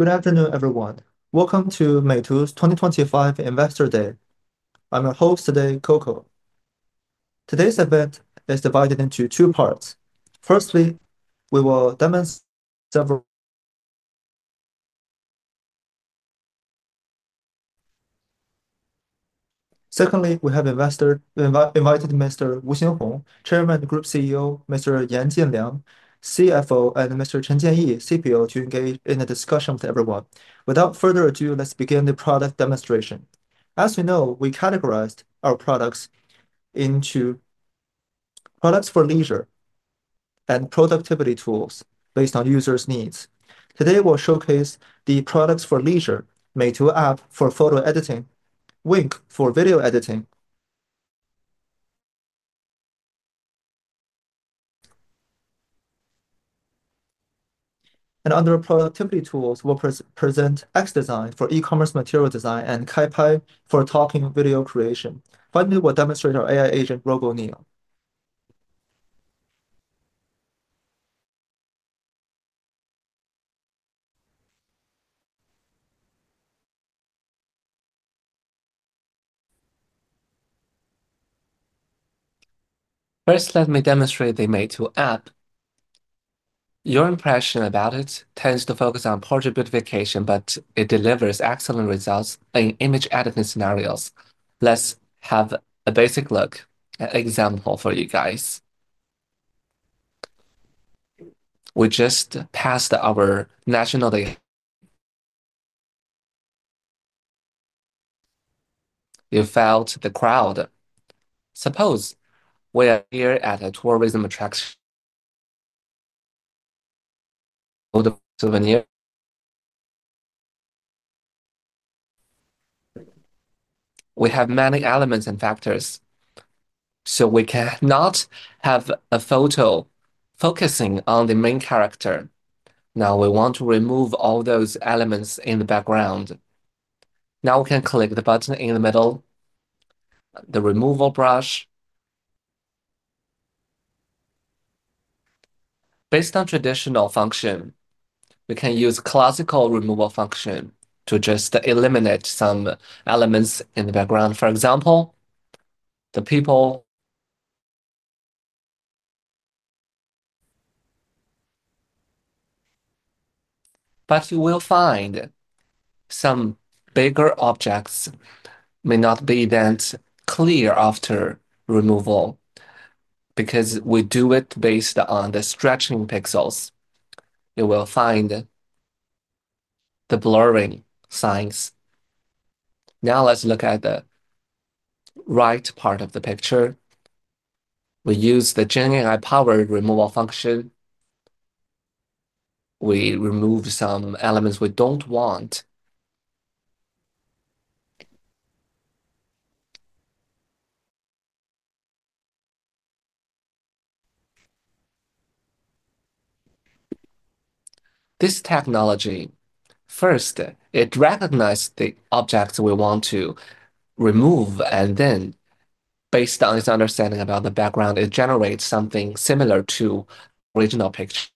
Good afternoon, everyone. Welcome to Meitu's 2025 Investor Day. I'm your host today, Coco. Today's event is divided into two parts. Firstly, we will demonstrate several. Secondly, we have invited Mr. Wu Xinhong, Chairman and Group CEO, Mr. Yan Jinliang, CFO, and Mr. Chen Jieyi, CPO, to engage in a discussion with everyone. Without further ado, let's begin the product demonstration. As you know, we categorized our products into products for leisure and productivity tools based on users' needs. Today, we'll showcase the products for leisure: Meitu app for photo editing, Wink for video editing. Under productivity tools, we'll present XDesign for e-commerce material design and KaiPai for talking video creation. Finally, we'll demonstrate our AI agent, RoboNeo. First, let me demonstrate the Meitu app. Your impression about it tends to focus on portrait beautification, but it delivers excellent results in image editing scenarios. Let's have a basic look at an example for you guys. We just passed our national day. You felt the crowd. Suppose we are here at a tourism attraction. We have many elements and factors, so we cannot have a photo focusing on the main character. Now we want to remove all those elements in the background. Now we can click the button in the middle, the removal brush. Based on traditional function, we can use a classical removal function to just eliminate some elements in the background. For example, the people. You will find some bigger objects may not be that clear after removal. Because we do it based on the stretching pixels, you will find the blurring signs. Now let's look at the right part of the picture. We use the GenAI-powered removal function. We remove some elements we don't want. This technology, first, it recognizes the objects we want to remove, and then, based on its understanding about the background, it generates something similar to the original picture.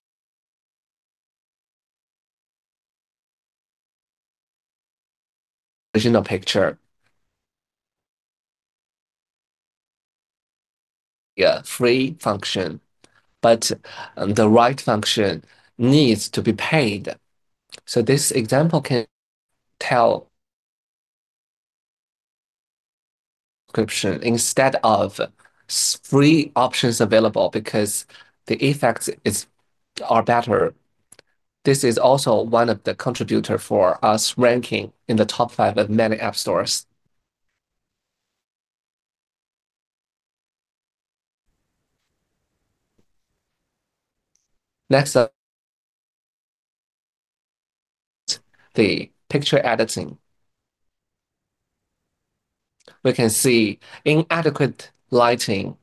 Free function. The right function needs to be paid. This example can tell. Instead of free options available because the effects are better. This is also one of the contributors for us ranking in the top five of many app stores. Next, the picture editing. We can see inadequate lighting.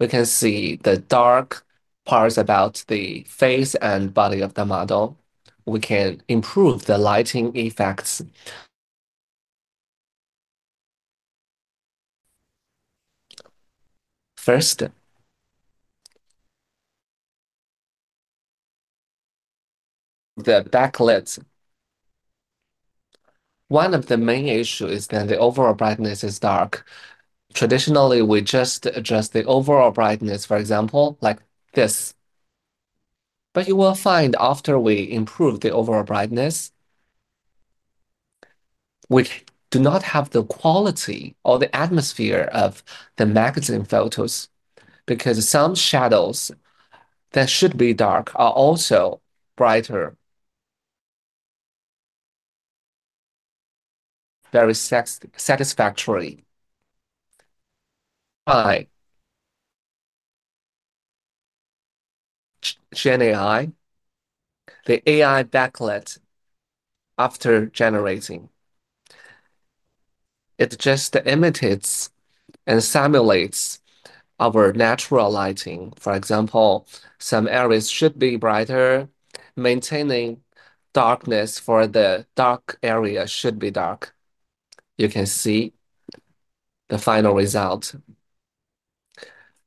We can see the dark parts about the face and body of the model. We can improve the lighting effects. First, the backlight. One of the main issues is that the overall brightness is dark. Traditionally, we just adjust the overall brightness, for example, like this. You will find after we improve the overall brightness, we do not have the quality or the atmosphere of the magazine photos, because some shadows that should be dark are also brighter. Very satisfactory. By GenAI, the AI backlight after generating, it just imitates and simulates our natural lighting. For example, some areas should be brighter, maintaining darkness for the dark area should be dark. You can see the final result.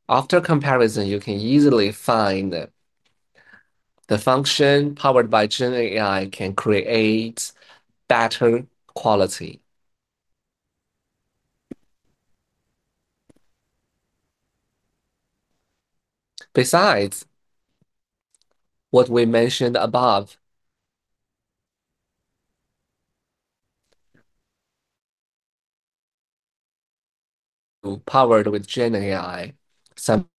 After comparison, you can easily find the function powered by GenAI can create better quality. Besides what we mentioned above, powered with GenAI, some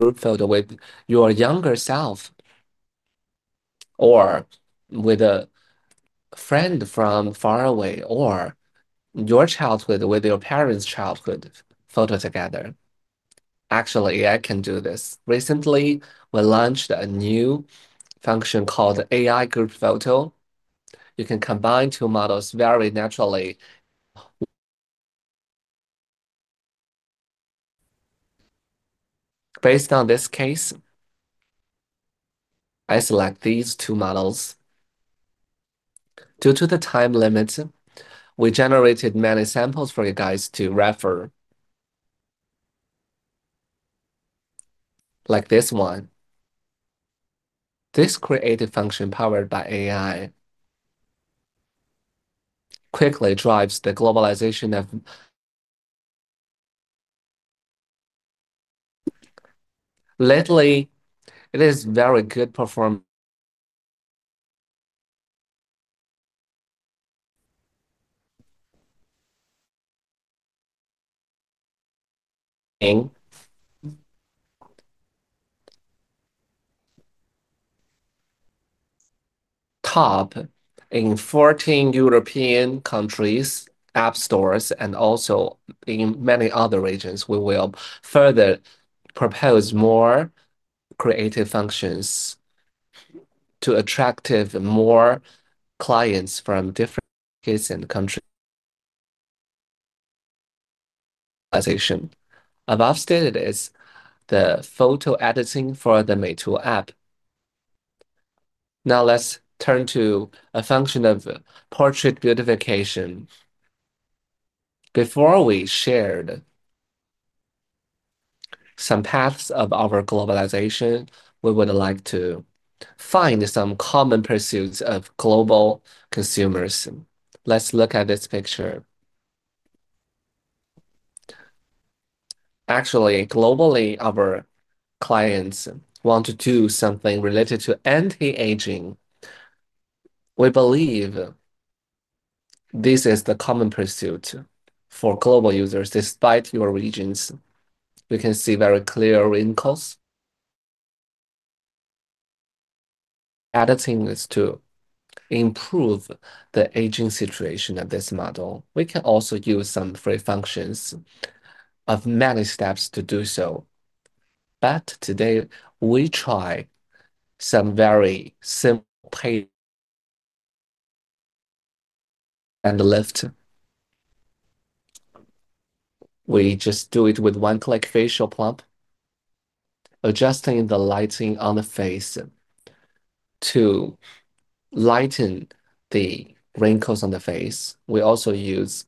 group photo with your younger self or with a friend from far away or your childhood with your parents' childhood photo together. Actually, AI can do this. Recently, we launched a new function called AI Group Photo. You can combine two models very naturally. Based on this case, I select these two models. Due to the time limit, we generated many samples for you guys to refer. Like this one. This creative function powered by AI quickly drives the globalization of. Lately, it is very good performing, top in 14 European countries, app stores, and also in many other regions. We will further propose more creative functions to attract more clients from different countries. I've updated the photo editing for the Meitu app. Now let's turn to a function of portrait beautification. Before we shared some paths of our globalization, we would like to find some common pursuits of global consumers. Let's look at this picture. Actually, globally, our clients want to do something related to anti-aging. We believe this is the common pursuit for global users despite your regions. You can see very clear wrinkles. Editing is to improve the aging situation of this model. We can also use some free functions of many steps to do so. Today, we try some very simple and lift. We just do it with one click facial plump, adjusting the lighting on the face to lighten the wrinkles on the face. We also use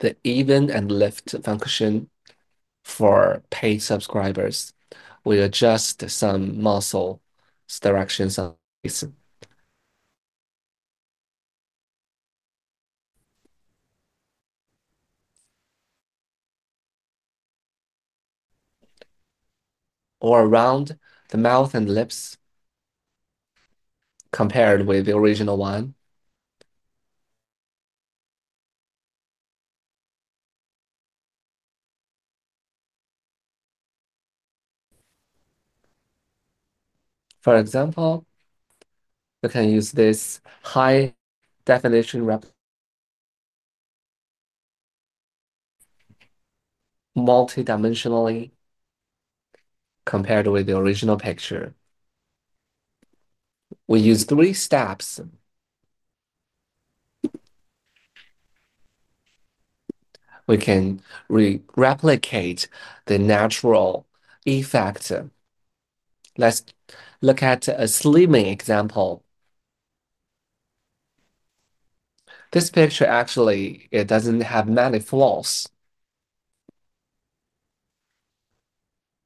the even and lift function for paid subscribers. We adjust some muscle directions on the face or around the mouth and lips, compared with the original one. For example, we can use this high-definition multi-dimensionally compared with the original picture. We use three steps. We can replicate the natural effect. Let's look at a slimming example. This picture actually doesn't have many flaws.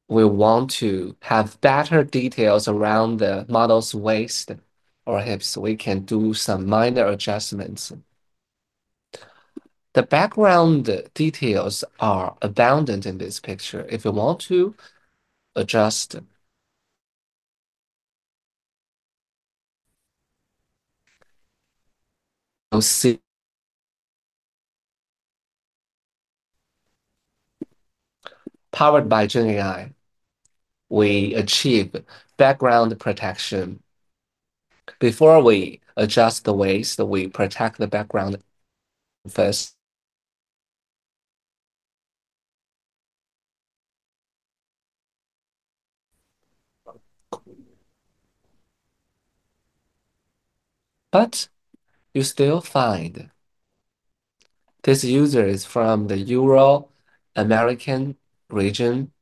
We want to have better details around the model's waist or hips. We can do some minor adjustments. The background details are abundant in this picture. If you want to adjust, powered by GenAI, we achieve background protection. Before we adjust the waist, we protect the background first. You still find these users from the Euro-American region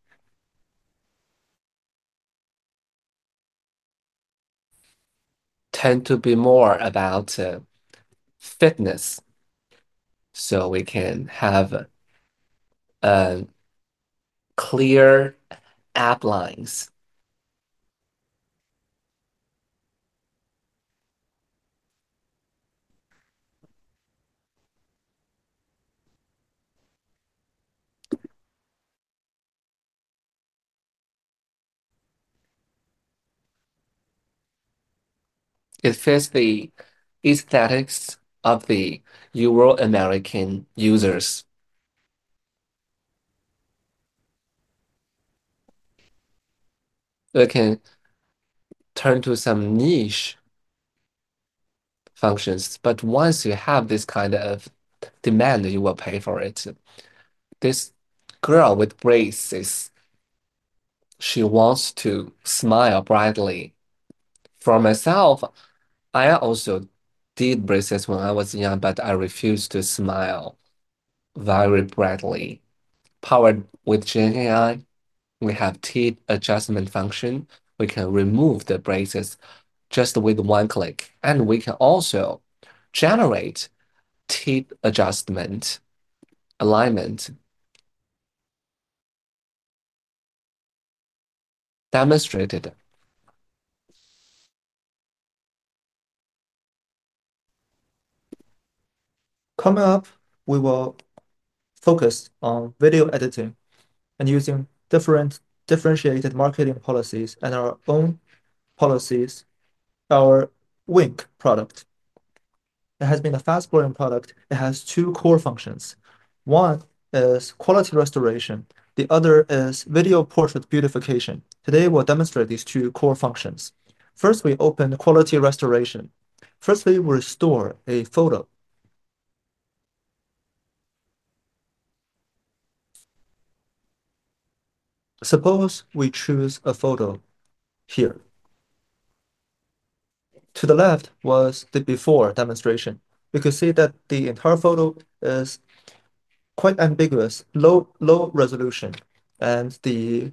tend to be more about fitness. We can have clear app lines. It fits the aesthetics of the Euro-American users. We can turn to some niche functions. Once you have this kind of demand, you will pay for it. This girl with braces, she wants to smile brightly. For myself, I also did braces when I was young, but I refuse to smile very brightly. Powered with GenAI, we have teeth adjustment function. We can remove the braces just with one click, and we can also generate teeth adjustment alignment. Demonstrated. Coming up, we will focus on video editing and using different differentiated marketing policies and our own policies, our Wink product. It has been a fast-growing product. It has two core functions. One is quality restoration. The other is video portrait beautification. Today, we'll demonstrate these two core functions. First, we open quality restoration. Firstly, we restore a photo. Suppose we choose a photo here. To the left was the before demonstration. You can see that the entire photo is quite ambiguous, low resolution, and the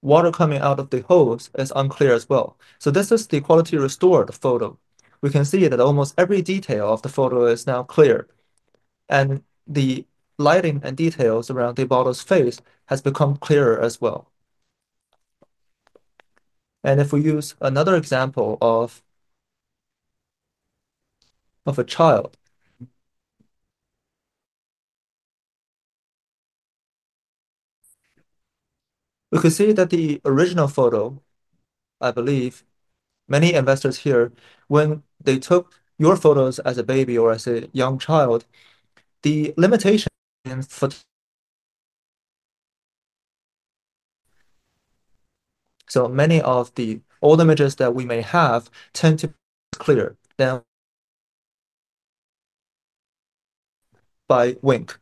water coming out of the holes is unclear as well. This is the quality restored photo. We can see that almost every detail of the photo is now clear. The lighting and details around the model's face have become clearer as well. If we use another example of a child, we can see that the original photo, I believe, many investors here, when they took your photos as a baby or as a young child, the limitation for. Many of the old images that we may have tend to be clearer than by Wink.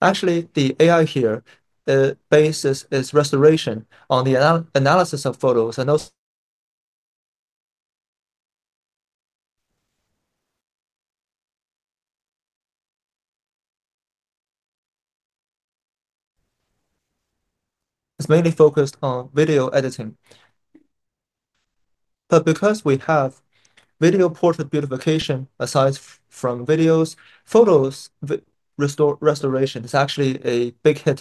Actually, the AI here bases its restoration on the analysis of photos. It's mainly focused on video editing. Because we have video portrait beautification, aside from videos, photo restoration is actually a big hit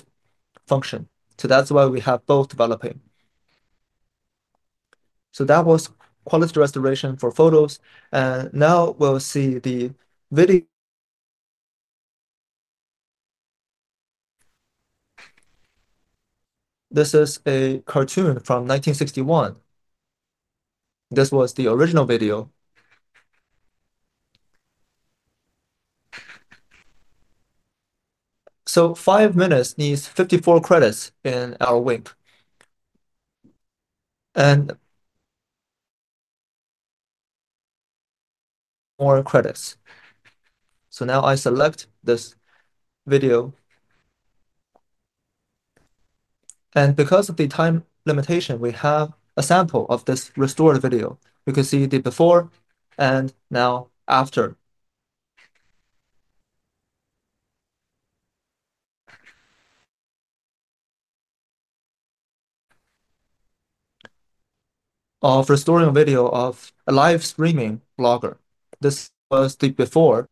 function. That's why we have both developing. That was quality restoration for photos. Now we'll see the video. This is a cartoon from 1961. This was the original video. Five minutes needs 54 credits in our Wink. More credits. Now I select this video. Because of the time limitation, we have a sample of this restored video. You can see the before and now after. Of restoring a video of a live streaming blogger. This was the before.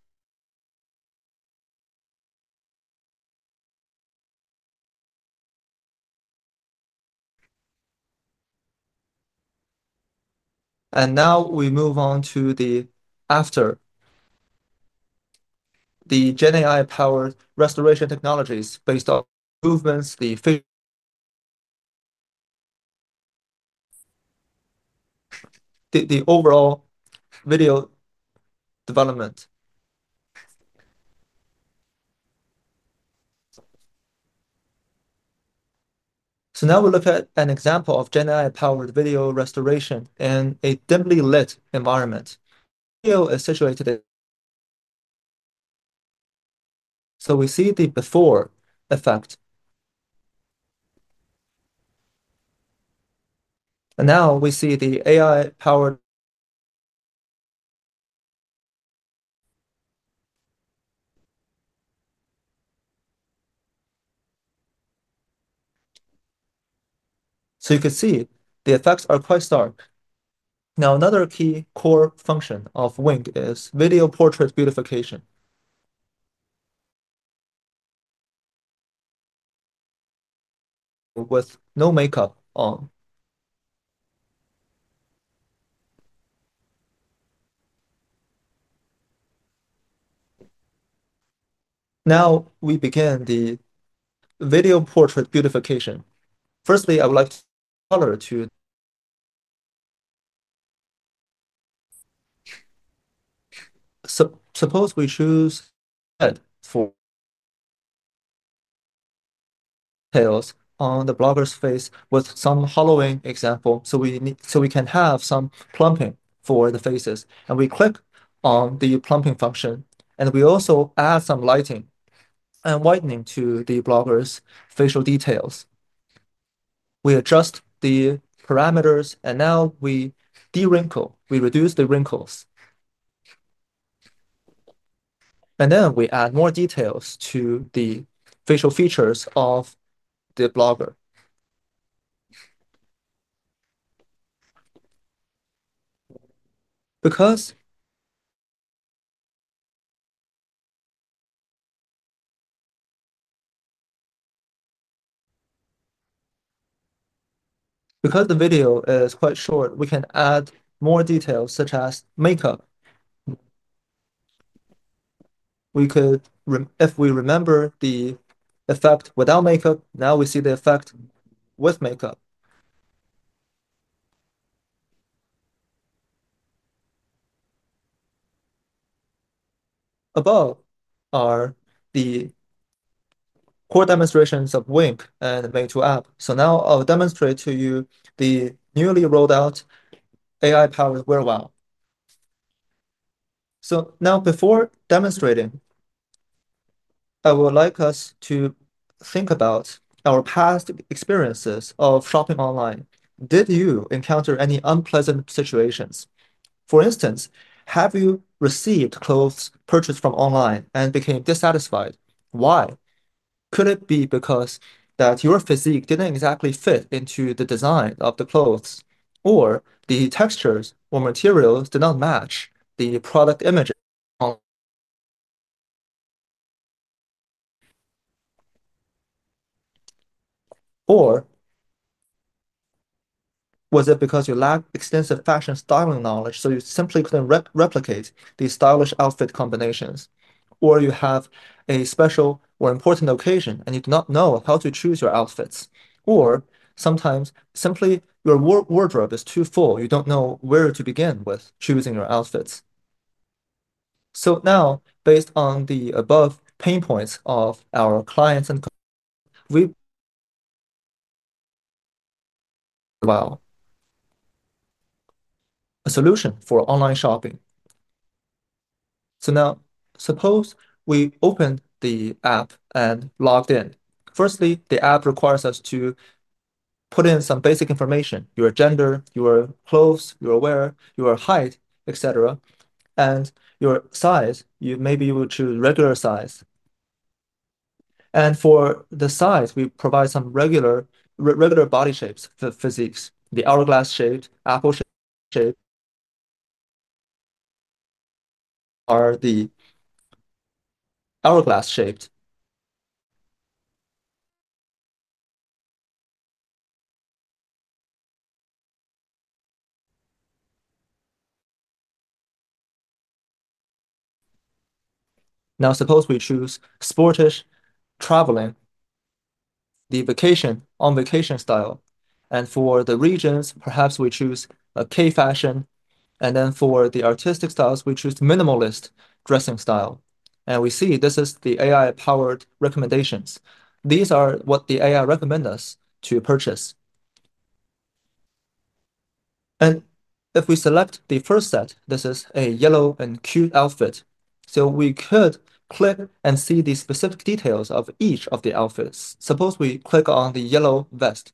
Now we move on to the after. The GenAI-powered restoration technologies based on movements, the overall video development. Now we look at an example of GenAI-powered video restoration in a dimly lit environment. The studio is situated. We see the before effect. Now we see the AI-powered. You can see the effects are quite stark. Another key core function of Wink is video portrait beautification. With no makeup on. Now we begin the video portrait beautification. Firstly, I would like to color to. Suppose we choose headphones on the blogger's face with some hollowing example. We can have some plumping for the faces. We click on the plumping function. We also add some lighting and whitening to the blogger's facial details. We adjust the parameters. Now we dewrinkle. We reduce the wrinkles. Then we add more details to the facial features of the blogger. Because the video is quite short, we can add more details such as makeup. If we remember the effect without makeup, now we see the effect with makeup. Above are the core demonstrations of Wink and Meitu app. Now I'll demonstrate to you the newly rolled out AI-powered Whirlwind. Before demonstrating, I would like us to think about our past experiences of shopping online. Did you encounter any unpleasant situations? For instance, have you received clothes purchased from online and became dissatisfied? Why? Could it be because your physique didn't exactly fit into the design of the clothes? Or the textures or materials did not match the product images? Was it because you lacked extensive fashion styling knowledge, so you simply couldn't replicate these stylish outfit combinations? You have a special or important occasion, and you do not know how to choose your outfits. Sometimes simply your wardrobe is too full. You don't know where to begin with choosing your outfits. Now, based on the above pain points of our clients and a solution for online shopping, suppose we opened the app and logged in. Firstly, the app requires us to put in some basic information: your gender, your clothes, your wear, your height, etc., and your size. Maybe you will choose regular size. For the size, we provide some regular body shapes for physiques: the hourglass shape, apple shape, or the hourglass shape. Now suppose we choose sportish traveling, the vacation on vacation style. For the regions, perhaps we choose a K-fashion. For the artistic styles, we choose minimalist dressing style. We see this is the AI-powered recommendations. These are what the AI recommends us to purchase. If we select the first set, this is a yellow and cute outfit. We could click and see the specific details of each of the outfits. Suppose we click on the yellow vest.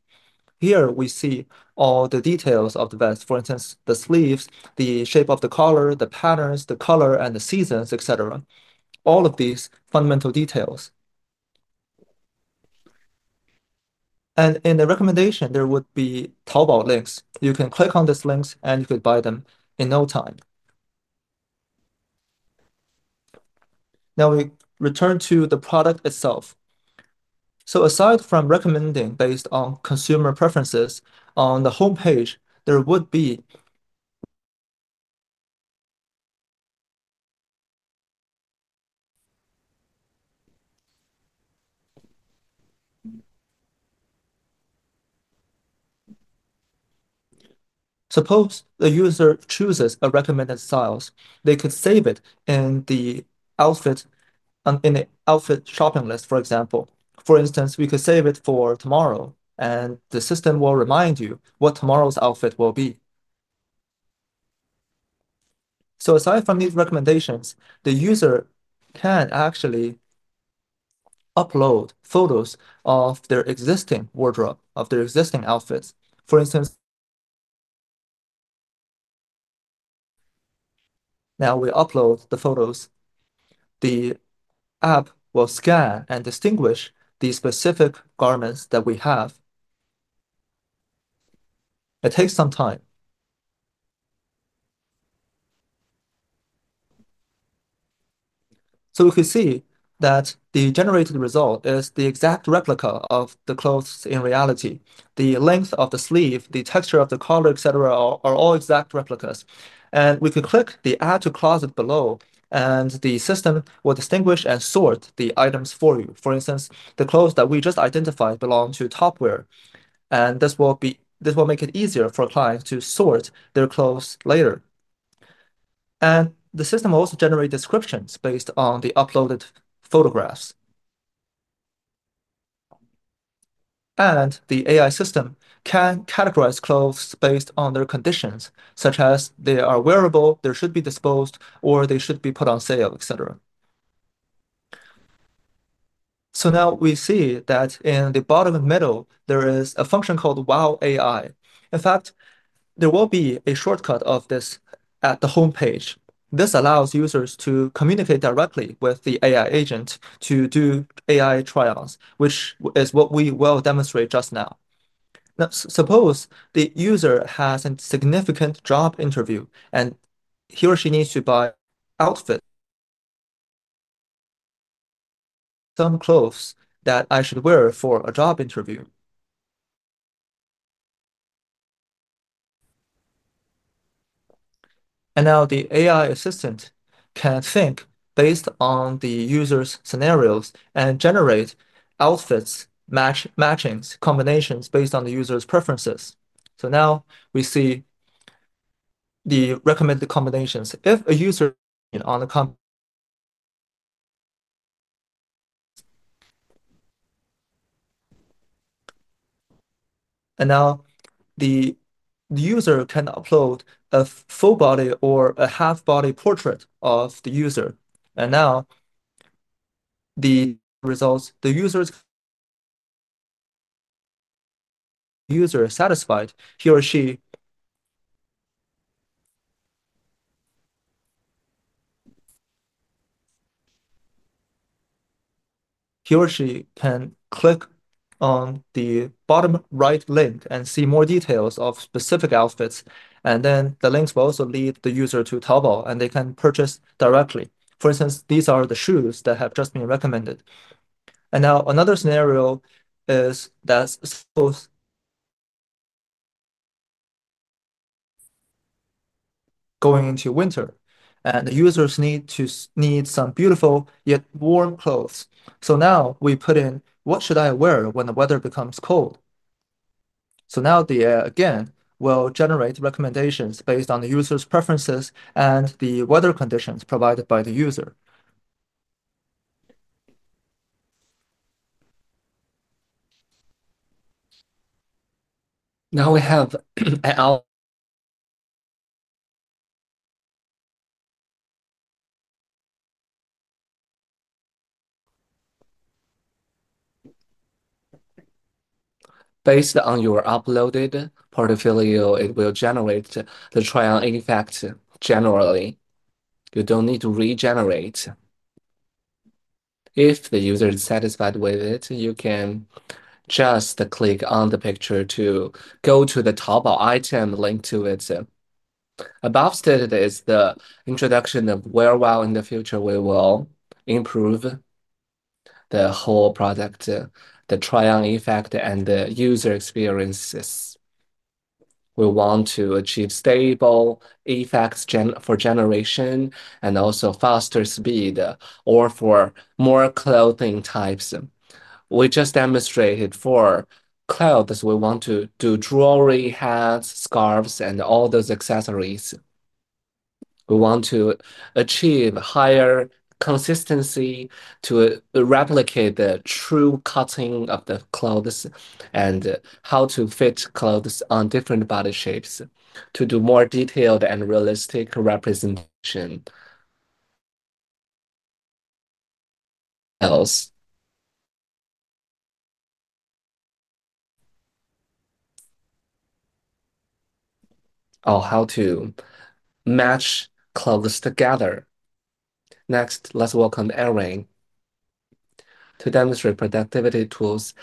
Here we see all the details of the vest. For instance, the sleeves, the shape of the collar, the patterns, the color, and the seasons, etc. All of these fundamental details. In the recommendation, there would be Taobao links. You can click on these links, and you could buy them in no time. Now we return to the product itself. Aside from recommending based on consumer preferences, on the homepage, there would be. Suppose the user chooses a recommended style. They could save it in the outfit shopping list, for example. For instance, we could save it for tomorrow, and the system will remind you what tomorrow's outfit will be. Aside from these recommendations, the user can actually upload photos of their existing wardrobe, of their existing outfits. For instance, now we upload the photos. The app will scan and distinguish the specific garments that we have. It takes some time. We can see that the generated result is the exact replica of the clothes in reality. The length of the sleeve, the texture of the color, etc., are all exact replicas. We can click the add to closet below, and the system will distinguish and sort the items for you. For instance, the clothes that we just identified belong to Topwear. This will make it easier for clients to sort their clothes later. The system will also generate descriptions based on the uploaded photographs. The AI system can categorize clothes based on their conditions, such as they are wearable, they should be disposed, or they should be put on sale, etc. Now we see that in the bottom and middle, there is a function called Wow AI. In fact, there will be a shortcut of this at the homepage. This allows users to communicate directly with the AI agent to do AI trials, which is what we will demonstrate just now. Suppose the user has a significant job interview, and he or she needs to buy an outfit, some clothes that I should wear for a job interview. Now the AI assistant can think based on the user's scenarios and generate outfits, matchings, combinations based on the user's preferences. Now we see the recommended combinations. If a user on the. Now the user can upload a full body or a half body portrait of the user. Now the results, the user is satisfied. He or she can click on the bottom right link and see more details of specific outfits. The links will also lead the user to Taobao, and they can purchase directly. For instance, these are the shoes that have just been recommended. Another scenario is that going into winter, and the users need some beautiful yet warm clothes. Now we put in what should I wear when the weather becomes cold? Now the AI again will generate recommendations based on the user's preferences and the weather conditions provided by the user. Now we have AI. Based on your uploaded portfolio, it will generate the trial effect generally. You don't need to regenerate. If the user is satisfied with it, you can just click on the picture to go to the Taobao item linked to it. Above stated is the introduction of Whirlwind. In the future, we will improve the whole product, the trial effect, and the user experiences. We want to achieve stable effects for generation and also faster speed or for more clothing types. We just demonstrated for clothes. We want to do jewelry, hats, scarves, and all those accessories. We want to achieve higher consistency to replicate the true cutting of the clothes and how to fit clothes on different body shapes to do more detailed and realistic representations. Oh, how to match clothes together. Next, let's welcome Erin to demonstrate productivity tools,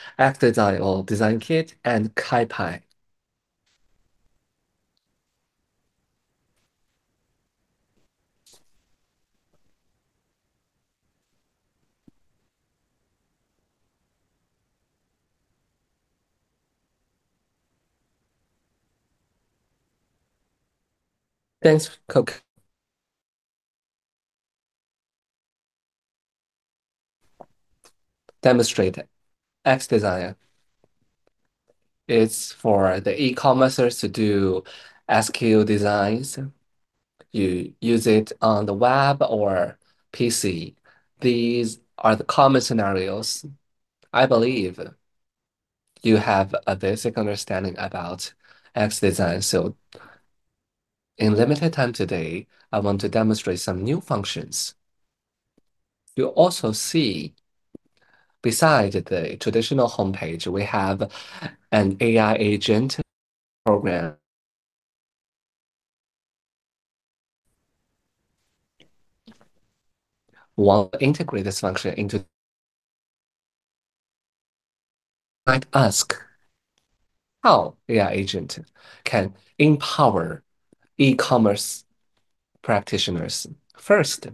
XDesign, DesignKit, and KaiPai. Thanks, Coco. Demonstrate it. XDesign is for the e-commerce to do SKU designs. You use it on the web or PC.These are the common scenarios. I believe you have a basic understanding about XDesign. In limited time today, I want to demonstrate some new functions. You'll also see, beside the traditional homepage, we have an AI agent program. We'll integrate this function into. Like ask how the agent can empower e-commerce practitioners. First,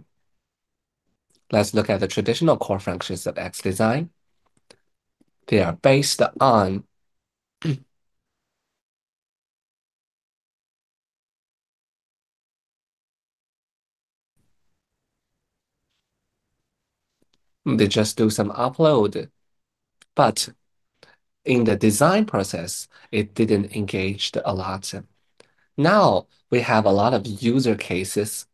let's look at the traditional core functions of XDesign. They are based on. They just do some upload. In the design process, it didn't engage a lot. Now we have a lot of user cases.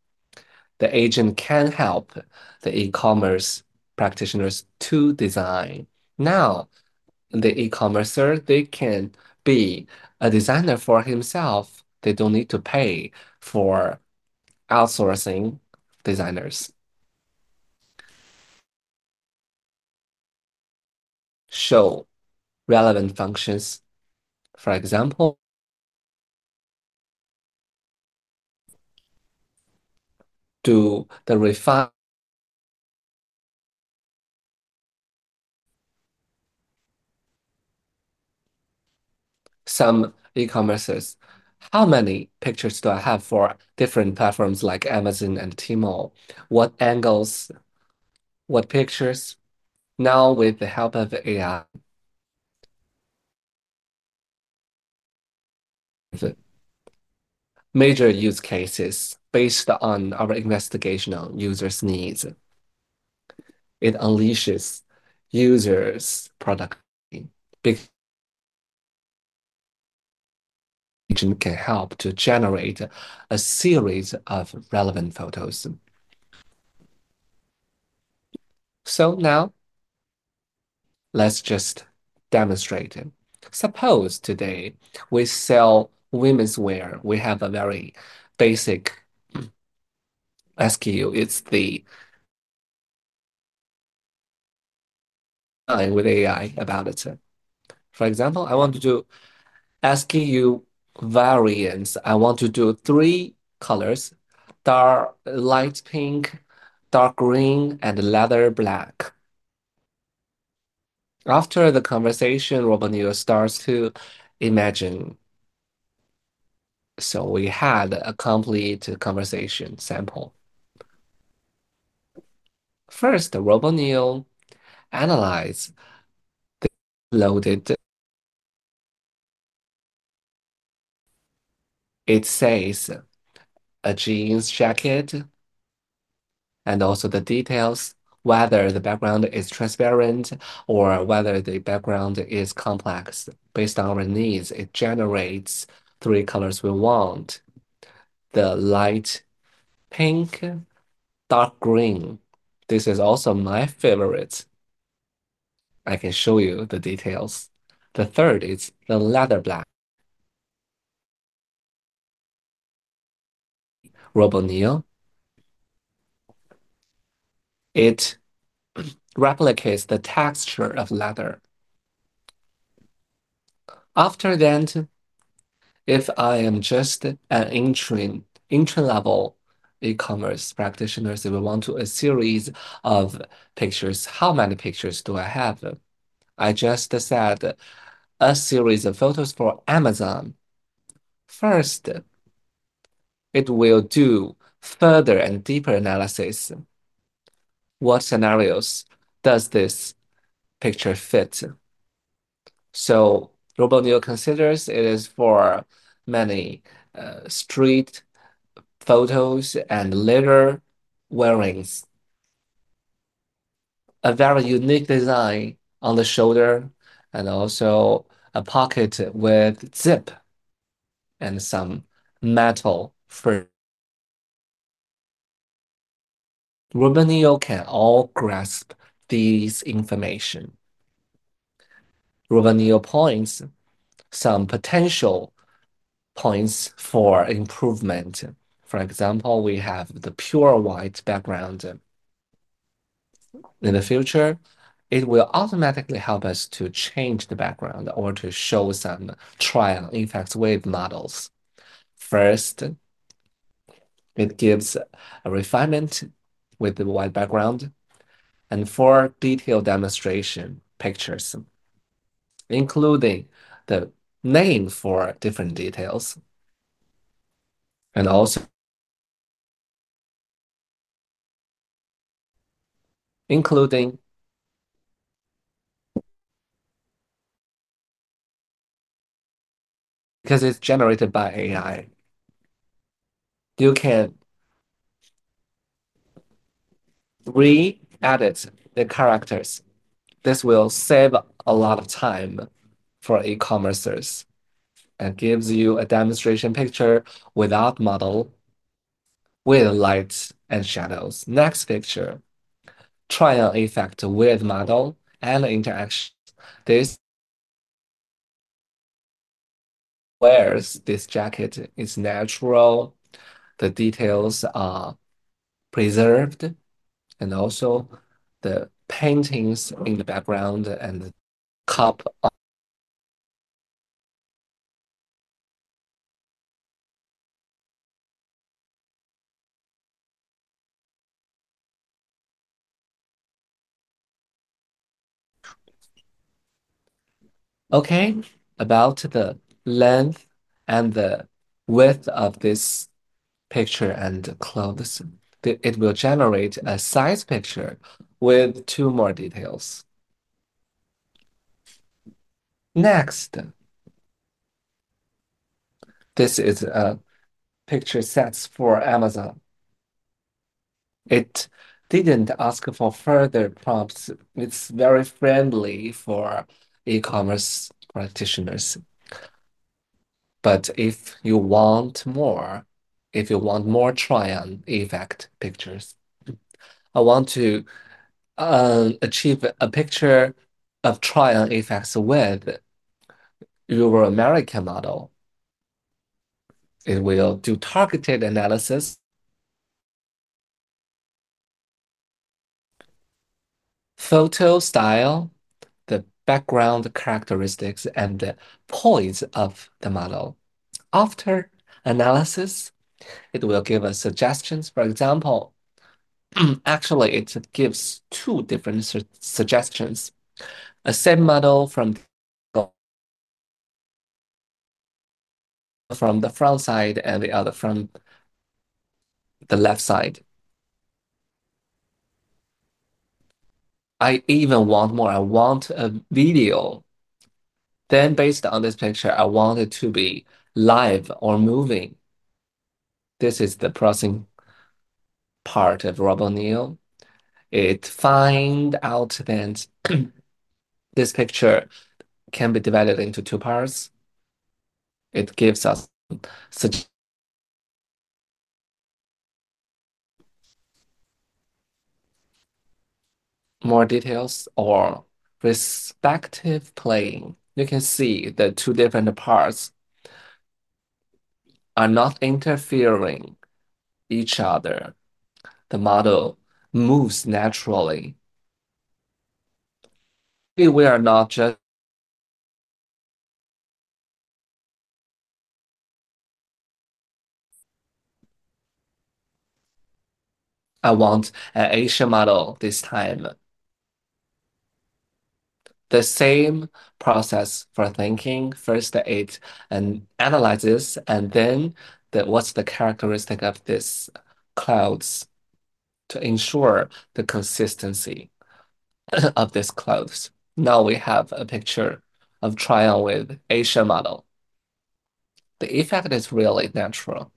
The agent can help the e-commerce practitioners to design. Now the e-commerce can be a designer for himself. They don't need to pay for outsourcing designers. Show relevant functions. For example, do the refine some e-commerce. How many pictures do I have for different platforms like Amazon and T-Mall? What angles, what pictures? Now with the help of AI, major use cases based on our investigation on users' needs. It unleashes users' product. The agent can help to generate a series of relevant photos. Now let's just demonstrate it. Suppose today we sell women's wear. We have a very basic SKU. It's the AI about it. For example, I want to do SKU variants. I want to do three colors: dark light pink, dark green, and leather black. After the conversation, RoboNeo starts to imagine. We had a complete conversation sample. First, RoboNeo analyzed the. It says a jeans, jacket, and also the details, whether the background is transparent or whether the background is complex. Based on our needs, it generates three colors we want: the light pink, dark green. This is also my favorite. I can show you the details. The third is the leather black. RoboNeo, it replicates the texture of leather. After that, if I am just an entry-level e-commerce practitioner, we want a series of pictures. How many pictures do I have? I just said a series of photos for Amazon. First, it will do further and deeper analysis. What scenarios does this picture fit? RoboNeo considers it is for many street photos and leather wearings. A very unique design on the shoulder and also a pocket with zip and some metal. RoboNeo can all grasp this information. RoboNeo points some potential points for improvement. For example, we have the pure white background. In the future, it will automatically help us to change the background or to show some trial effects with models. First, it gives a refinement with the white background and four detailed demonstration pictures, including the name for different details. Also, because it's generated by AI, you can re-edit the characters. This will save a lot of time for e-commerce. It gives you a demonstration picture without a model, with light and shadows. Next picture, trial effect with model and interaction. Where's this jacket? It's natural. The details are preserved. Also, the paintings in the background and the top. Okay, about the length and the width of this picture and clothes. It will generate a size picture with two more details. Next, this is a picture set for Amazon. It didn't ask for further prompts. It's very friendly for e-commerce practitioners. If you want more, if you want more trial effect pictures, I want to achieve a picture of trial effects with your American model. It will do targeted analysis, photo style, the background characteristics, and the points of the model. After analysis, it will give us suggestions. For example, actually, it gives two different suggestions. A same model from the front side and the other from the left side. I even want more. I want a video. Based on this picture, I want it to be live or moving. This is the processing part of RoboNeo. It finds out that this picture can be divided into two parts. It gives us more details or respective plane. You can see the two different parts are not interfering with each other. The model moves naturally. I want an Asian model this time. The same process for thinking. First, it analyzes, and then what's the characteristic of this cloth to ensure the consistency of this cloth. Now we have a picture of trial with Asian model. The effect is really natural.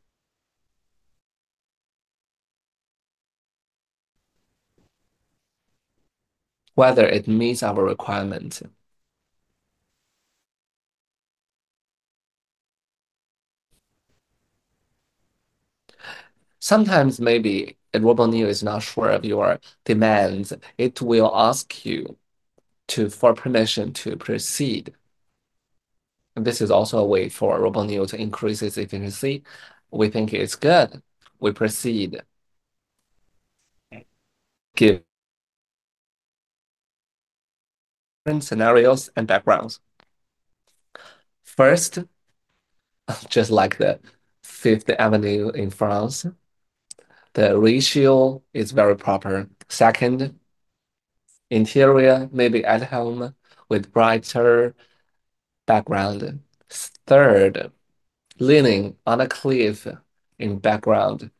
Whether it meets our requirements. Sometimes, maybe RoboNeo is not sure of your demands. It will ask you for permission to proceed. This is also a way for RoboNeo to increase its efficiency. We think it's good. We proceed. Give scenarios and backgrounds. First, just like the Fifth Avenue in France. The ratio is very proper. Second, interior, maybe at home with brighter background. Third, leaning on a cliff in background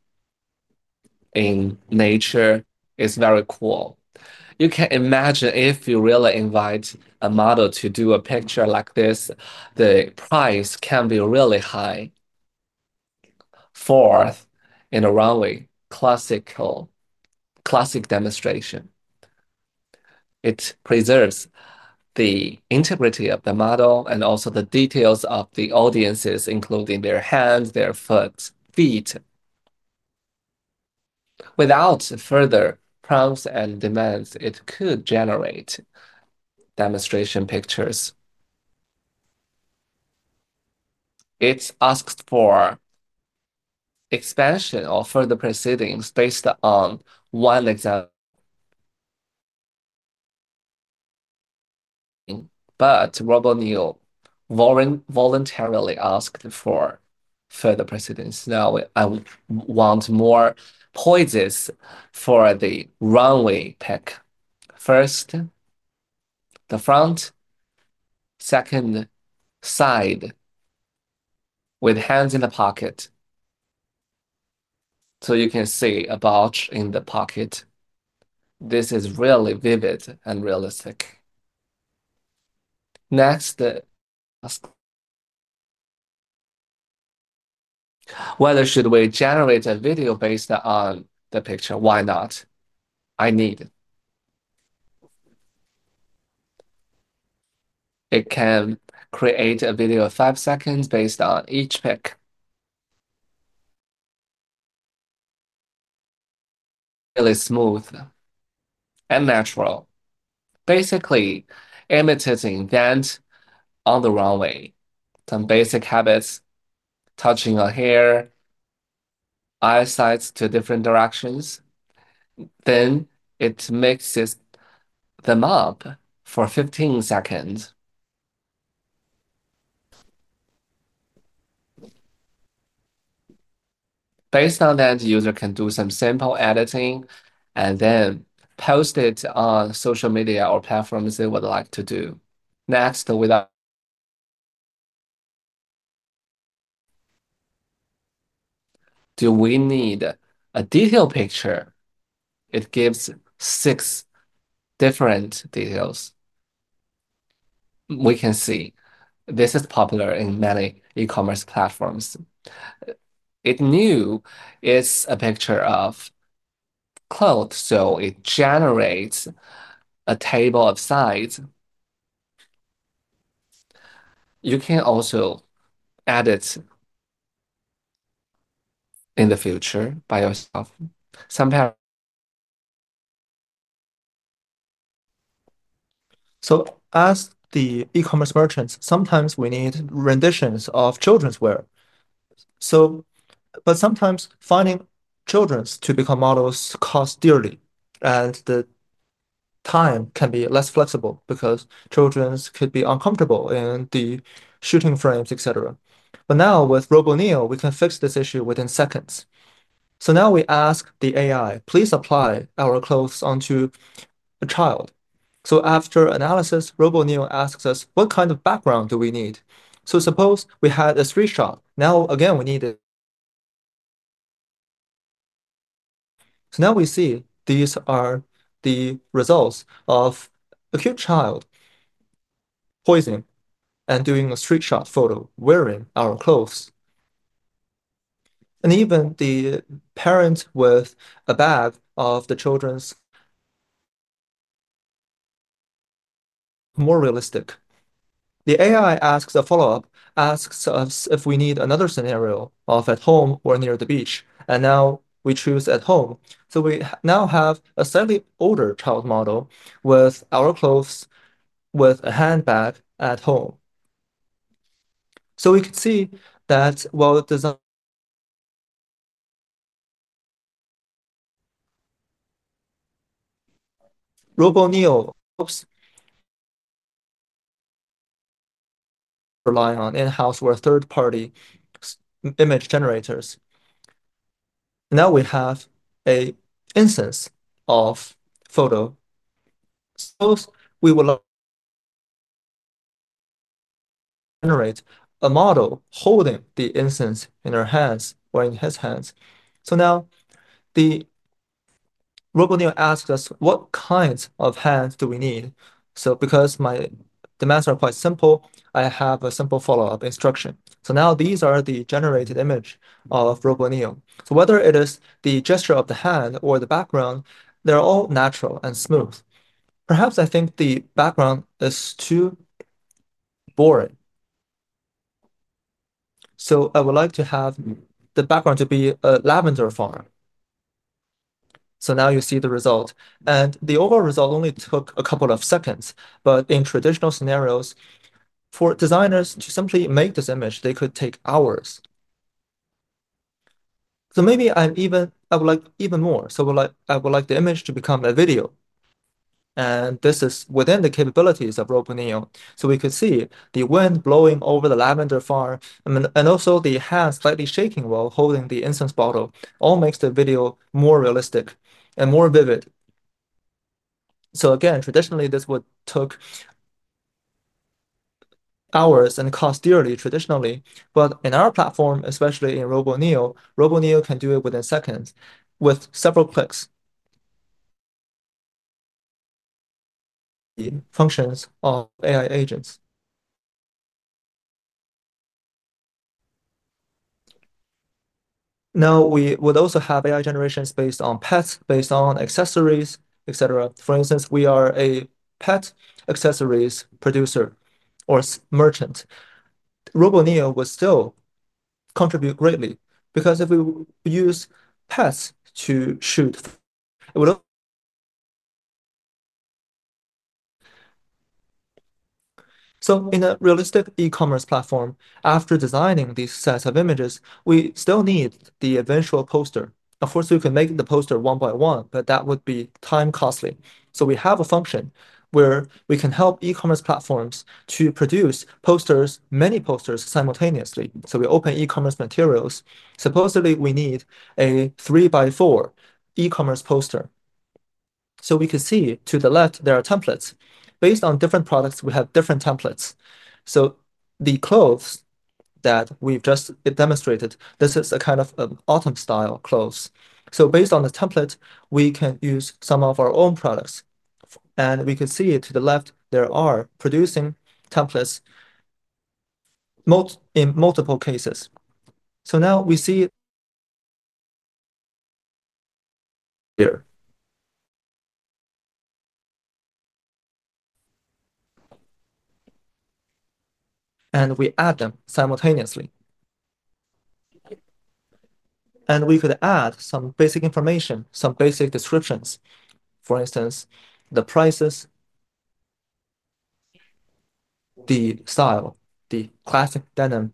in nature is very cool. You can imagine if you really invite a model to do a picture like this, the price can be really high. Fourth, in a runway, classic demonstration. It preserves the integrity of the model and also the details of the audiences, including their hands, their feet. Without further prompts and demands, it could generate demonstration pictures. It asks for expansion or further proceedings based on one example. RoboNeo voluntarily asked for further proceedings. Now I want more poses for the runway pic. First, the front. Second, side, with hands in the pocket. You can see a bulge in the pocket. This is really vivid and realistic. Next, whether should we generate a video based on the picture? Why not? I need. It can create a video of five seconds based on each pic. Really smooth and natural. Basically, imitating that on the runway. Some basic habits, touching our hair, eyesight to different directions. It mixes them up for 15 seconds. Based on that, the user can do some sample editing and then post it on social media or platforms they would like to do. Next, do we need a detailed picture? It gives six different details. We can see this is popular in many e-commerce platforms. It knew it's a picture of cloth, so it generates a table of size. You can also edit in the future by yourself. As the e-commerce merchants, sometimes we need renditions of children's wear. Sometimes finding children to become models costs dearly, and the time can be less flexible because children could be uncomfortable in the shooting frames, etc. Now with RoboNeo, we can fix this issue within seconds. Now we ask the AI, please apply our clothes onto a child. After analysis, RoboNeo asks us what kind of background do we need. Suppose we had a street shot. Now again, we need it. Now we see these are the results of a cute child posing and doing a street shot photo wearing our clothes. Even the parent with a bag of the children's is more realistic. The AI asks a follow-up, asks us if we need another scenario of at home or near the beach. We choose at home. We now have a slightly older child model with our clothes with a handbag at home. We can see that while RoboNeo relies on in-house or third-party image generators, now we have an instance of photos. We will generate a model holding the instance in our hands, wearing his hands. Now RoboNeo asks us what kinds of hands do we need. Because my demands are quite simple, I have a simple follow-up instruction. These are the generated images of RoboNeo. Whether it is the gesture of the hand or the background, they're all natural and smooth. Perhaps I think the background is too boring. I would like to have the background to be a lavender farm. Now you see the result. The overall result only took a couple of seconds. In traditional scenarios, for designers to simply make this image, they could take hours. Maybe I would like even more. I would like the image to become a video. This is within the capabilities of RoboNeo. We could see the wind blowing over the lavender farm and also the hands slightly shaking while holding the instance bottle all make the video more realistic and more vivid. Traditionally, this would take hours and cost dearly traditionally. In our platform, especially in RoboNeo, RoboNeo can do it within seconds with several clicks. The functions of AI agents. Now we would also have AI generations based on pets, based on accessories, etc. For instance, we are a pet accessories producer or merchant. RoboNeo would still contribute greatly because if we use pets to shoot, it would. In a realistic e-commerce platform, after designing these sets of images, we still need the eventual poster. Of course, we can make the poster one by one, but that would be time-costly. We have a function where we can help e-commerce platforms to produce posters, many posters simultaneously. We open e-commerce materials. Supposedly, we need a three-by-four e-commerce poster. We can see to the left, there are templates. Based on different products, we have different templates. The clothes that we've just demonstrated, this is a kind of autumn-style clothes. Based on the template, we can use some of our own products. We can see to the left, there are producing templates in multiple cases. Now we see it here, and we add them simultaneously. We could add some basic information, some basic descriptions. For instance, the prices, the style, the classic denim,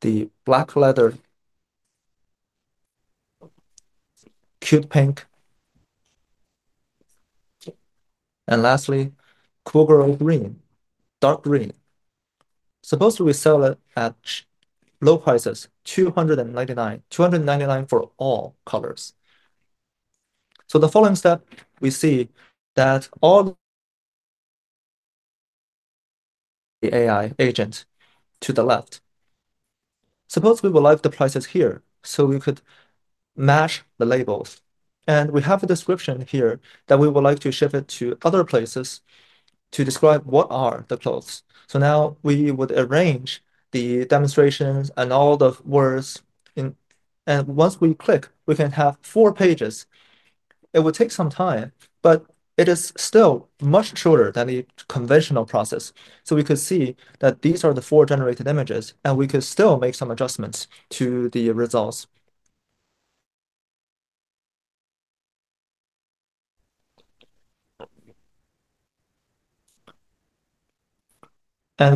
the black leather, cute pink, and lastly, cool girl green, dark green. Supposed to resell it at low prices, 299, 299 for all colors. The following step, we see that all the AI agent to the left. Suppose we would like the prices here, so we could match the labels. We have a description here that we would like to ship it to other places to describe what are the clothes. Now we would arrange the demonstrations and all the words. Once we click, we can have four pages. It would take some time, but it is still much shorter than the conventional process. We could see that these are the four generated images, and we could still make some adjustments to the results. We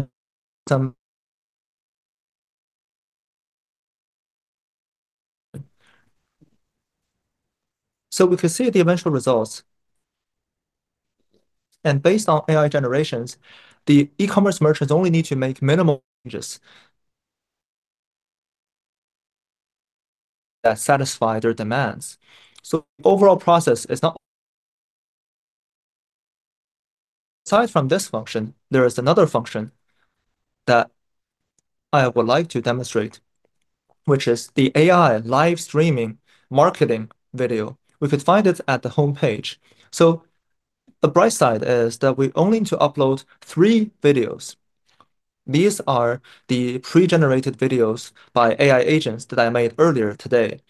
could see the eventual results. Based on AI generations, the e-commerce merchants only need to make minimal changes that satisfy their demands. The overall process is not. Aside from this function, there is another function that I would like to demonstrate, which is the AI live streaming marketing video. We could find it at the homepage. A bright side is that we only need to upload three videos. These are the pre-generated videos by AI agents that I made earlier today.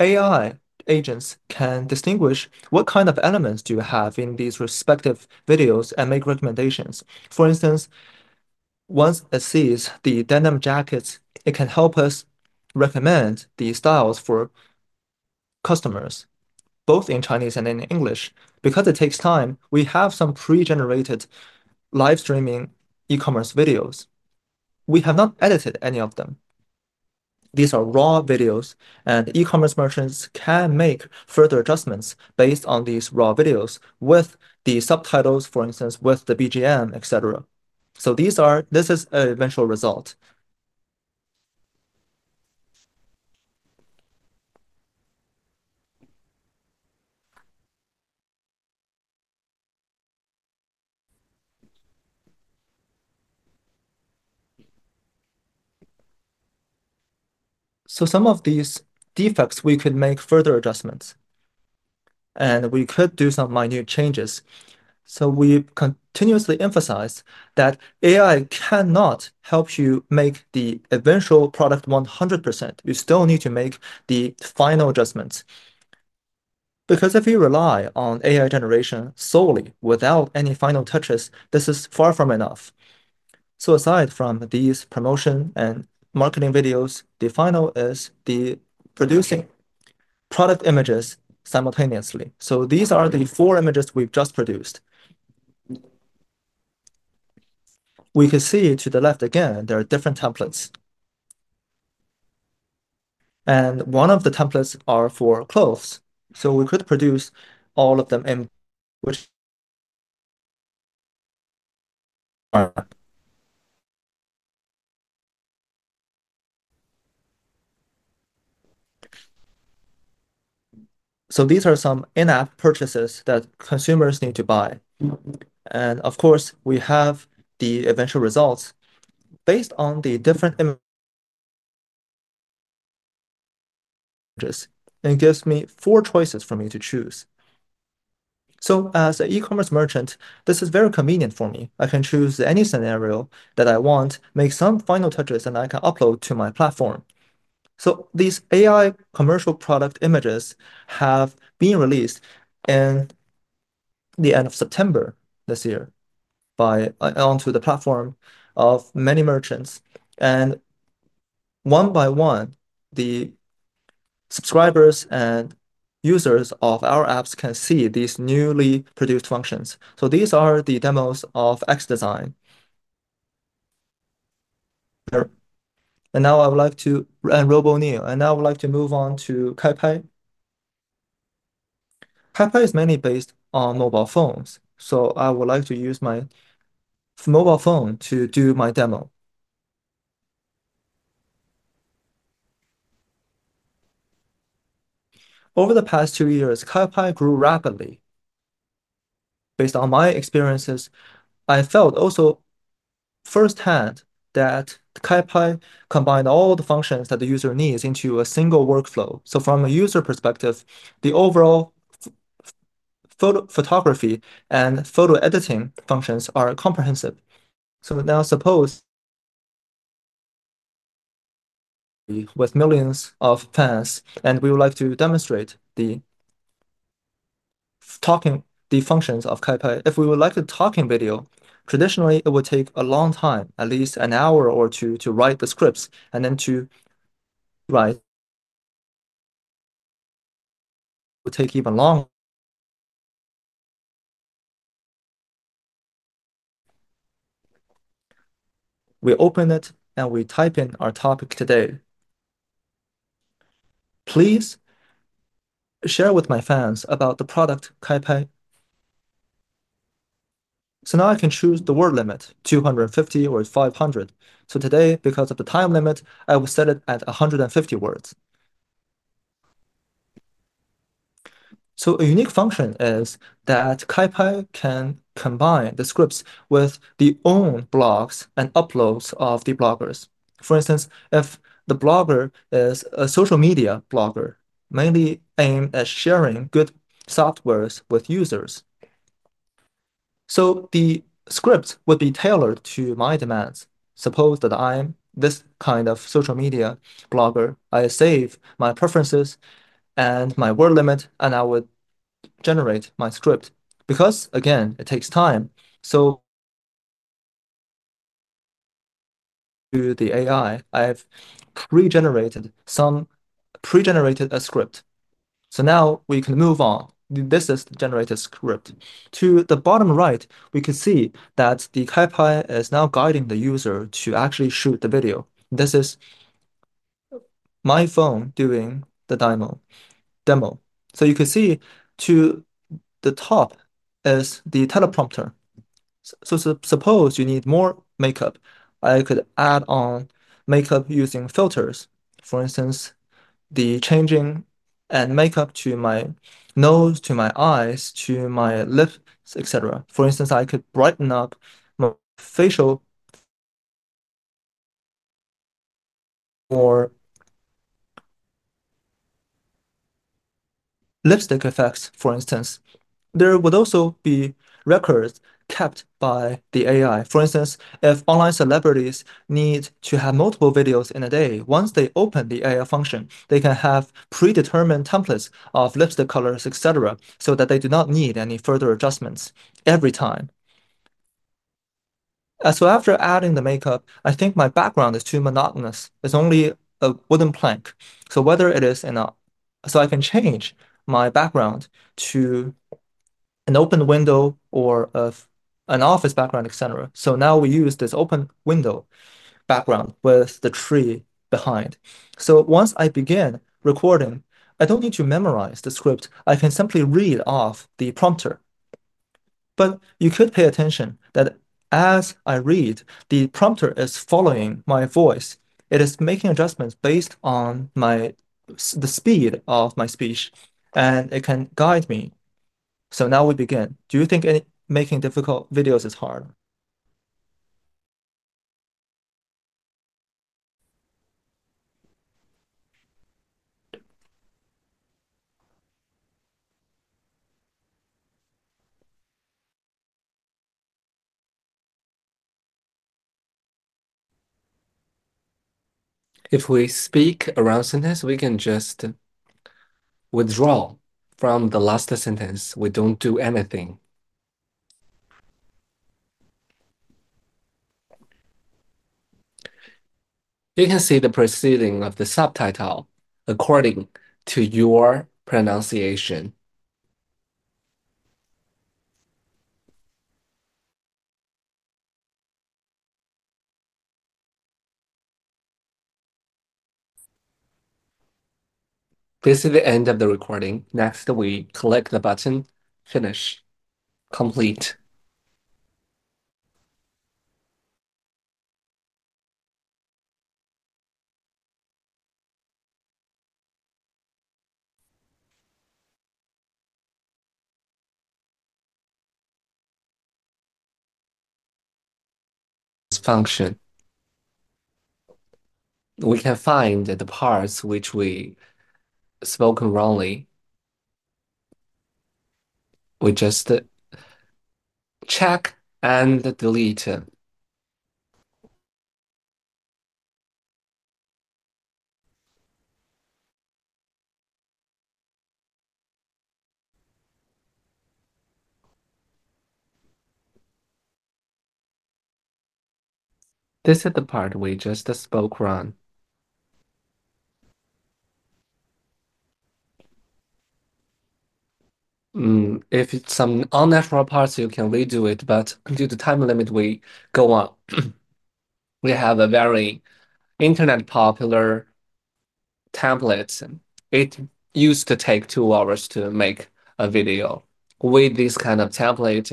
AI agents can distinguish what kind of elements do you have in these respective videos and make recommendations. For instance, once it sees the denim jackets, it can help us recommend the styles for customers, both in Chinese and in English. Because it takes time, we have some pre-generated live streaming e-commerce videos. We have not edited any of them. These are raw videos, and e-commerce merchants can make further adjustments based on these raw videos with the subtitles, for instance, with the BGM, etc. This is an eventual result. Some of these defects, we could make further adjustments. We could do some minute changes. We continuously emphasize that AI cannot help you make the eventual product 100%. You still need to make the final adjustments. Because if you rely on AI generation solely without any final touches, this is far from enough. Aside from these promotion and marketing videos, the final is the producing product images simultaneously. These are the four images we've just produced. We can see it to the left again. There are different templates, and one of the templates is for clothes. We could produce all of them in. These are some in-app purchases that consumers need to buy. Of course, we have the eventual results based on the different images, and it gives me four choices for me to choose. As an e-commerce merchant, this is very convenient for me. I can choose any scenario that I want, make some final touches, and I can upload to my platform. These AI commercial product images have been released at the end of September this year onto the platform of many merchants. One by one, the subscribers and users of our apps can see these newly produced functions. These are the demos of XDesign and RoboNeo. Now I would like to move on to KaiPai. KaiPai is mainly based on mobile phones, so I would like to use my mobile phone to do my demo. Over the past two years, KaiPai grew rapidly. Based on my experiences, I felt also firsthand that KaiPai combined all the functions that the user needs into a single workflow. From a user perspective, the overall photography and photo editing functions are comprehensive. Now suppose we have millions of fans and we would like to demonstrate the talking functions of KaiPai. If we would like a talking video, traditionally, it would take a long time, at least an hour or two, to write the scripts and then to write. It would take even longer. We open it and we type in our topic today. Please share with my fans about the product KaiPai. Now I can choose the word limit, 250 or 500. Today, because of the time limit, I will set it at 150 words. A unique function is that KaiPai can combine the scripts with the own blogs and uploads of the bloggers. For instance, if the blogger is a social media blogger, mainly aimed at sharing good software with users, the scripts would be tailored to my demands. Suppose that I'm this kind of social media blogger. I save my preferences and my word limit, and I would generate my script. Because, again, it takes time, to the AI, I've pre-generated a script. Now we can move on. This is the generated script. To the bottom right, we can see that KaiPai is now guiding the user to actually shoot the video. This is my phone doing the demo. You can see to the top is the teleprompter. Suppose you need more makeup, I could add on makeup using filters. For instance, the changing and makeup to my nose, to my eyes, to my lips, etc. For instance, I could brighten up my facial or lipstick effects, for instance. There would also be records kept by the AI. For instance, if online celebrities need to have multiple videos in a day, once they open the AI function, they can have predetermined templates of lipstick colors, etc., so that they do not need any further adjustments every time. After adding the makeup, I think my background is too monotonous. It's only a wooden plank. Whether it is enough, I can change my background to an open window or an office background, etc. Now we use this open window background with the tree behind. Once I begin recording, I don't need to memorize the script. I can simply read off the prompter. You could pay attention that as I read, the prompter is following my voice. It is making adjustments based on the speed of my speech, and it can guide me. Now we begin. Do you think making difficult videos is hard? If we speak around a sentence, we can just withdraw from the last sentence. We don't do anything. You can see the proceeding of the subtitle according to your pronunciation. This is the end of the recording. Next, we click the button Finish. Complete. This function, we can find the parts which we spoke wrongly. We just check and delete. This is the part we just spoke wrong. If it's some unnatural parts, you can redo it. Due to the time limit, we go on. We have a very internet-popular template. It used to take two hours to make a video. With this kind of template,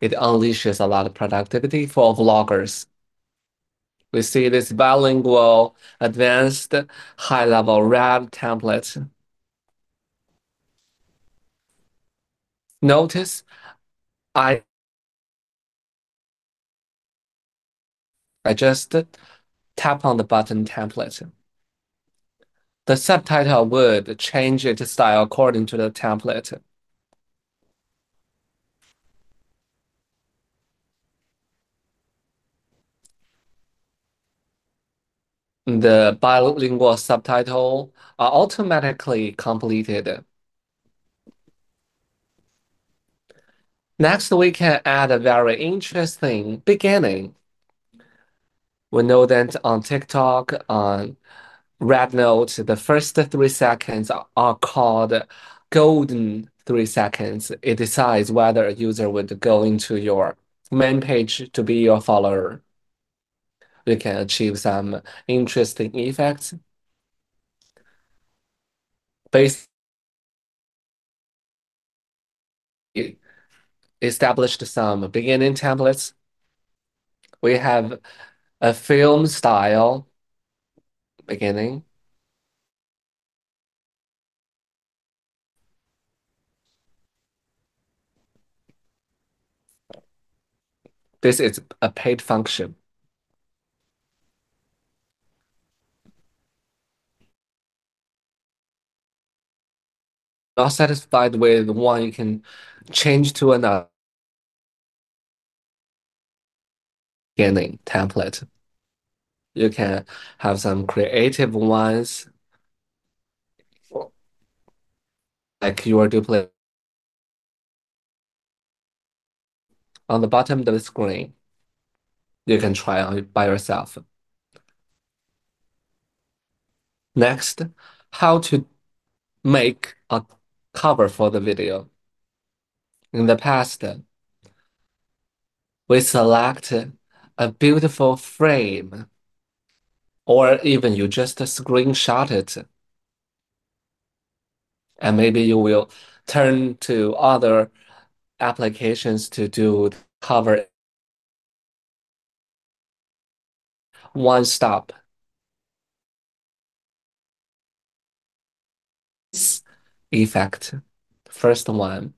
it unleashes a lot of productivity for bloggers. We see this bilingual, advanced, high-level RAM template. Notice, I just tap on the button Template. The subtitle would change its style according to the template. The bilingual subtitles are automatically completed. Next, we can add a very interesting beginning. We know that on TikTok, on Red Note, the first three seconds are called Golden Three Seconds. It decides whether a user would go into your main page to be your follower. We can achieve some interesting effects. We established some beginning templates. We have a film style beginning. This is a paid function. Not satisfied with one, you can change to another beginning template. You can have some creative ones like your duplicate. On the bottom of the screen, you can try it by yourself. Next, how to make a cover for the video. In the past, we select a beautiful frame or even you just screenshot it. Maybe you will turn to other applications to do cover. One stop. Effect. First one,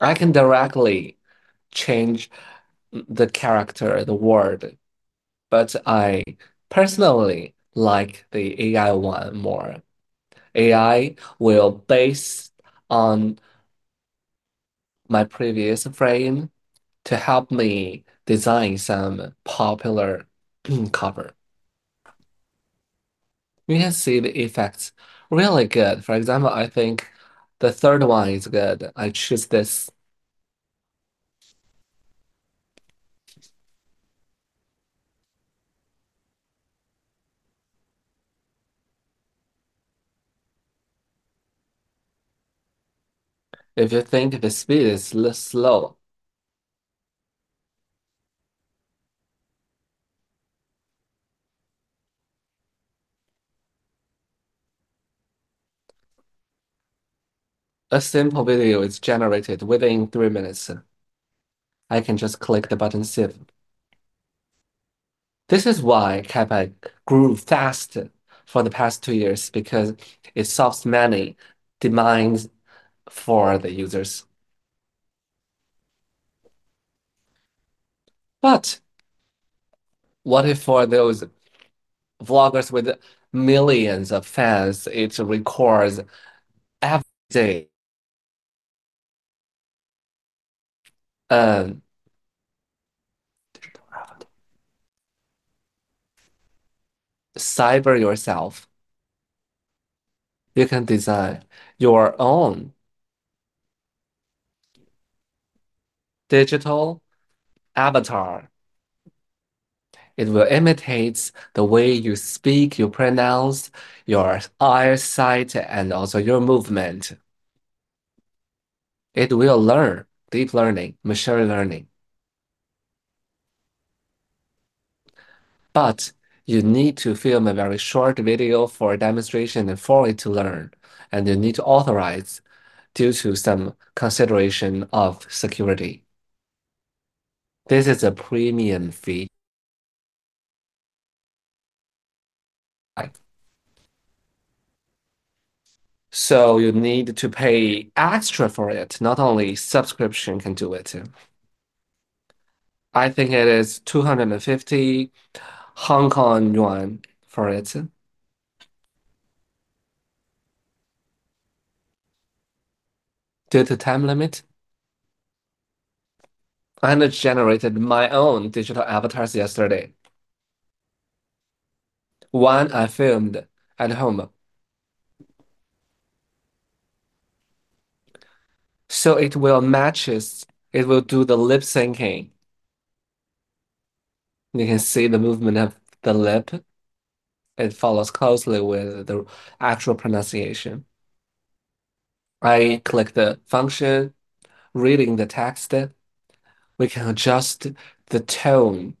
I can directly change the character, the word. I personally like the AI one more. AI will base on my previous frame to help me design some popular cover. We have seen the effects really good. For example, I think the third one is good. I choose this. You think the speed is a little slow. A simple video is generated within three minutes. I can just click the button to see it. This is why CapEx grew fast for the past two years, because it solves many demands for the users. What if for those vloggers with millions of fans? It's recorded every day. Cyber yourself. You can design your own digital avatar. It will imitate the way you speak, your pronunciation, your eyesight, and also your movement. It will learn deep learning, machine learning. You need to film a very short video for demonstration and for it to learn, and you need to authorize due to some consideration of security. This is a premium fee. You need to pay extra for it. Not only subscription can do it. I think it is HKD 250 for it. Due to time limit, I generated my own digital avatar yesterday. One I filmed at home. It will match it. It will do the lip syncing. You can see the movement of the lip. It follows closely with the actual pronunciation. I click the function, reading the text. We can adjust the tone.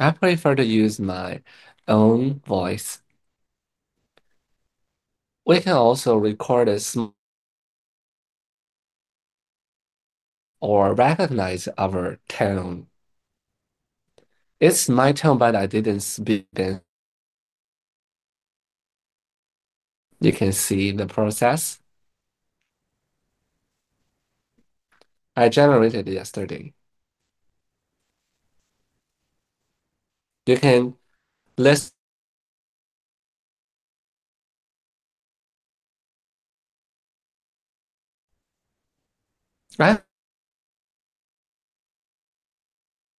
I prefer to use my own voice. We can also record a small or recognize our tone. It's my tone, but I didn't speak then. You can see the process. I generated it yesterday. You can list.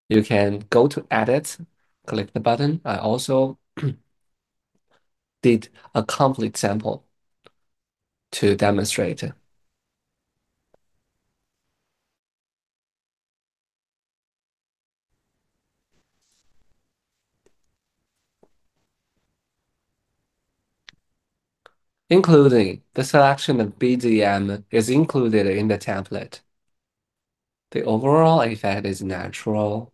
You can go to edit, click the button. I also did a complete sample to demonstrate, including the selection of BGM is included in the template. The overall effect is natural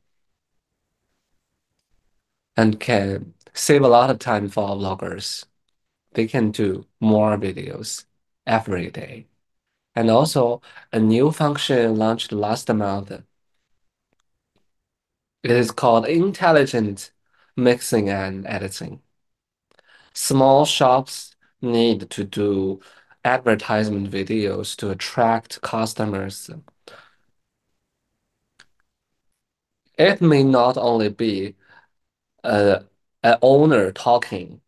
and can save a lot of time for our vloggers. They can do more videos every day. Also, a new function launched last month. It is called Intelligent Mixing and Editing. Small shops need to do advertisement videos to attract customers. It may not only be an owner talking,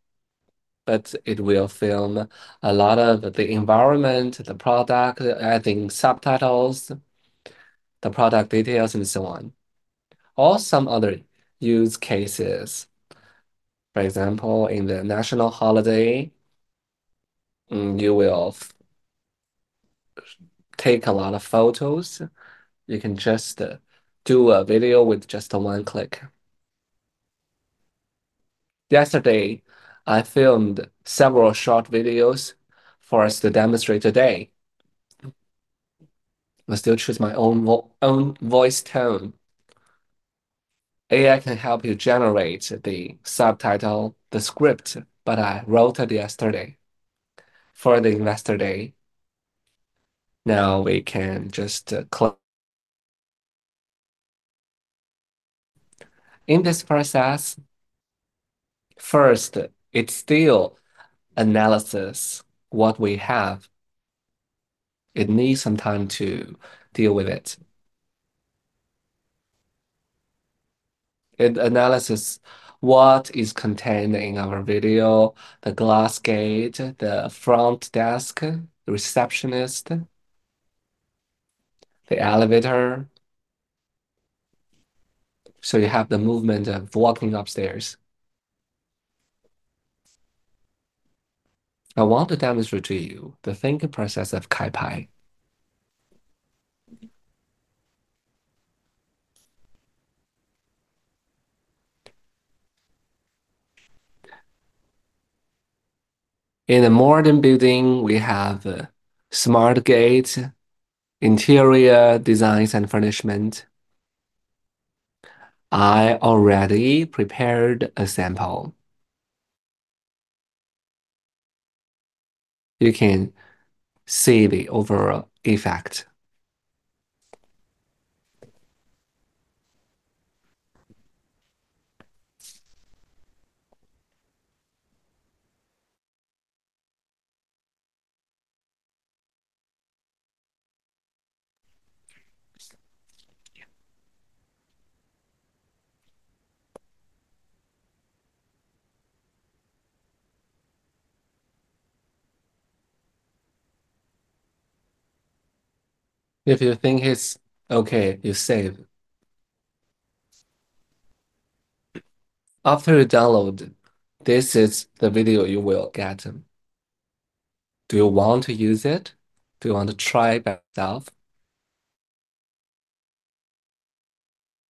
it will film a lot of the environment, the product, adding subtitles, the product details, and so on. Some other use cases, for example, in the national holiday, you will take a lot of photos. You can just do a video with just one click. Yesterday, I filmed several short videos for us to demonstrate today. I still choose my own voice tone. AI can help you generate the subtitle, the script, but I wrote it yesterday for the investor day. Now we can just click. In this process, first, it's still analyzing what we have. It needs some time to deal with it. It analyzes what is contained in our video: the glass gate, the front desk, the receptionist, the elevator. You have the movement of walking upstairs. I want to demonstrate to you the thinking process of CapEx. In a modern building, we have a smart gate, interior designs, and furnishments. I already prepared a sample. You can see the overall effect. If you think it's okay, you save. After you download, this is the video you will get. Do you want to use it? Do you want to try it by yourself?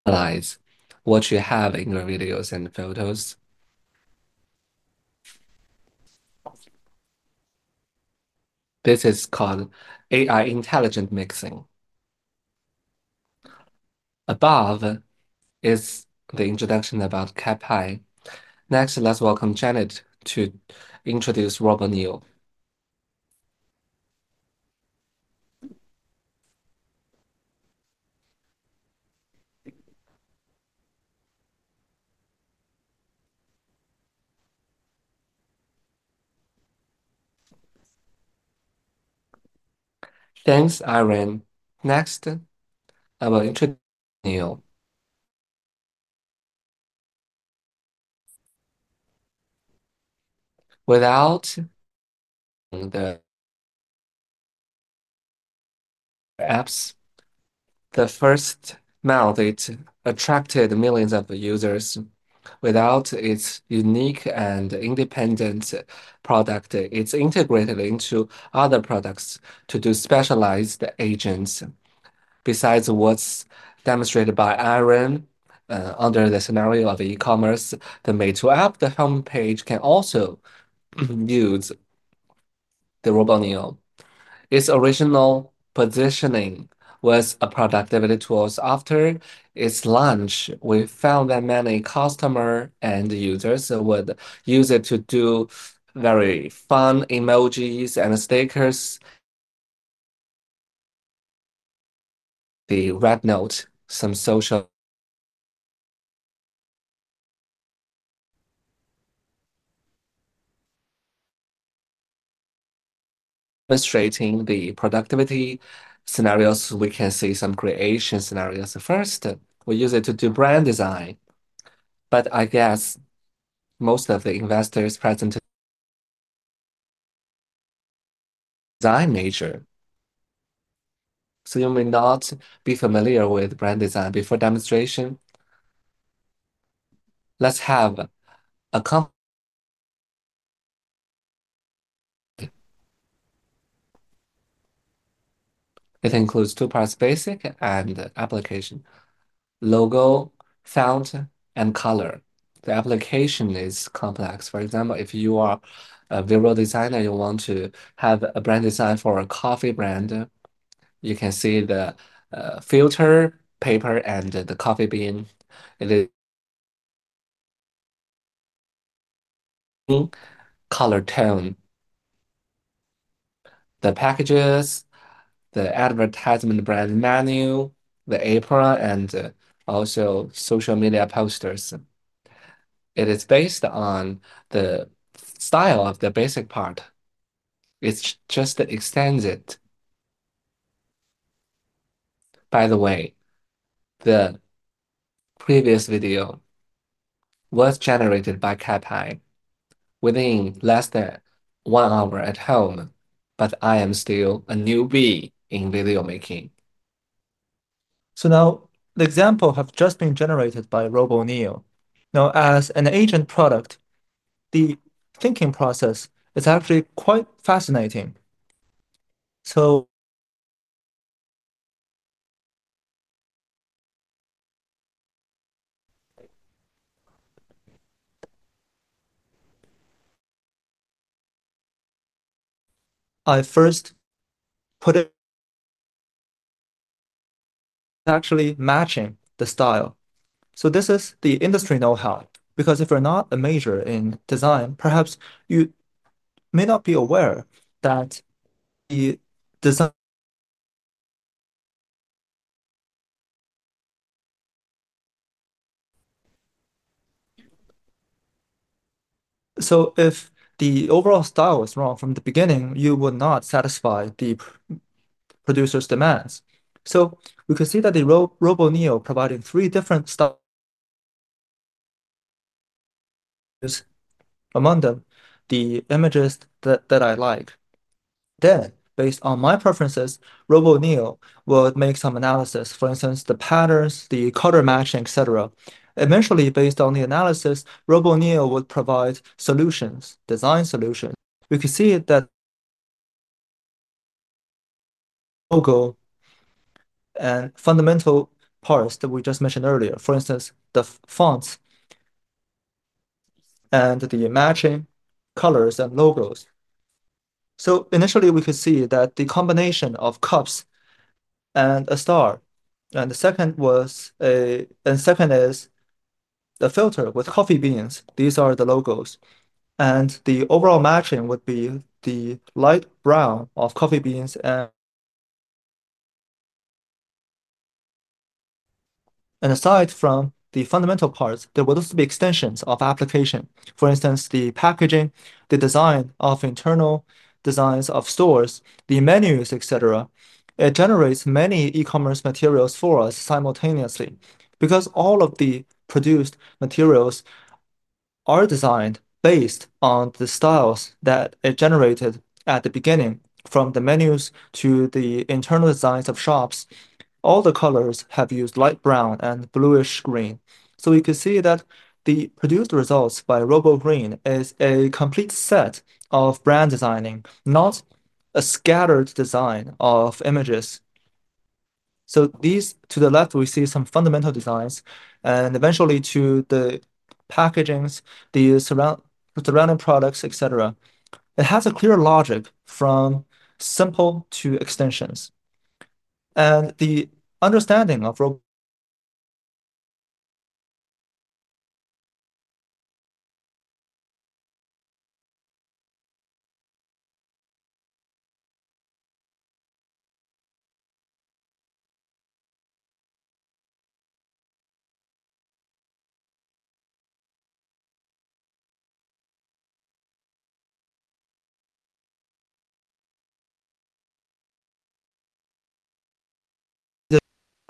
Analyze what you have in your videos and photos. This is called AI Intelligent Mixing. Above is the introduction about CapEx. Next, let's welcome Janet to introduce RoboNeo. Thanks, Irene. Next, I will introduce RoboNeo. Without the apps, the first month, it attracted millions of users. Without its unique and independent product, it's integrated into other products to do specialized agents. Besides what's demonstrated by Irene, under the scenario of e-commerce, the Meitu app, the homepage can also use the RoboNeo. Its original positioning was a productivity tool. After its launch, we found that many customers and users would use it to do very fun emojis and stickers. The red note, some social frustrating the productivity scenarios. We can see some creation scenarios. First, we use it to do brand design. I guess most of the investors present design major. You may not be familiar with brand design before demonstration. Let's have a comp. It includes two parts: basic and application, logo, sound, and color. The application is complex. For example, if you are a visual designer, you want to have a brand design for a coffee brand. You can see the filter, paper, and the coffee bean. It is color tone. The packages, the advertisement brand menu, the apron, and also social media posters. It is based on the style of the basic part. It just extends it. By the way, the previous video was generated by CapEx within less than one hour at home, but I am still a newbie in video making. Now the example has just been generated by RoboNeo. Now, as an agent product, the thinking process is actually quite fascinating. I first put it actually matching the style. This is the industry know-how because if you're not a major in design, perhaps you may not be aware that the design. If the overall style was wrong from the beginning, you would not satisfy the producer's demands. We can see that the RoboNeo provided three different styles among them, the images that I like. Then, based on my preferences, RoboNeo would make some analysis, for instance, the patterns, the color matching, etc. Eventually, based on the analysis, RoboNeo would provide solutions, design solutions. We can see that logo and fundamental parts that we just mentioned earlier, for instance, the fonts and the matching colors and logos. Initially, we could see that the combination of cups and a star, and the second is the filter with coffee beans. These are the logos. The overall matching would be the light brown of coffee beans. Aside from the fundamental parts, there will also be extensions of application. For instance, the packaging, the design of internal designs of stores, the menus, etc. It generates many e-commerce materials for us simultaneously because all of the produced materials are designed based on the styles that are generated at the beginning, from the menus to the internal designs of shops. All the colors have used light brown and bluish green. We could see that the produced results by RoboNeo is a complete set of brand designing, not a scattered design of images. These, to the left, we see some fundamental designs and eventually to the packagings, the surrounding products, etc. It has a clear logic from simple to extensions. The understanding of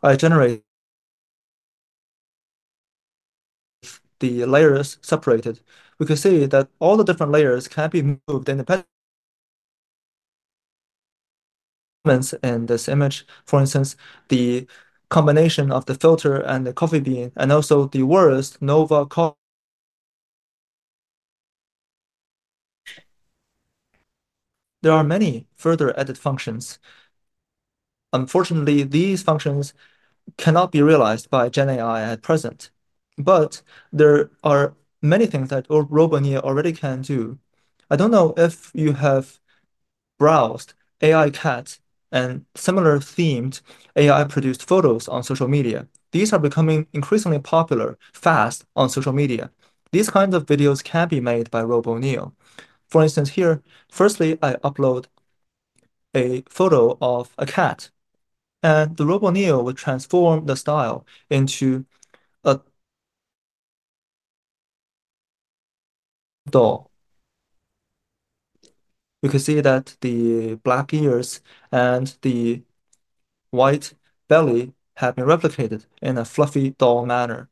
the layers separated, we can see that all the different layers can be moved independently. This image, for instance, the combination of the filter and the coffee bean, and also the words "Nova Coffee." There are many further added functions. Unfortunately, these functions cannot be realized by GenAI at present. There are many things that RoboNeo already can do. I don't know if you have browsed AI cats and similar themed AI-produced photos on social media. These are becoming increasingly popular fast on social media. These kinds of videos can be made by RoboNeo. For instance, here, firstly, I upload a photo of a cat, and RoboNeo would transform the style into a doll. We can see that the black ears and the white belly have been replicated in a fluffy doll manner.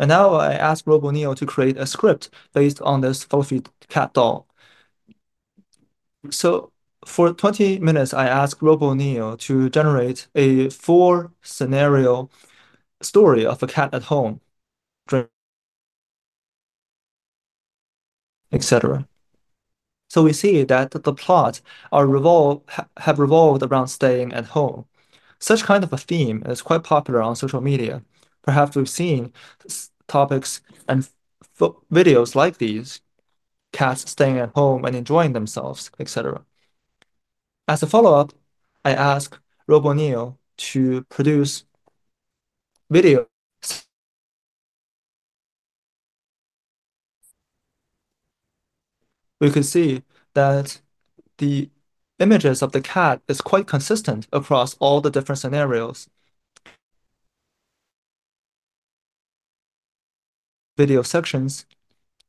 Now I ask RoboNeo to create a script based on this fluffy cat doll. For 20 minutes, I asked RoboNeo to generate a four-scenario story of a cat at home, etc. We see that the plots have revolved around staying at home. Such kind of a theme is quite popular on social media. Perhaps we've seen topics and videos like these, cats staying at home and enjoying themselves, etc. As a follow-up, I ask RoboNeo to produce video. We can see that the images of the cat are quite consistent across all the different scenarios. Video sections,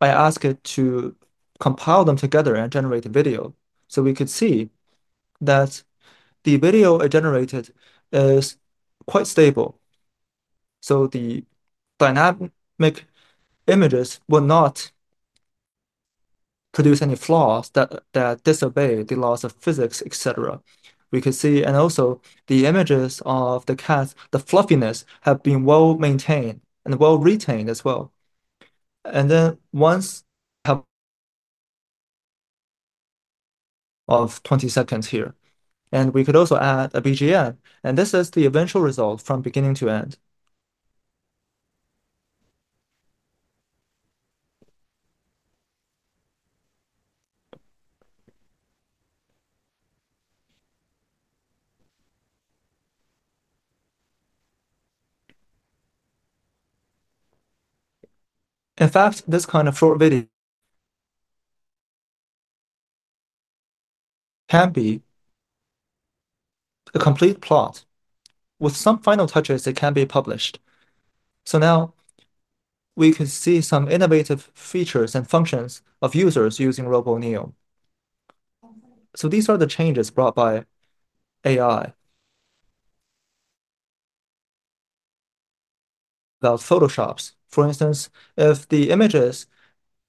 I ask it to compile them together and generate a video. We could see that the video I generated is quite stable. The dynamic images will not produce any flaws that disobey the laws of physics, etc. We can see, also, the images of the cats, the fluffiness has been well maintained and well retained as well. Once we have 20 seconds here, we could also add a BGM, and this is the eventual result from beginning to end. In fact, this kind of short video can be a complete plot with some final touches that can be published. Now we can see some innovative features and functions of users using RoboNeo. These are the changes brought by AI. About Photoshops, for instance, if the images,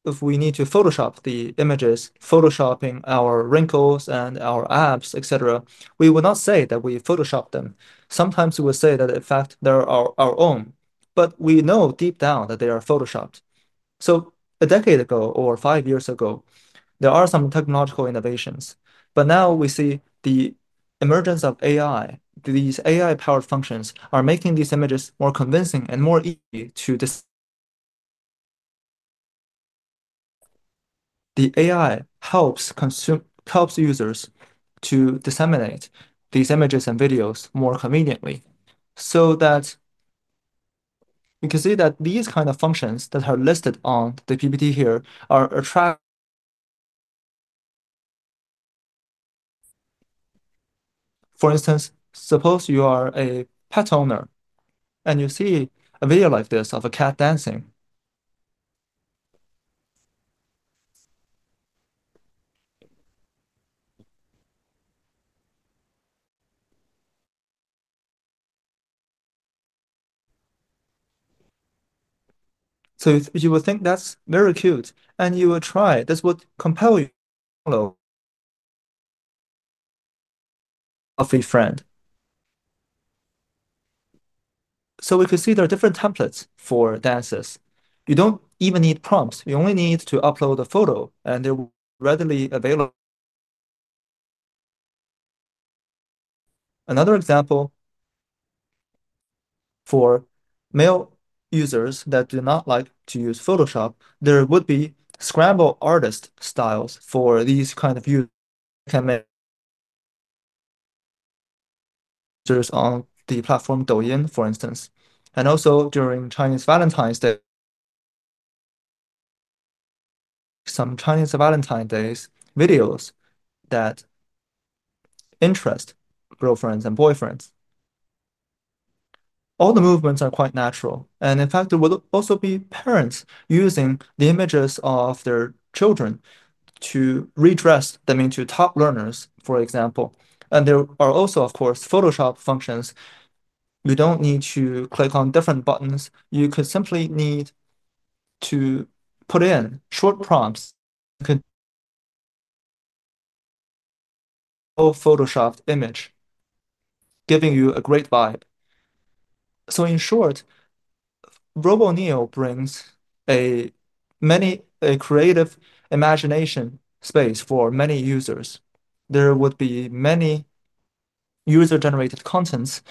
if we need to Photoshop the images, Photoshopping our wrinkles and our abs, etc., we will not say that we Photoshop them. Sometimes we will say that, in fact, they are our own, but we know deep down that they are Photoshopped. A decade ago or five years ago, there are some technological innovations, but now we see the emergence of AI. These AI-powered functions are making these images more convincing and more easy to. The AI helps users to disseminate these images and videos more conveniently. You can see that these kinds of functions that are listed on the PPT here are attractive. For instance, suppose you are a pet owner, and you see a video like this of a cat dancing. You will think that's very cute, and you will try. This would compel you to follow a free friend. We can see there are different templates for dances. You don't even need prompts. You only need to upload a photo, and they will be readily available. Another example for male users that do not like to use Photoshop, there would be Scrabble artist styles for these kinds of users. There's on the platform Douyin, for instance, also during Chinese Valentine's Day, some Chinese Valentine's Day videos that interest girlfriends and boyfriends. All the movements are quite natural, and in fact, there would also be parents using the images of their children to redress them into top learners, for example. There are also, of course, Photoshop functions. You don't need to click on different buttons. You could simply need to put in short prompts, a Photoshopped image, giving you a great vibe. In short, RoboNeo brings a creative imagination space for many users. There would be many user-generated contents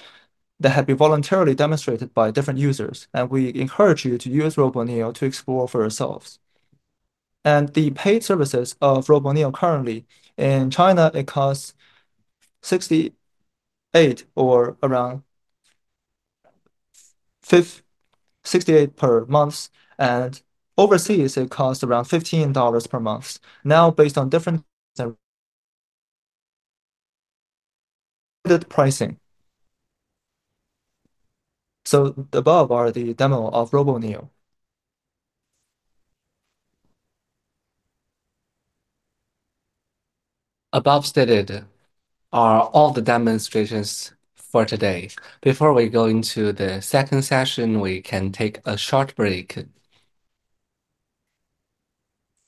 that have been voluntarily demonstrated by different users, and we encourage you to use RoboNeo to explore for yourselves. The paid services of RoboNeo currently in China cost 68 or around 68 per month, and overseas, it costs around $15 per month, now based on different pricing. Above are the demo of RoboNeo. Above stated are all the demonstrations for today. Before we go into the second session, we can take a short break.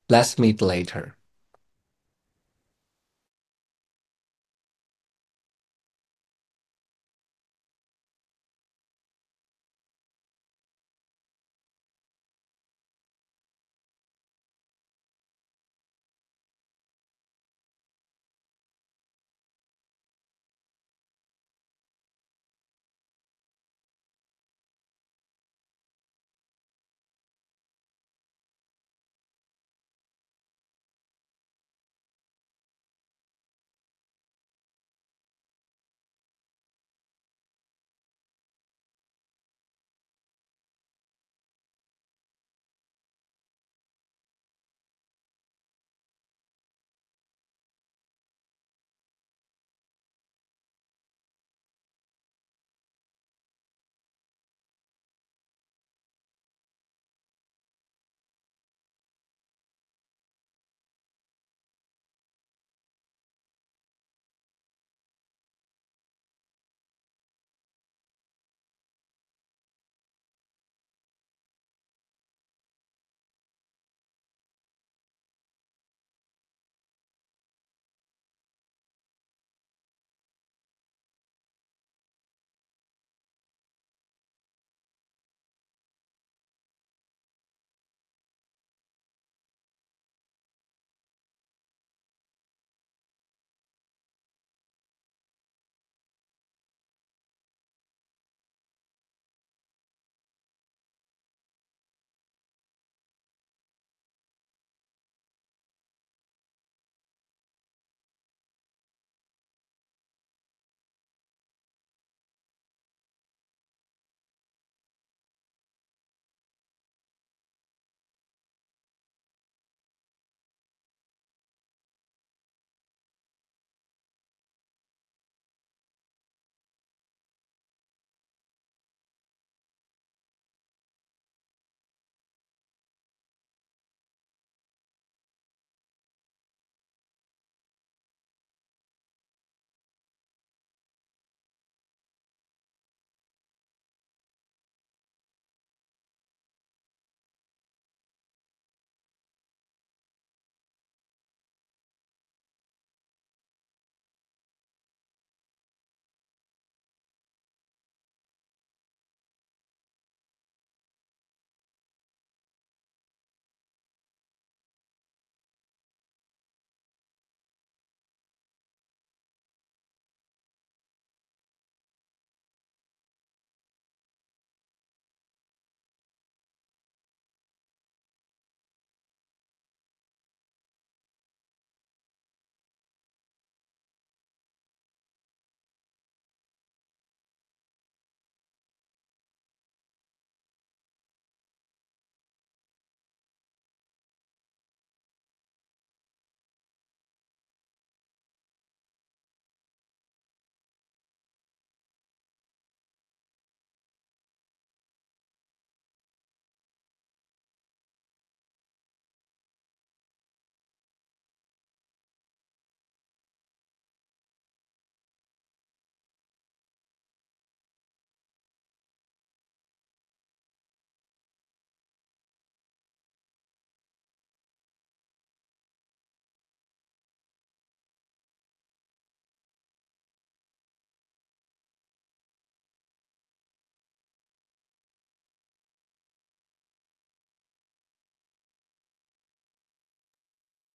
Let's meet later.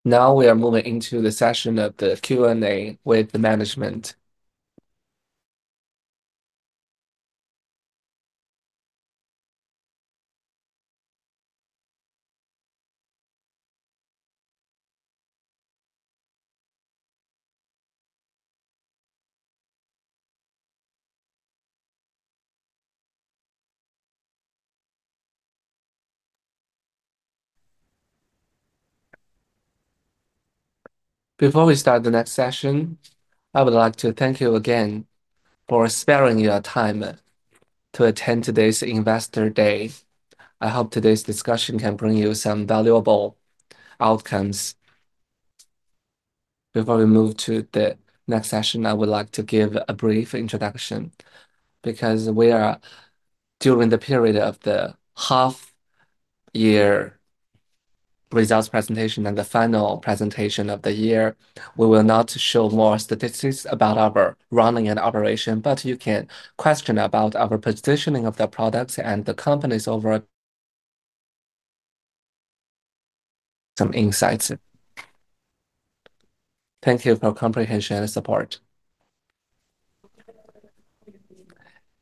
Now we are moving into the session of the Q&A with the management. Before we start the next session, I would like to thank you again for sparing your time to attend today's investor day. I hope today's discussion can bring you some valuable outcomes. Before we move to the next session, I would like to give a brief introduction because we are during the period of the half-year results presentation and the final presentation of the year. We will not show more statistics about our running and operation, but you can question about our positioning of the products and the companies over some insights. Thank you for comprehension and support.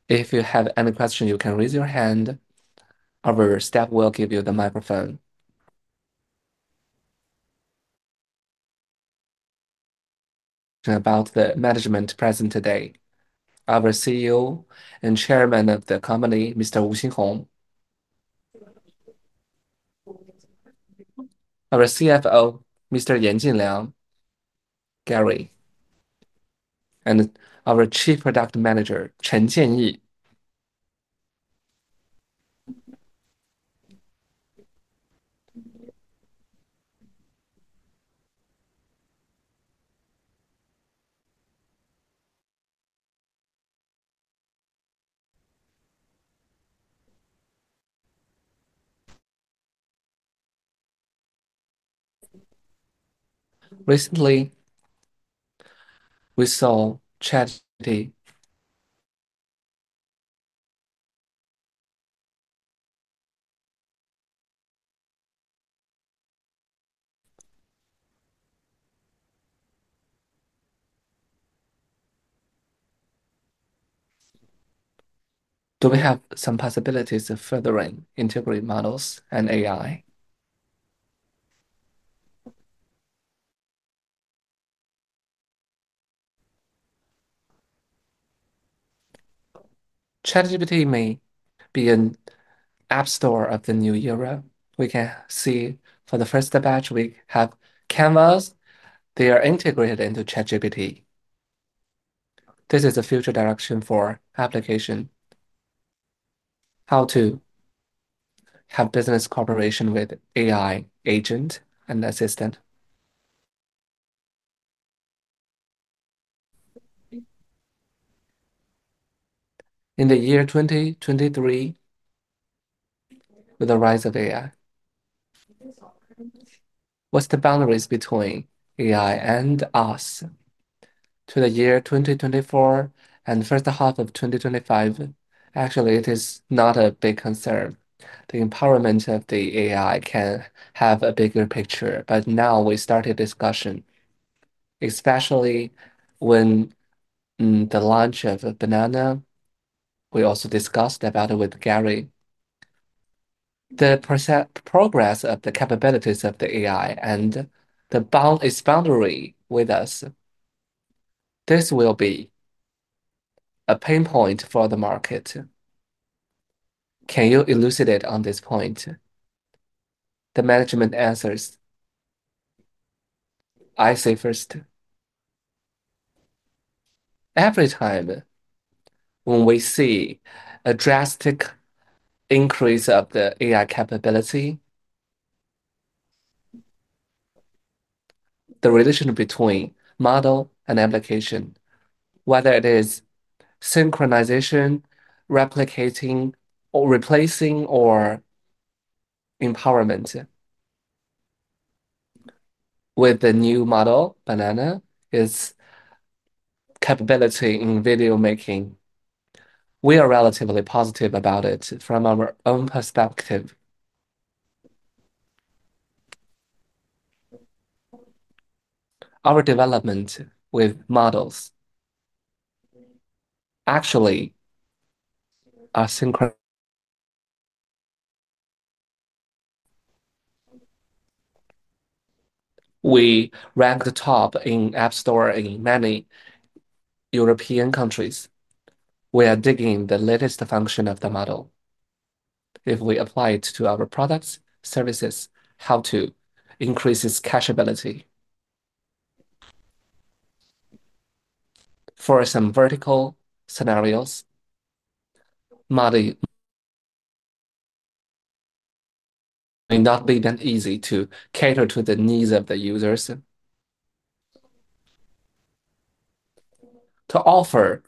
If you have any questions, you can raise your hand. Our staff will give you the microphone. About the management present today, our CEO and Chairman of the company, Mr. Wu Xinhong, our CFO, Mr. Yan Jinliang, Gary, and our Chief Product Officer, Chen Jieyi. Recently, we saw ChatGPT. Do we have some possibilities of further integrating models and AI? ChatGPT may be an app store of the new era. We can see for the first batch, we have Canva. They are integrated into ChatGPT. This is a future direction for application. How to have business cooperation with AI agent and assistant? In the year 2023, with the rise of AI, what's the boundaries between AI and us? To the year 2024 and the first half of 2025, actually, it is not a big concern. The empowerment of the AI can have a bigger picture, but now we started discussion, especially when the launch of a banana. We also discussed about it with Gary. The progress of the capabilities of the AI and its boundary with us, this will be a pain point for the market. Can you elucidate on this point? The management answers. I say first, every time when we see a drastic increase of the AI capability, the relation between model and application, whether it is synchronization, replicating, or replacing, or empowerment with the new model, banana, is capability in video making. We are relatively positive about it from our own perspective. Our development with models actually are synchronized. We rank the top in the App Store in many European countries. We are digging the latest function of the model. If we apply it to our products, services, how to increase its cacheability. For some vertical scenarios, it may not be that easy to cater to the needs of the users to offer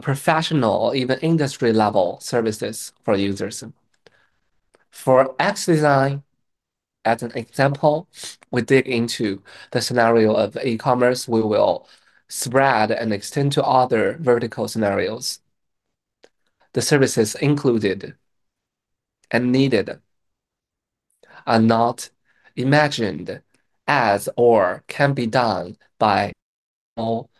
professional or even industry-level services for users. For apps design, as an example, we dig into the scenario of e-commerce. We will spread and extend to other vertical scenarios. The services included and needed are not imagined as or can be done by all.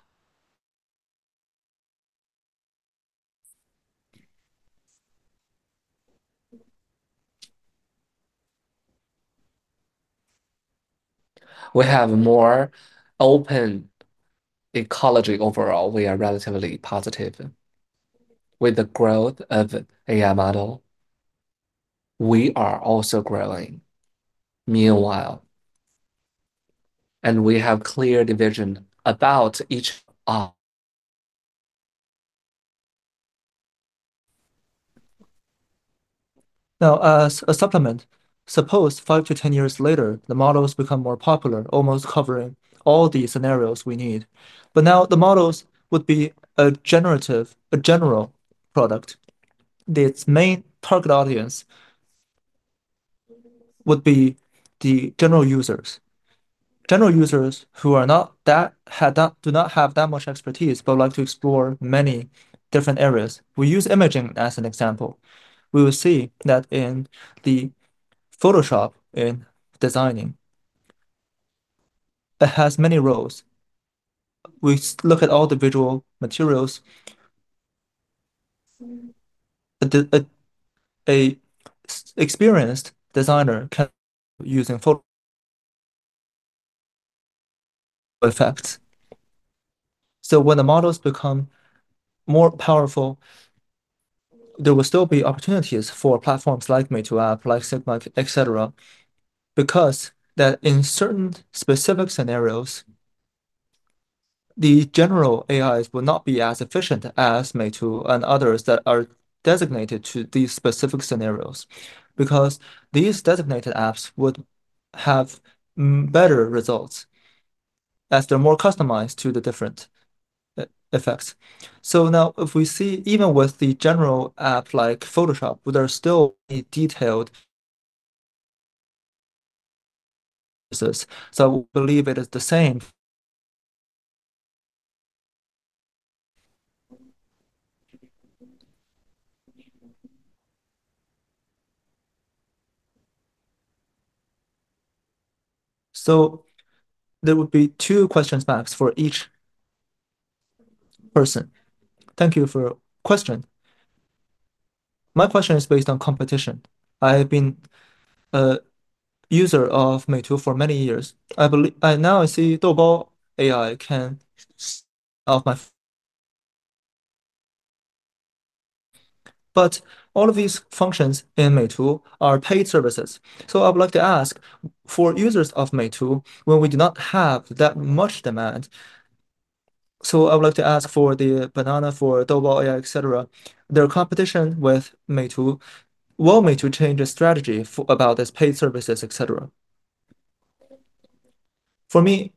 We have a more open ecology overall. We are relatively positive. With the growth of AI models, we are also growing, meanwhile, and we have clear division about each. As a supplement, suppose 5-10 years later, the models become more popular, almost covering all these scenarios we need. Now the models would be a generative, a general product. Its main target audience would be the general users. General users who do not have that much expertise but would like to explore many different areas. We use imaging as an example. We will see that in Photoshop, in designing, it has many roles. We look at all the visual materials. An experienced designer can use effects. When the models become more powerful, there will still be opportunities for platforms like Meitu, KaiPai, etc., because in certain specific scenarios, the general AIs will not be as efficient as Meitu and others that are designated to these specific scenarios because these designated apps would have better results as they're more customized to the different effects. Now, if we see even with the general apps like Photoshop, there are still detailed differences. I believe it is the same. There will be two question maps for each person. Thank you for your question. My question is based on competition. I've been a user of Meitu for many years. I believe now I see RoboNeo AI can do similar things. All of these functions in Meitu are paid services. I would like to ask for users of Meitu when we do not have that much demand. I would like to ask for the comparison, for RoboNeo AI, etc., their competition with Meitu, will Meitu change the strategy about these paid services, etc.? For me,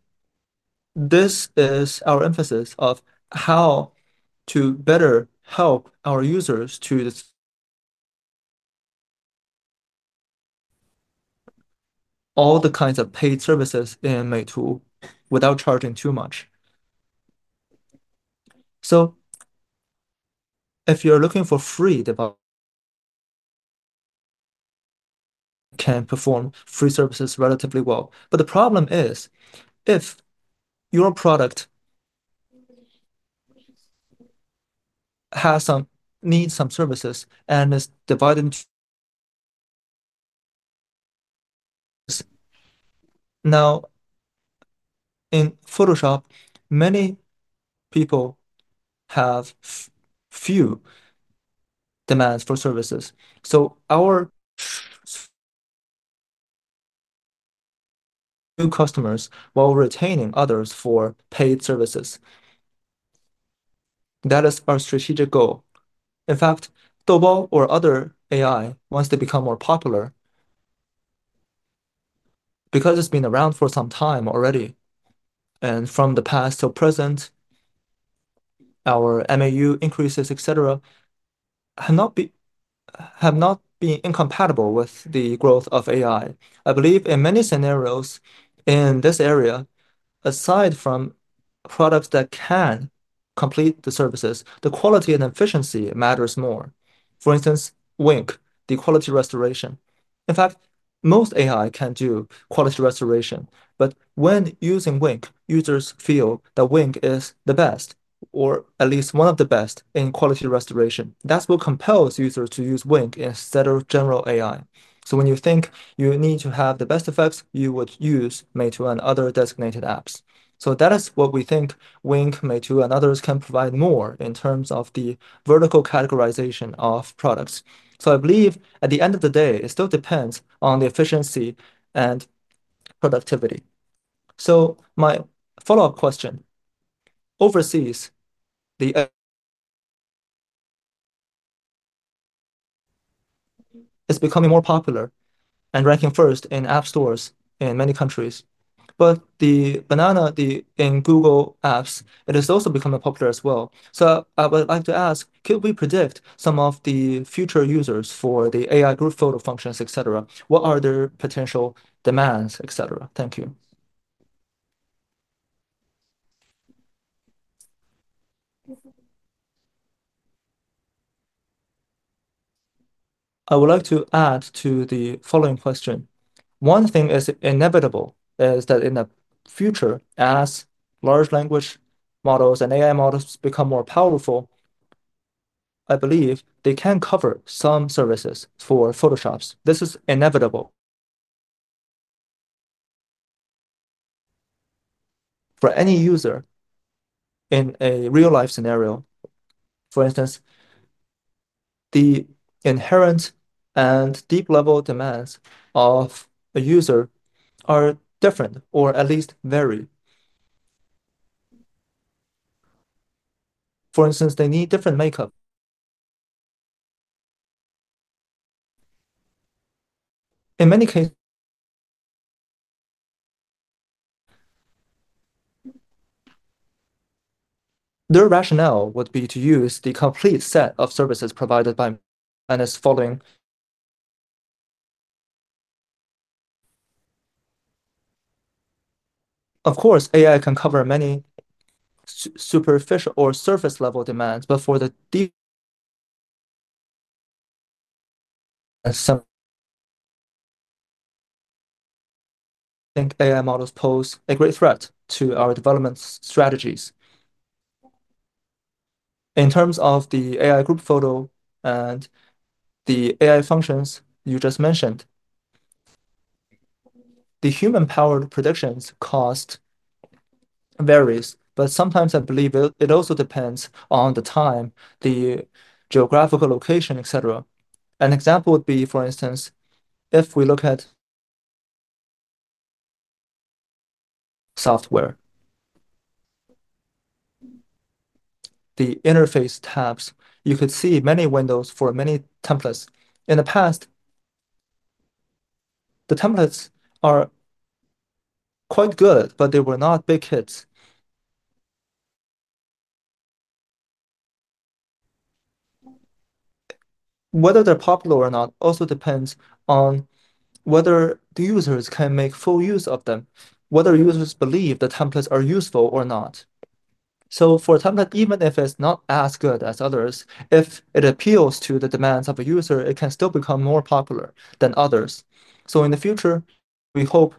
this is our emphasis of how to better help our users to all the kinds of paid services in Meitu without charging too much. If you're looking for free, the general AIs can perform free services relatively well. The problem is if your product has some needs, some services, and it's divided. In Photoshop, many people have few demands for services. Our new customers while retaining others for paid services. That is our strategic goal. In fact, RoboNeo or other AI, once they become more popular, because it's been around for some time already, and from the past to present, our MAU increases, etc., have not been incompatible with the growth of AI. I believe in many scenarios in this area, aside from products that can complete the services, the quality and efficiency matters more. For instance, Wink, the quality restoration. In fact, most AI can do quality restoration. When using Wink, users feel that Wink is the best, or at least one of the best in quality restoration. That's what compels users to use Wink instead of general AI. When you think you need to have the best effects, you would use Meitu and other designated apps. That is what we think Wink, Meitu, and others can provide more in terms of the vertical categorization of products. I believe at the end of the day, it still depends on the efficiency and productivity. My follow-up question, overseas, the is becoming more popular and ranking first in app stores in many countries. The banana, the Google apps, it is also becoming popular as well. I would like to ask, could we predict some of the future users for the AI group photo functions, etc.? What are their potential demands, etc.? Thank you. I would like to add to the following question. One thing is inevitable is that in the future, as large language models and AI models become more powerful, I believe they can cover some services for Photoshop. This is inevitable. For any user in a real-life scenario, for instance, the inherent and deep-level demands of a user are different, or at least vary. For instance, they need different makeup. In many cases, their rationale would be to use the complete set of services provided by and is following. Of course, AI can cover many superficial or surface-level demands, but for the deep [audio disctortion], I think AI models pose a great threat to our development strategies. In terms of the AI group photo and the AI functions you just mentioned, the human-powered predictions cost varies, but sometimes I believe it also depends on the time, the geographical location, etc. An example would be, for instance, if we look at software, the interface tabs, you could see many windows for many templates. In the past, the templates are quite good, but they were not big hits. Whether they're popular or not also depends on whether the users can make full use of them, whether users believe the templates are useful or not. For a template, even if it's not as good as others, if it appeals to the demands of a user, it can still become more popular than others. In the future, we hope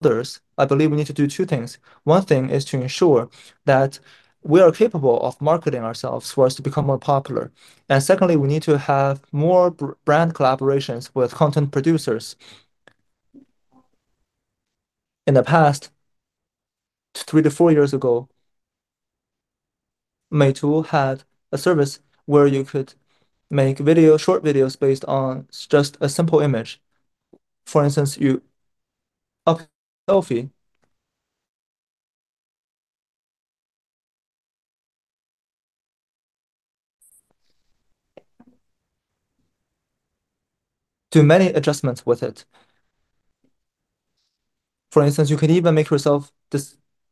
others, I believe we need to do two things. One thing is to ensure that we are capable of marketing ourselves for us to become more popular. Secondly, we need to have more brand collaborations with content producers. In the past, three to four years ago, Meitu had a service where you could make short videos based on just a simple image. For instance, you selfie do many adjustments with it. For instance, you could even make yourself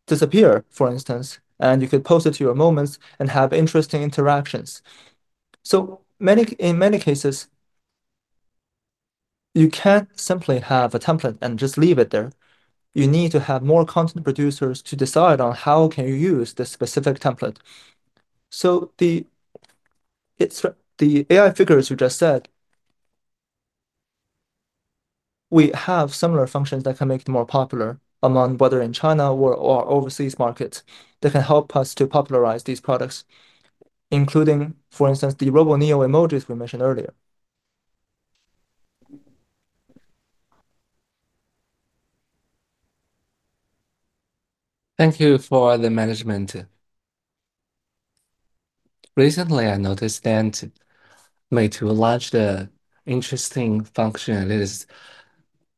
disappear, for instance, and you could post it to your moments and have interesting interactions. In many cases, you can't simply have a template and just leave it there. You need to have more content producers to decide on how can you use this specific template. The AI figures you just said, we have similar functions that can make it more popular among whether in China or overseas markets. They can help us to popularize these products, including, for instance, the RoboNeo emojis we mentioned earlier. Thank you for the management. Recently, I noticed that Meitu launched an interesting function, and it is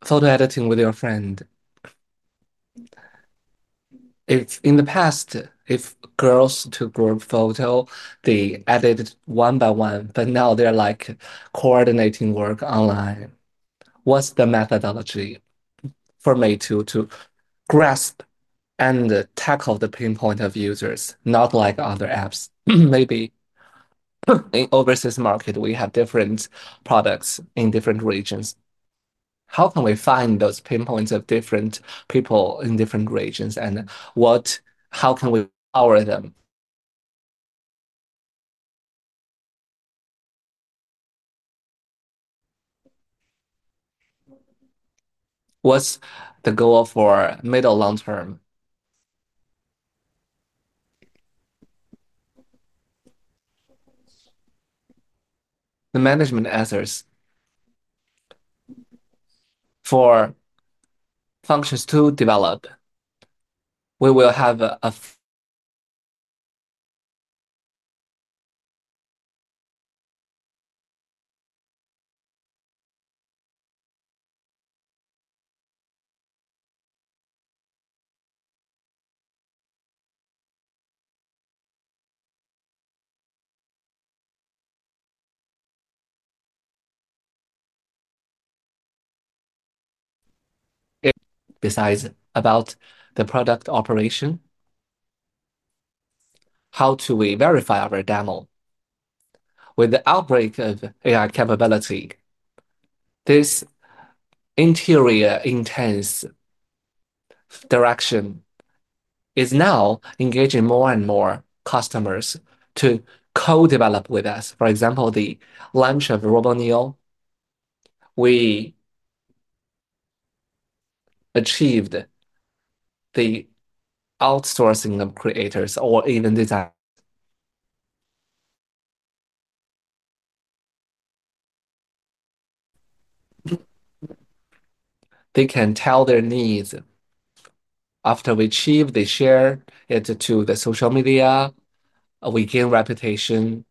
photo editing with your friend. In the past, if girls took group photos, they edited one by one, but now they're like coordinating work online. What's the methodology for Meitu to grasp and tackle the pain point of users, not like other apps? Maybe in an overseas market, we have different products in different regions. How can we find those pain points of different people in different regions, and how can we power them? What's the goal for middle long-term? The management answers for functions to develop. We will have a. Besides about the product operation, how do we verify our demo? With the outbreak of AI capability, this interior intense direction is now engaging more and more customers to co-develop with us. For example, the launch of RoboNeo, we achieved the outsourcing of creators or even designers. They can tell their needs. After we achieve, they share it to the social media. We gain reputation.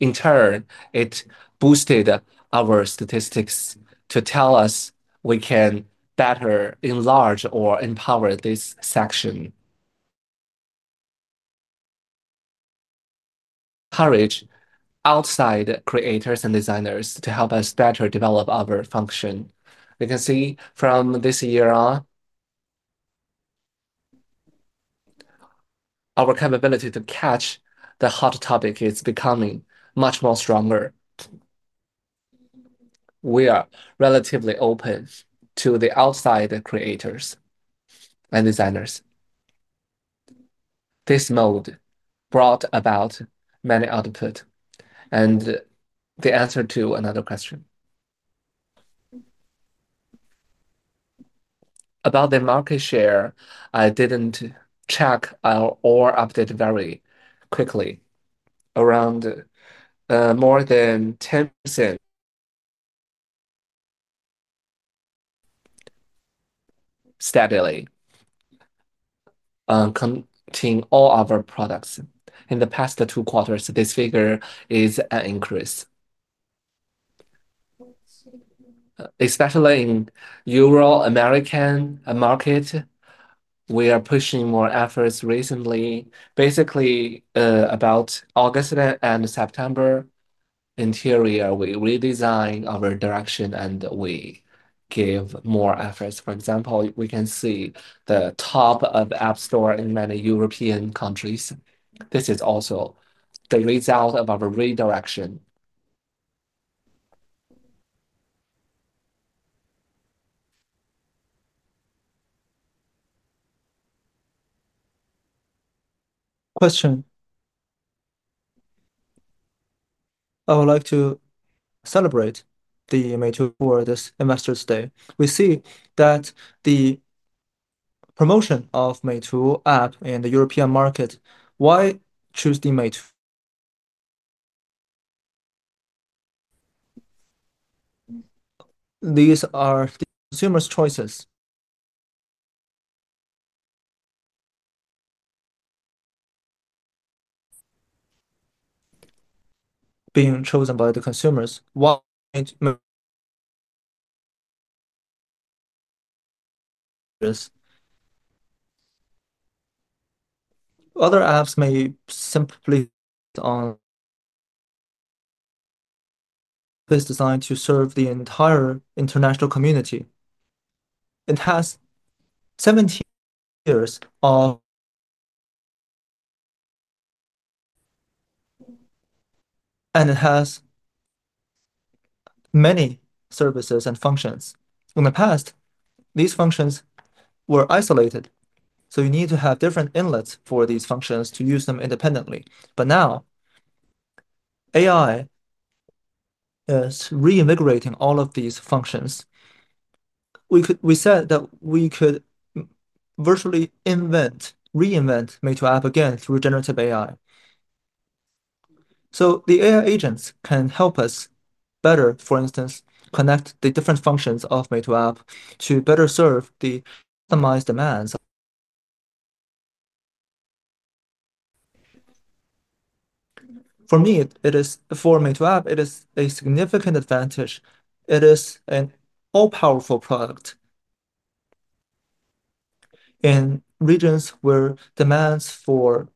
In turn, it boosted our statistics to tell us we can better enlarge or empower this section. Encourage outside creators and designers to help us better develop our function. You can see from this year on, our capability to catch the hot topic is becoming much more stronger. We are relatively open to the outside creators and designers. This mode brought about many outputs and the answer to another question. About the market share, I didn't check our update very quickly. Around more than 10% steadily contain all our products. In the past two quarters, this figure is an increase. Especially in the Euro-American market, we are pushing more efforts recently. Basically, about August and September, in the interior, we redesigned our direction and we gave more efforts. For example, we can see the top of the App Store in many European countries. This is also the result of our redirection. I would like to celebrate the Meitu World Investors Day. We see the promotion of the Meitu app in the European market. Why choose Meitu? These are consumers' choices being chosen by the consumers. Why? Other apps may simply on. It's designed to serve the entire international community. It has 17 years of and it has many services and functions. In the past, these functions were isolated. You need to have different inlets for these functions to use them independently. Now, AI is reinvigorating all of these functions. We said that we could virtually reinvent the Meitu app again through generative AI. The AI agents can help us better, for instance, connect the different functions of the Meitu app to better serve the customized demands. For me, for the Meitu app, it is a significant advantage. It is an all-powerful product. In regions where demands for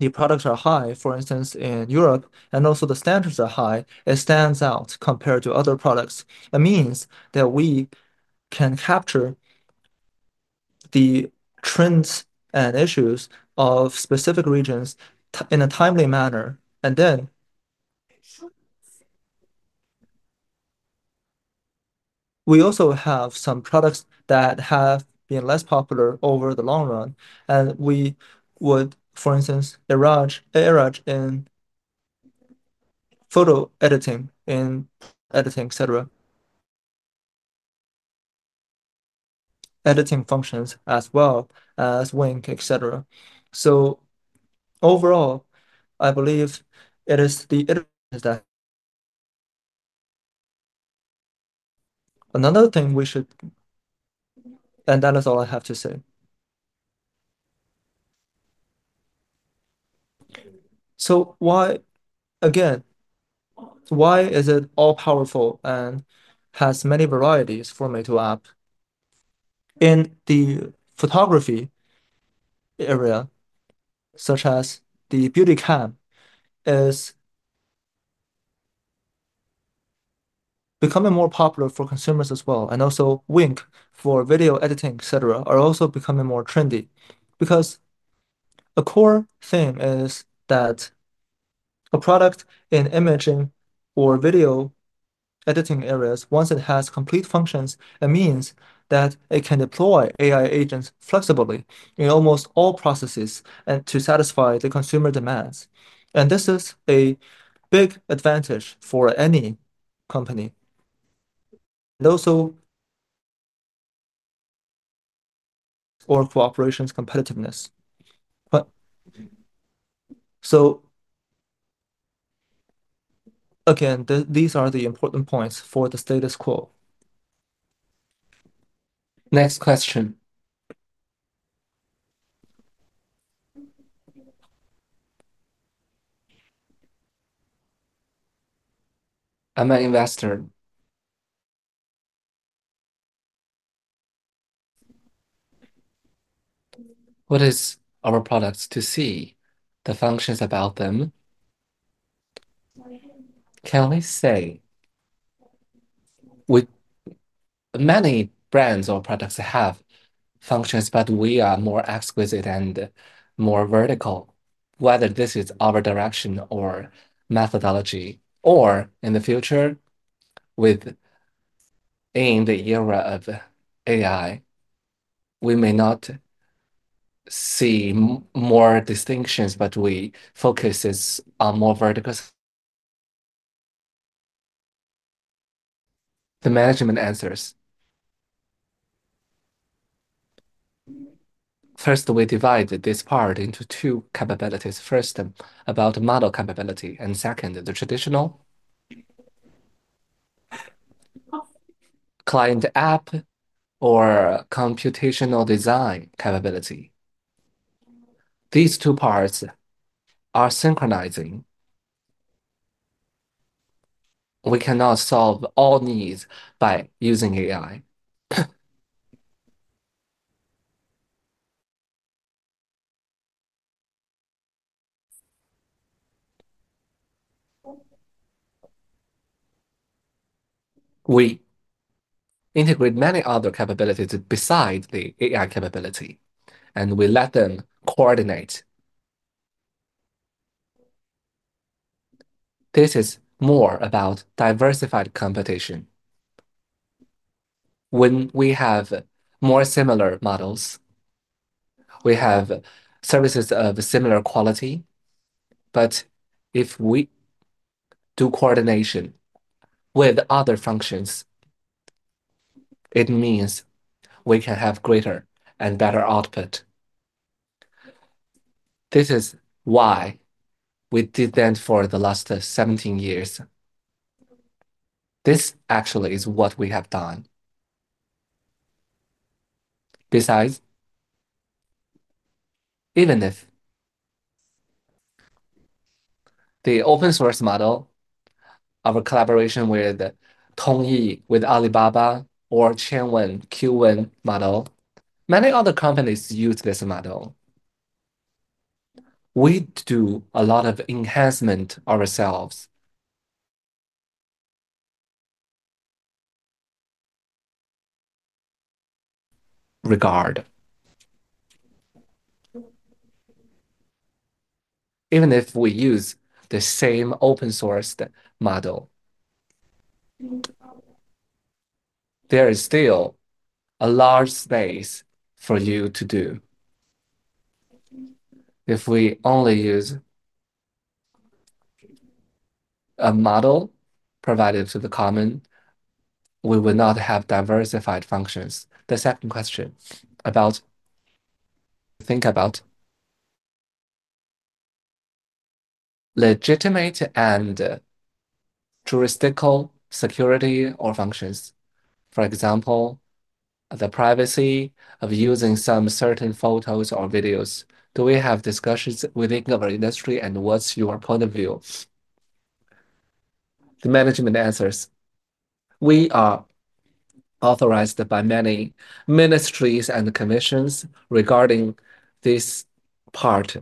the products are high, for instance, in Europe, and also the standards are high, it stands out compared to other products. It means that we can capture the trends and issues of specific regions in a timely manner. We also have some products that have been less popular over the long run. We would, for instance, eradicate in photo editing and editing, etc. Editing functions as well as Wink, etc. Overall, I believe it is the. Another thing we should. That is all I have to say. Why, again, why is it all-powerful and has many varieties for the Meitu app? In the photography area, such as the beauty cam, it is becoming more popular for consumers as well. Also, Wink for video editing, etc., are also becoming more trendy. A core thing is that a product in imaging or video editing areas, once it has complete functions, it means that it can deploy AI agents flexibly in almost all processes and satisfy the consumer demands. This is a big advantage for any company and also for operations competitiveness. These are the important points for the status quo. Next question. I'm an investor. What is our products to see the functions about them? Can we say with many brands or products have functions, but we are more exquisite and more vertical, whether this is our direction or methodology? In the future, in the era of AI, we may not see more distinctions, but we focus on more verticals. The management answers. First, we divide this part into two capabilities. First, about the model capability, and second, the traditional client app or computational design capability. These two parts are synchronizing. We cannot solve all needs by using AI. We integrate many other capabilities besides the AI capability, and we let them coordinate. This is more about diversified competition. When we have more similar models, we have services of similar quality, but if we do coordination with other functions, it means we can have greater and better output. This is why we did that for the last 17 years. This actually is what we have done. Besides, even if the open-source model, our collaboration with Tong Yi, with Alibaba, or Qianwen Q1 model, many other companies use this model. We do a lot of enhancement ourselves. Regard, even if we use the same open-source model, there is still a large space for you to do. If we only use a model provided to the common, we would not have diversified functions. The second question about think about legitimate and jurisdictional security or functions. For example, the privacy of using some certain photos or videos. Do we have discussions within our industry, and what's your point of view? The management answers. We are authorized by many ministries and commissions regarding this part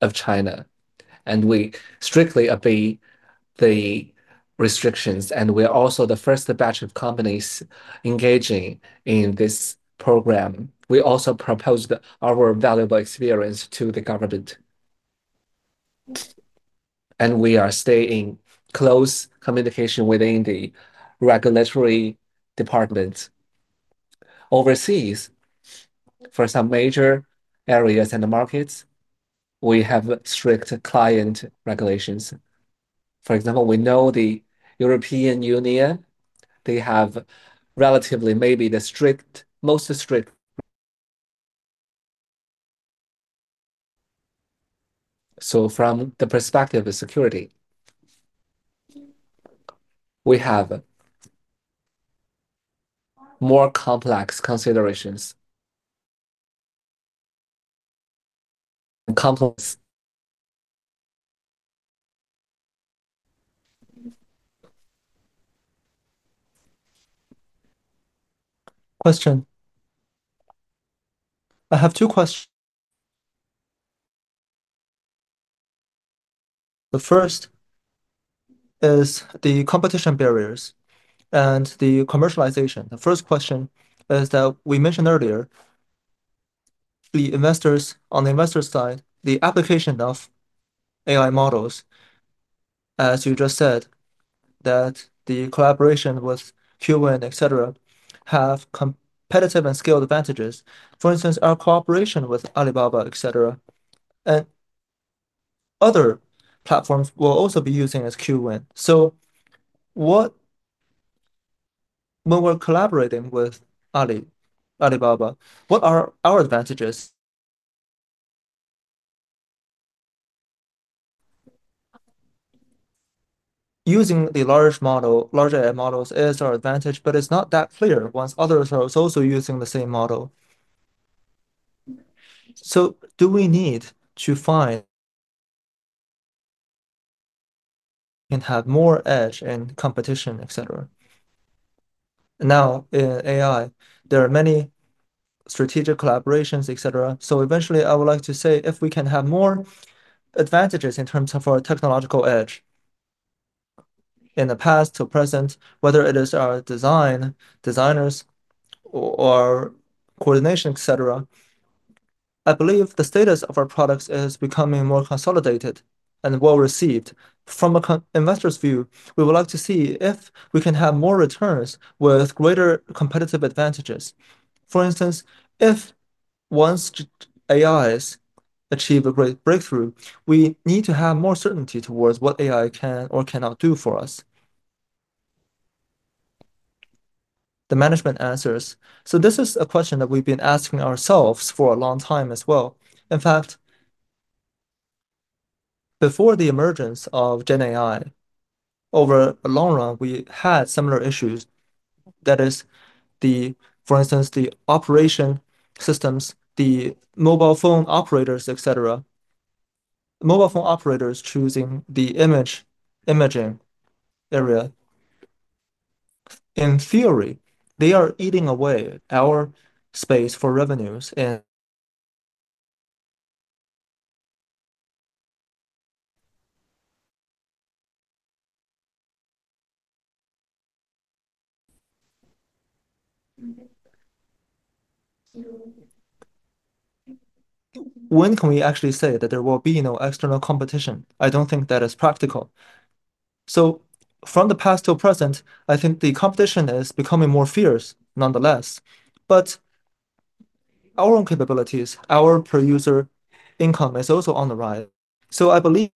of China, and we strictly obey the restrictions. We are also the first batch of companies engaging in this program. We also proposed our valuable experience to the government. We are staying in close communication within the regulatory departments. Overseas, for some major areas and markets, we have strict client regulations. For example, we know the European Union. They have relatively maybe the most strict. From the perspective of security, we have more complex considerations and complex. Question. I have two questions. The first is the competition barriers and the commercialization. The first question is that we mentioned earlier, the investors on the investor side, the application of AI models, as you just said, that the collaboration with Q1, etc., have competitive and skilled advantages. For instance, our collaboration with Alibaba, etc., and other platforms will also be using as Q1. When we're collaborating with Alibaba, what are our advantages? Using the large model, large AI models is our advantage, but it's not that clear once others are also using the same model. Do we need to find and have more edge in competition, etc? In AI, there are many strategic collaborations, etc. Eventually, I would like to say if we can have more advantages in terms of our technological edge. In the past to present, whether it is our design, designers, or coordination, etc., I believe the status of our products is becoming more consolidated and well-received. From an investor's view, we would like to see if we can have more returns with greater competitive advantages. For instance, if once AIs achieve a great breakthrough, we need to have more certainty towards what AI can or cannot do for us. The management answers. This is a question that we've been asking ourselves for a long time as well. In fact, before the emergence of GenAI, over a long run, we had similar issues. That is, for instance, the operation systems, the mobile phone operators, etc. Mobile phone operators choosing the imaging area. In theory, they are eating away our space for revenues and. When can we actually say that there will be no external competition? I don't think that is practical. From the past to present, I think the competition is becoming more fierce nonetheless. Our own capabilities, our per user income is also on the rise. I believe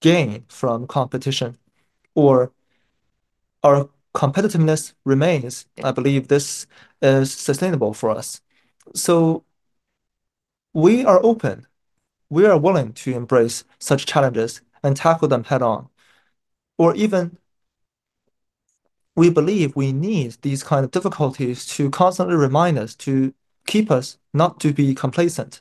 gain from competition or our competitiveness remains. I believe this is sustainable for us. We are open. We are willing to embrace such challenges and tackle them head-on. We believe we need these kinds of difficulties to constantly remind us to keep us not to be complacent.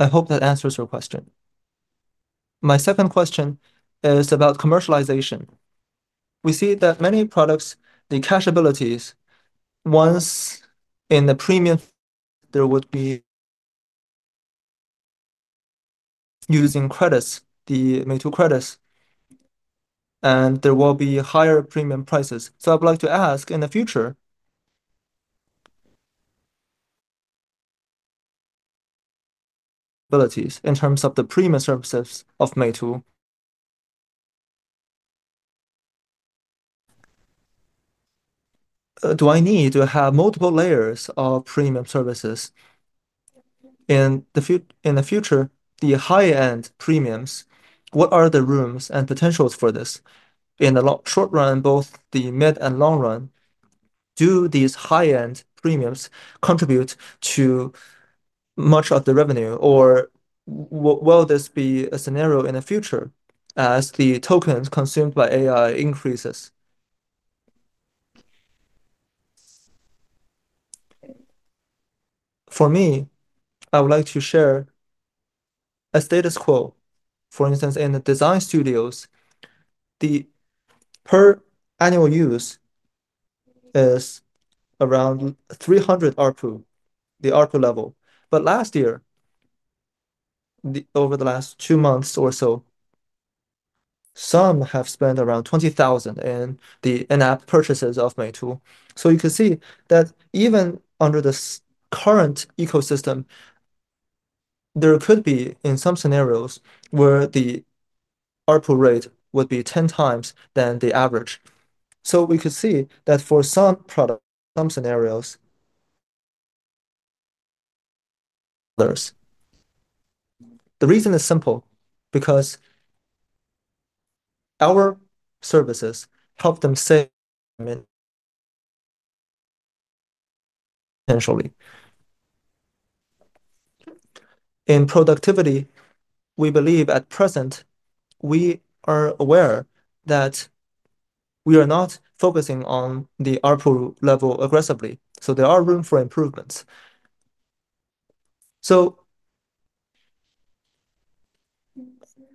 I hope that answers your question. My second question is about commercialization. We see that many products, the cacheabilities, once in the premium, there would be using credits, the Meitu credits, and there will be higher premium prices. I'd like to ask in the future abilities in terms of the premium services of Meitu. Do I need to have multiple layers of premium services? In the future, the high-end premiums, what are the rooms and potentials for this? In the short run, both the mid and long run, do these high-end premiums contribute to much of the revenue? Or will this be a scenario in the future as the tokens consumed by AI increases? For me, I would like to share a status quo. For instance, in the design studios, the per annual use is around 300 ARPU, the ARPU level. Last year, over the last two months or so, some have spent around 20,000 in the in-app purchases of Meitu. You can see that even under the current ecosystem, there could be, in some scenarios, where the ARPU rate would be 10x the average. We could see that for some products, some scenarios, the reason is simple because our services help them save money. In productivity, we believe at present we are aware that we are not focusing on the ARPU level aggressively. There are room for improvements.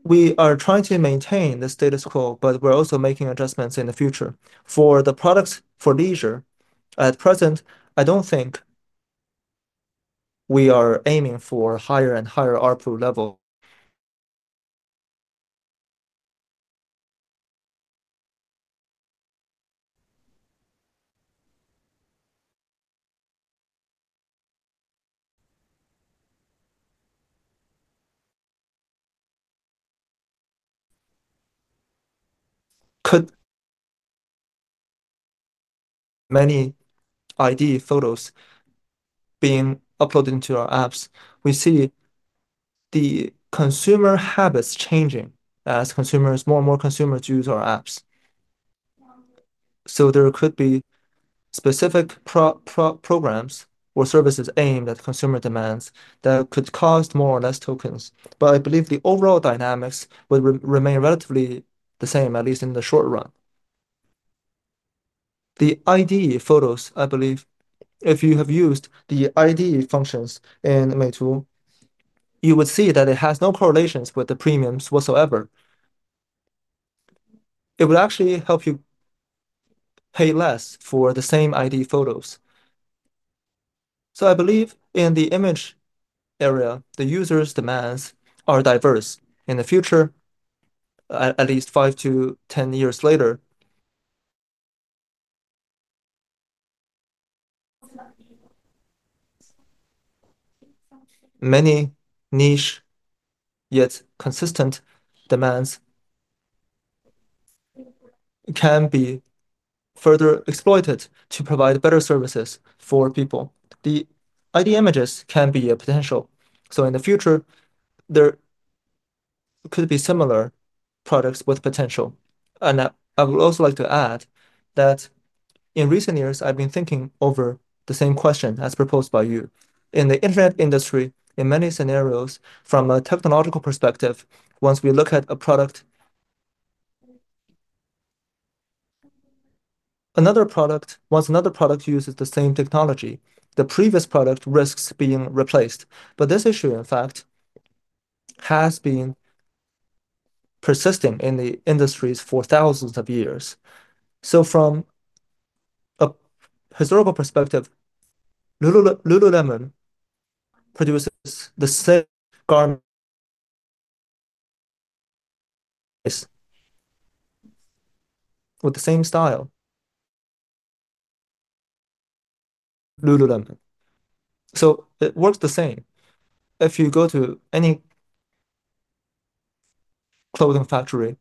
We are trying to maintain the status quo, but we're also making adjustments in the future. For the products for leisure, at present, I don't think we are aiming for higher and higher ARPU level. Many ID photos being uploaded into our apps, we see the consumer habits changing as more and more consumers use our apps. There could be specific programs or services aimed at consumer demands that could cost more or less tokens. I believe the overall dynamics would. mean, relatively the same, at least in the short run. The IDE photos, I believe, if you have used the IDE functions in Meitu, you would see that it has no correlations with the premiums whatsoever. It would actually help you pay less for the same IDE photos. I believe in the image area, the users' demands are diverse. In the future, at least 5-10 years later, many niche yet consistent demands can be further exploited to provide better services for people. The IDE images can be a potential. In the future, there could be similar products with potential. I would also like to add that in recent years, I've been thinking over the same question as proposed by you. In the internet industry, in many scenarios, from a technological perspective, once we look at a product, another product, once another product uses the same technology, the previous product risks being replaced. This issue, in fact, has been persistent in the industries for thousands of years. From a historical perspective, Lululemon produces the same garment with the same style, Lululemon. It works the same. If you go to any clothing factory,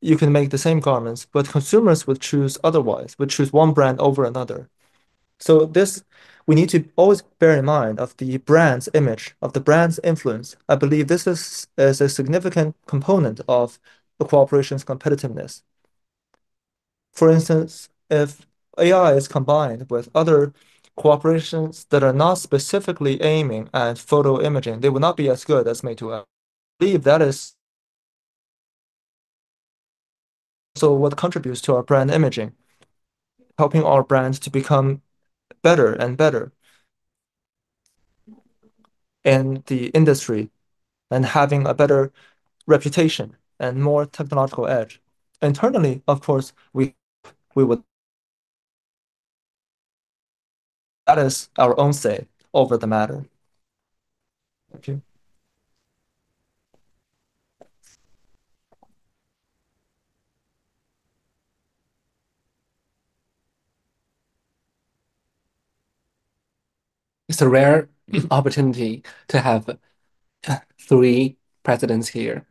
you can make the same garments, but consumers would choose otherwise, would choose one brand over another. We need to always bear in mind the brand's image, the brand's influence. I believe this is a significant component of a corporation's competitiveness. For instance, if AI is combined with other corporations that are not specifically aiming at photo imaging, they will not be as good as Meitu. I believe that is what contributes to our brand imaging, helping our brands to become better and better in the industry and having a better reputation and more technological edge. Internally, of course, we would. That is our own say over the matter. It's a rare opportunity to have three presidents here.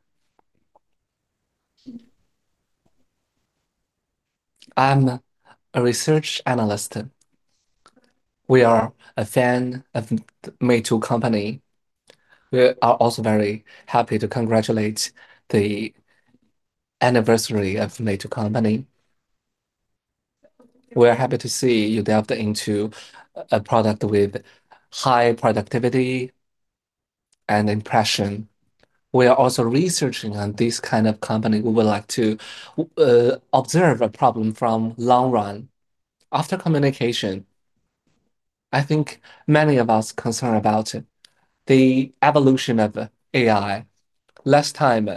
I'm a research analyst. We are a fan of Meitu Inc. We are also very happy to congratulate the anniversary of Meitu Inc. We are happy to see you delve into a product with high productivity and impression. We are also researching on this kind of company. We would like to observe a problem from the long run. After communication, I think many of us are concerned about the evolution of AI. Last time,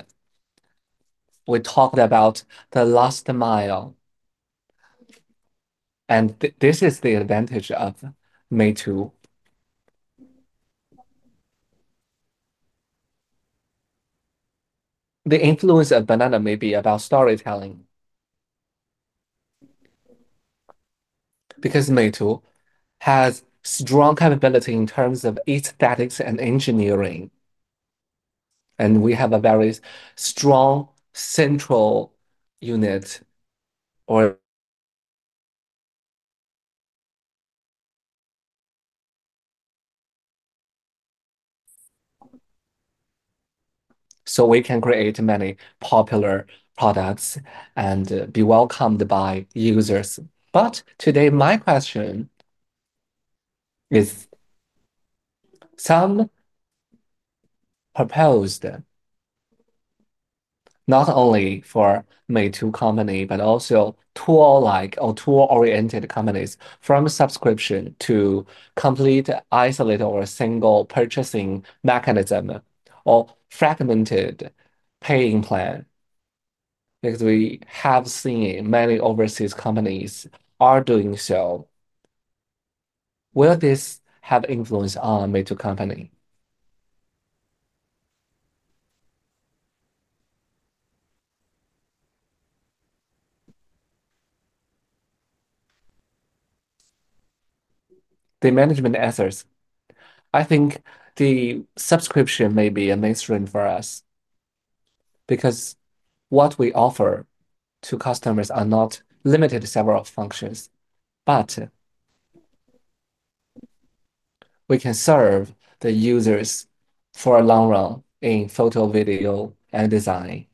we talked about the last mile. This is the advantage of Meitu. The influence of Banana may be about storytelling because Meitu has strong capability in terms of aesthetics and engineering. We have a very strong central unit, so we can create many popular products and be welcomed by users. Today, my question is proposed not only for Meitu Inc. but also tool-like or tool-oriented companies from subscription to complete isolated or single purchasing mechanism or fragmented paying plan. We have seen many overseas companies are doing so. Will this have influence on Meitu Inc.? The management answers, I think the subscription may be a mainstream for us because what we offer to customers are not limited to several functions, but we can serve the users for a long run in photo, video, and design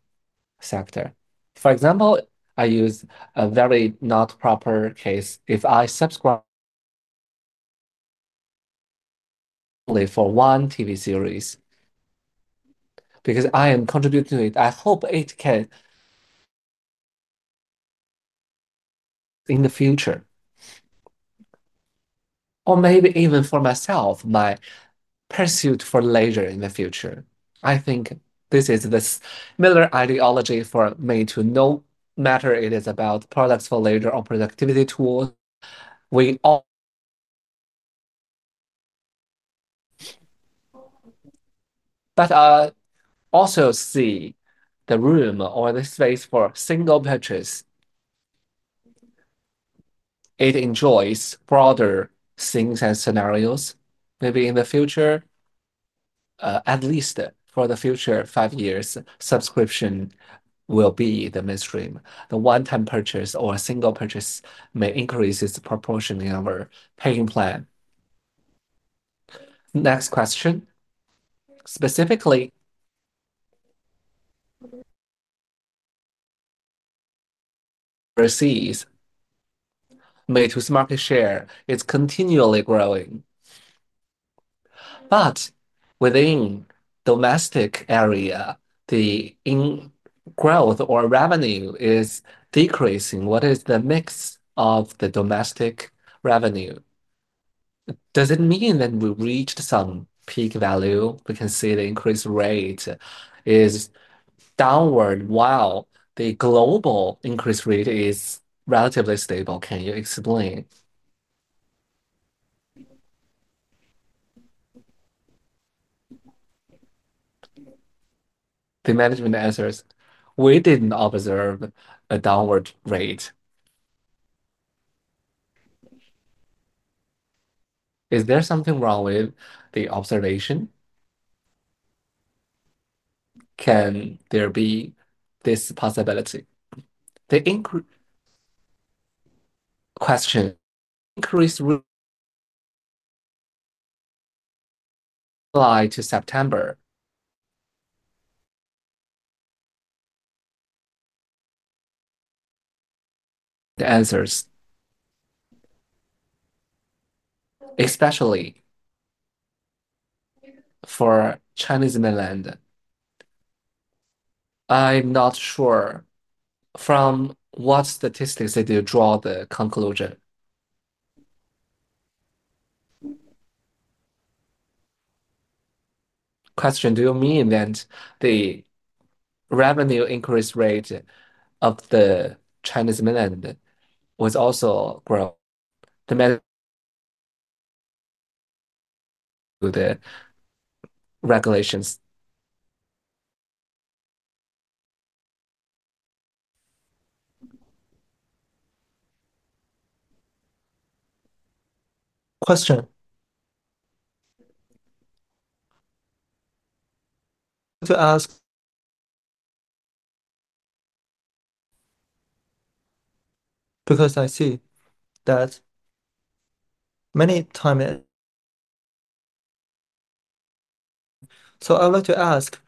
sector. For example, I use a very not proper case if I subscribe only for one TV series because I am contributing to it. I hope it can in the future, or maybe even for myself, my pursuit for leisure in the future. I think this is the middle ideology for Meitu Inc., no matter it is about products for leisure or productivity tools. We all, but I also see the room or the space for single purchase. It enjoys broader scenes and scenarios. Maybe in the future, at least for the future five years, subscription will be the mainstream. The one-time purchase or single purchase may increase its proportion in our paying plan. Next question. Specifically, overseas, Meitu Inc.'s market share is continually growing. Within the domestic area, the growth or revenue is decreasing. What is the mix of the domestic revenue? Does it mean that we reached some peak value? The increase rate is downward while the global increase rate is relatively stable. Can you explain? The management answers, we didn't observe a downward rate. Is there something wrong with the observation? Can there be this possibility? The question – increase July to September? The answers, especially for Chinese mainland, I'm not sure from what statistics they draw the conclusion. Question, do you mean that the revenue increase rate of the Chinese mainland was also growing? The regulations. Question. To ask, because I see that many times. I would like to ask,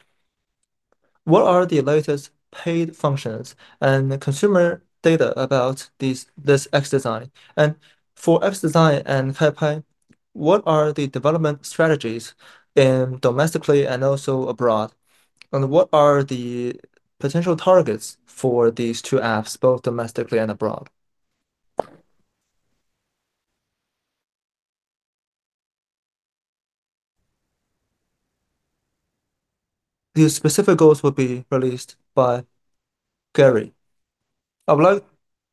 what are the latest paid functions and consumer data about this XDesign? For XDesign and KaiPai, what are the development strategies domestically and also abroad? What are the potential targets for these two apps, both domestically and abroad? The specific goals will be released by Gary. I would like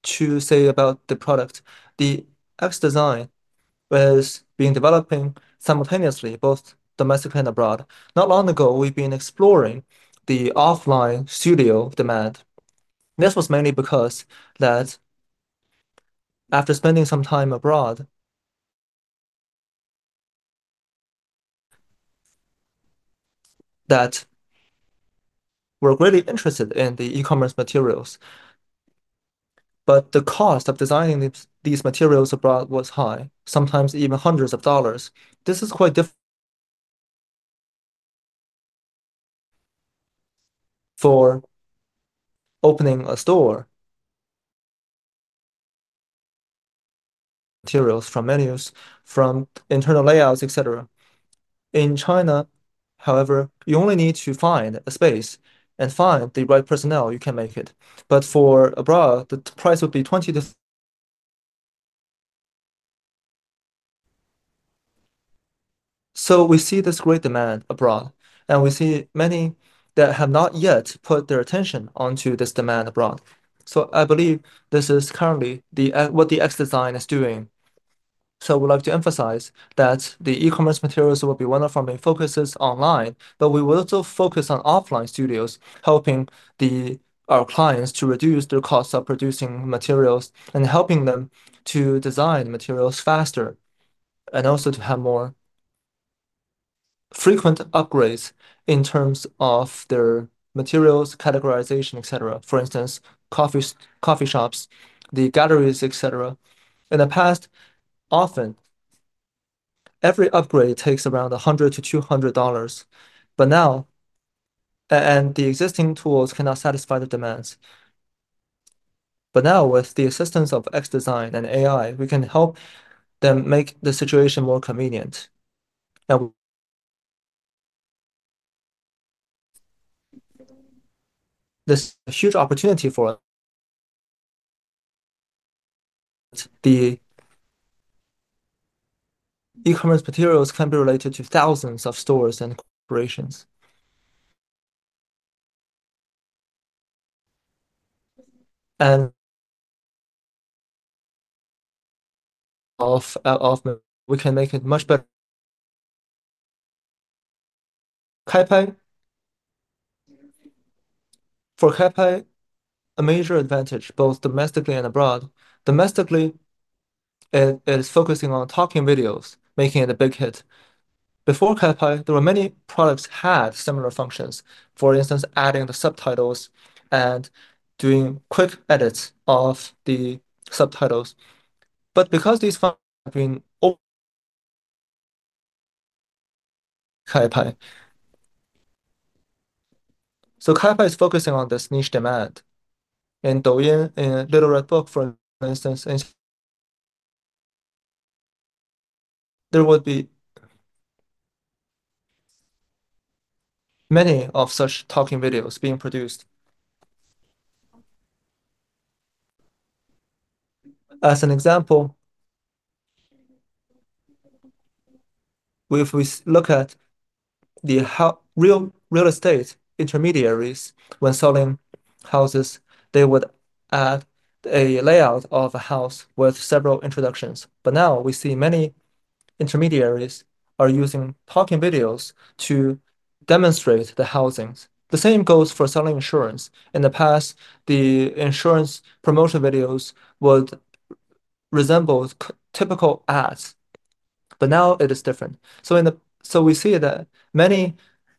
to say about the product. The XDesign was being developed simultaneously, both domestically and abroad. Not long ago, we've been exploring the offline studio demand. This was mainly because after spending some time abroad, we were really interested in the e-commerce materials. The cost of designing these materials abroad was high, sometimes even hundreds of dollars. This is quite different for opening a store. Materials from menus, from internal layouts, etc. In China, however, you only need to find a space and find the right personnel, you can make it. For abroad, the price would be 20 to. We see this great demand abroad, and we see many that have not yet put their attention onto this demand abroad. I believe this is currently what the XDesign is doing. We'd like to emphasize that the e-commerce materials will be one of our main focuses online, but we will also focus on offline studios, helping our clients to reduce their costs of producing materials and helping them to design materials faster and also to have more frequent upgrades in terms of their materials, categorization, etc. For instance, coffee shops, the galleries, etc. In the past, often every upgrade takes around $100-$200, and the existing tools cannot satisfy the demands. Now, with the assistance of XDesign and AI, we can help them make the situation more convenient. This is a huge opportunity for. The e-commerce materials can be related to thousands of stores and corporations. We can make it much better. KaiPai? For KaiPai, a major advantage, both domestically and abroad. Domestically, it is focusing on talking videos, making it a big hit. Before KaiPai, there were many products that had similar functions. For instance, adding the subtitles and doing quick edits of the subtitles. Because these functions have been over KaiPai. KaiPai is focusing on this niche demand. In Douyin, in Little Red Book, for instance, there would be many of such talking videos being produced. As an example, if we look at the real estate intermediaries when selling houses, they would add a layout of a house with several introductions. Now we see many intermediaries are using talking videos to demonstrate the housings. The same goes for selling insurance. In the past, the insurance promotion videos would resemble typical ads, now it is different. We see that many of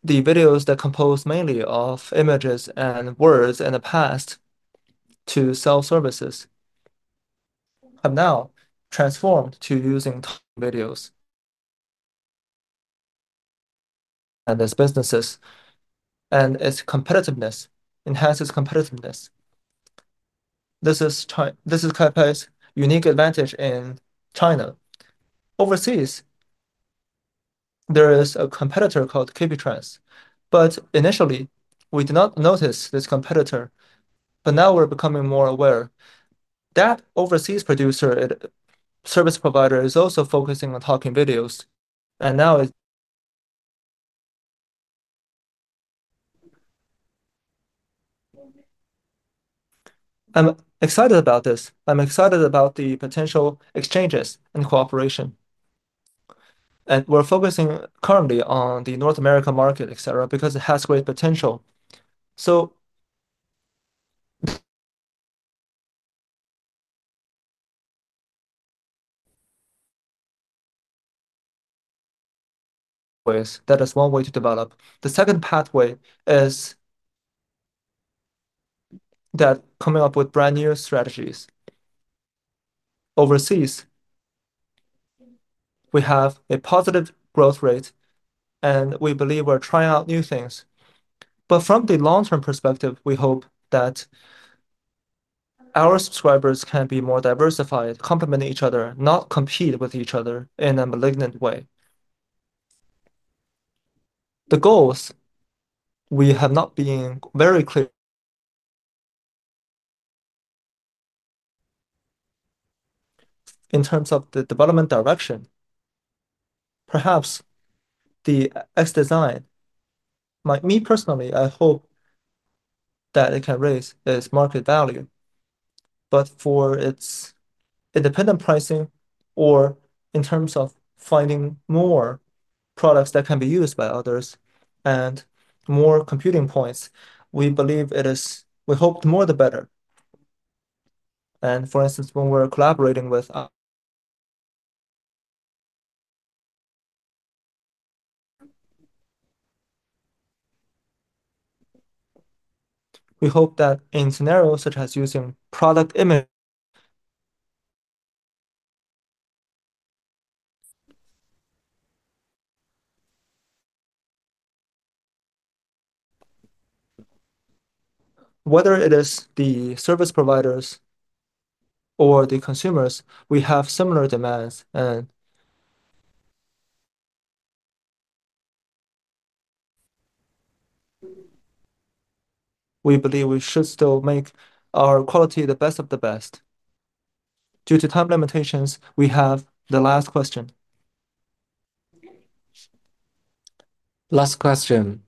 the videos that are composed mainly of images and words in the past to sell services have now transformed to using videos. There's businesses, and its competitiveness enhances competitiveness. This is Meitu's unique advantage in China. Overseas, there is a competitor called [KBTrust]. Initially, we did not notice this competitor, but now we're becoming more aware. That overseas producer, service provider, is also focusing on talking videos. I'm excited about this. I'm excited about the potential exchanges and cooperation. We're focusing currently on the North American market, etc., because it has great potential. That is one way to develop. The second pathway is coming up with brand new strategies. Overseas, we have a positive growth rate, and we believe we're trying out new things. From the long-term perspective, we hope that our subscribers can be more diversified, complement each other, not compete with each other in a malignant way. The goals, we have not been very clear in terms of the development direction. Perhaps the S design, me personally, I hope that it can raise its market value. For its independent pricing or in terms of finding more products that can be used by others and more computing points, we believe it is, we hope the more the better. For instance, when we're collaborating with, we hope that in scenarios such as using product image, whether it is the service providers or the consumers, we have similar demands. We believe we should still make our quality the best of the best. Due to time limitations, we have the last question. Last question.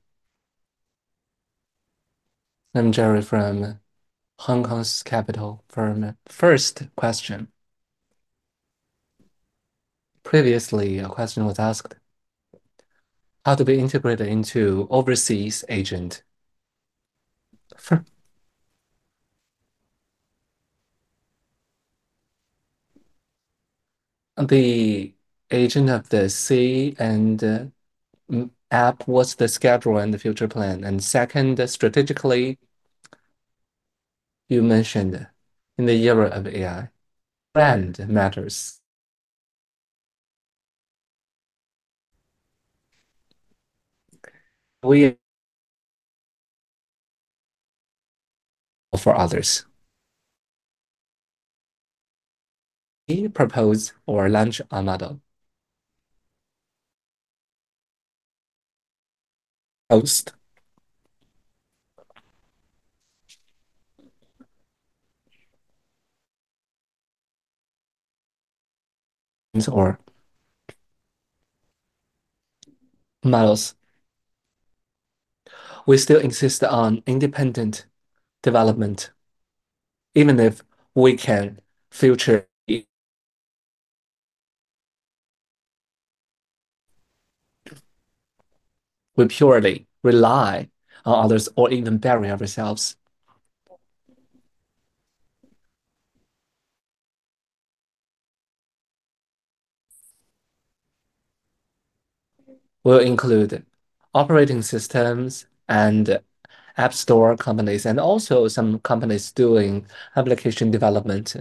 I'm Jerry from Hong Kong's capital. For the first question, previously, a question was asked, how do we integrate into overseas agent? The agent of the C and app, what's the schedule and the future plan? Second, strategically, you mentioned in the era of AI, land matters. For others, can you propose or launch another? Or models, we still insist on independent development, even if we can future. We purely rely on others or even bury ourselves. We'll include operating systems and app store companies and also some companies doing application development.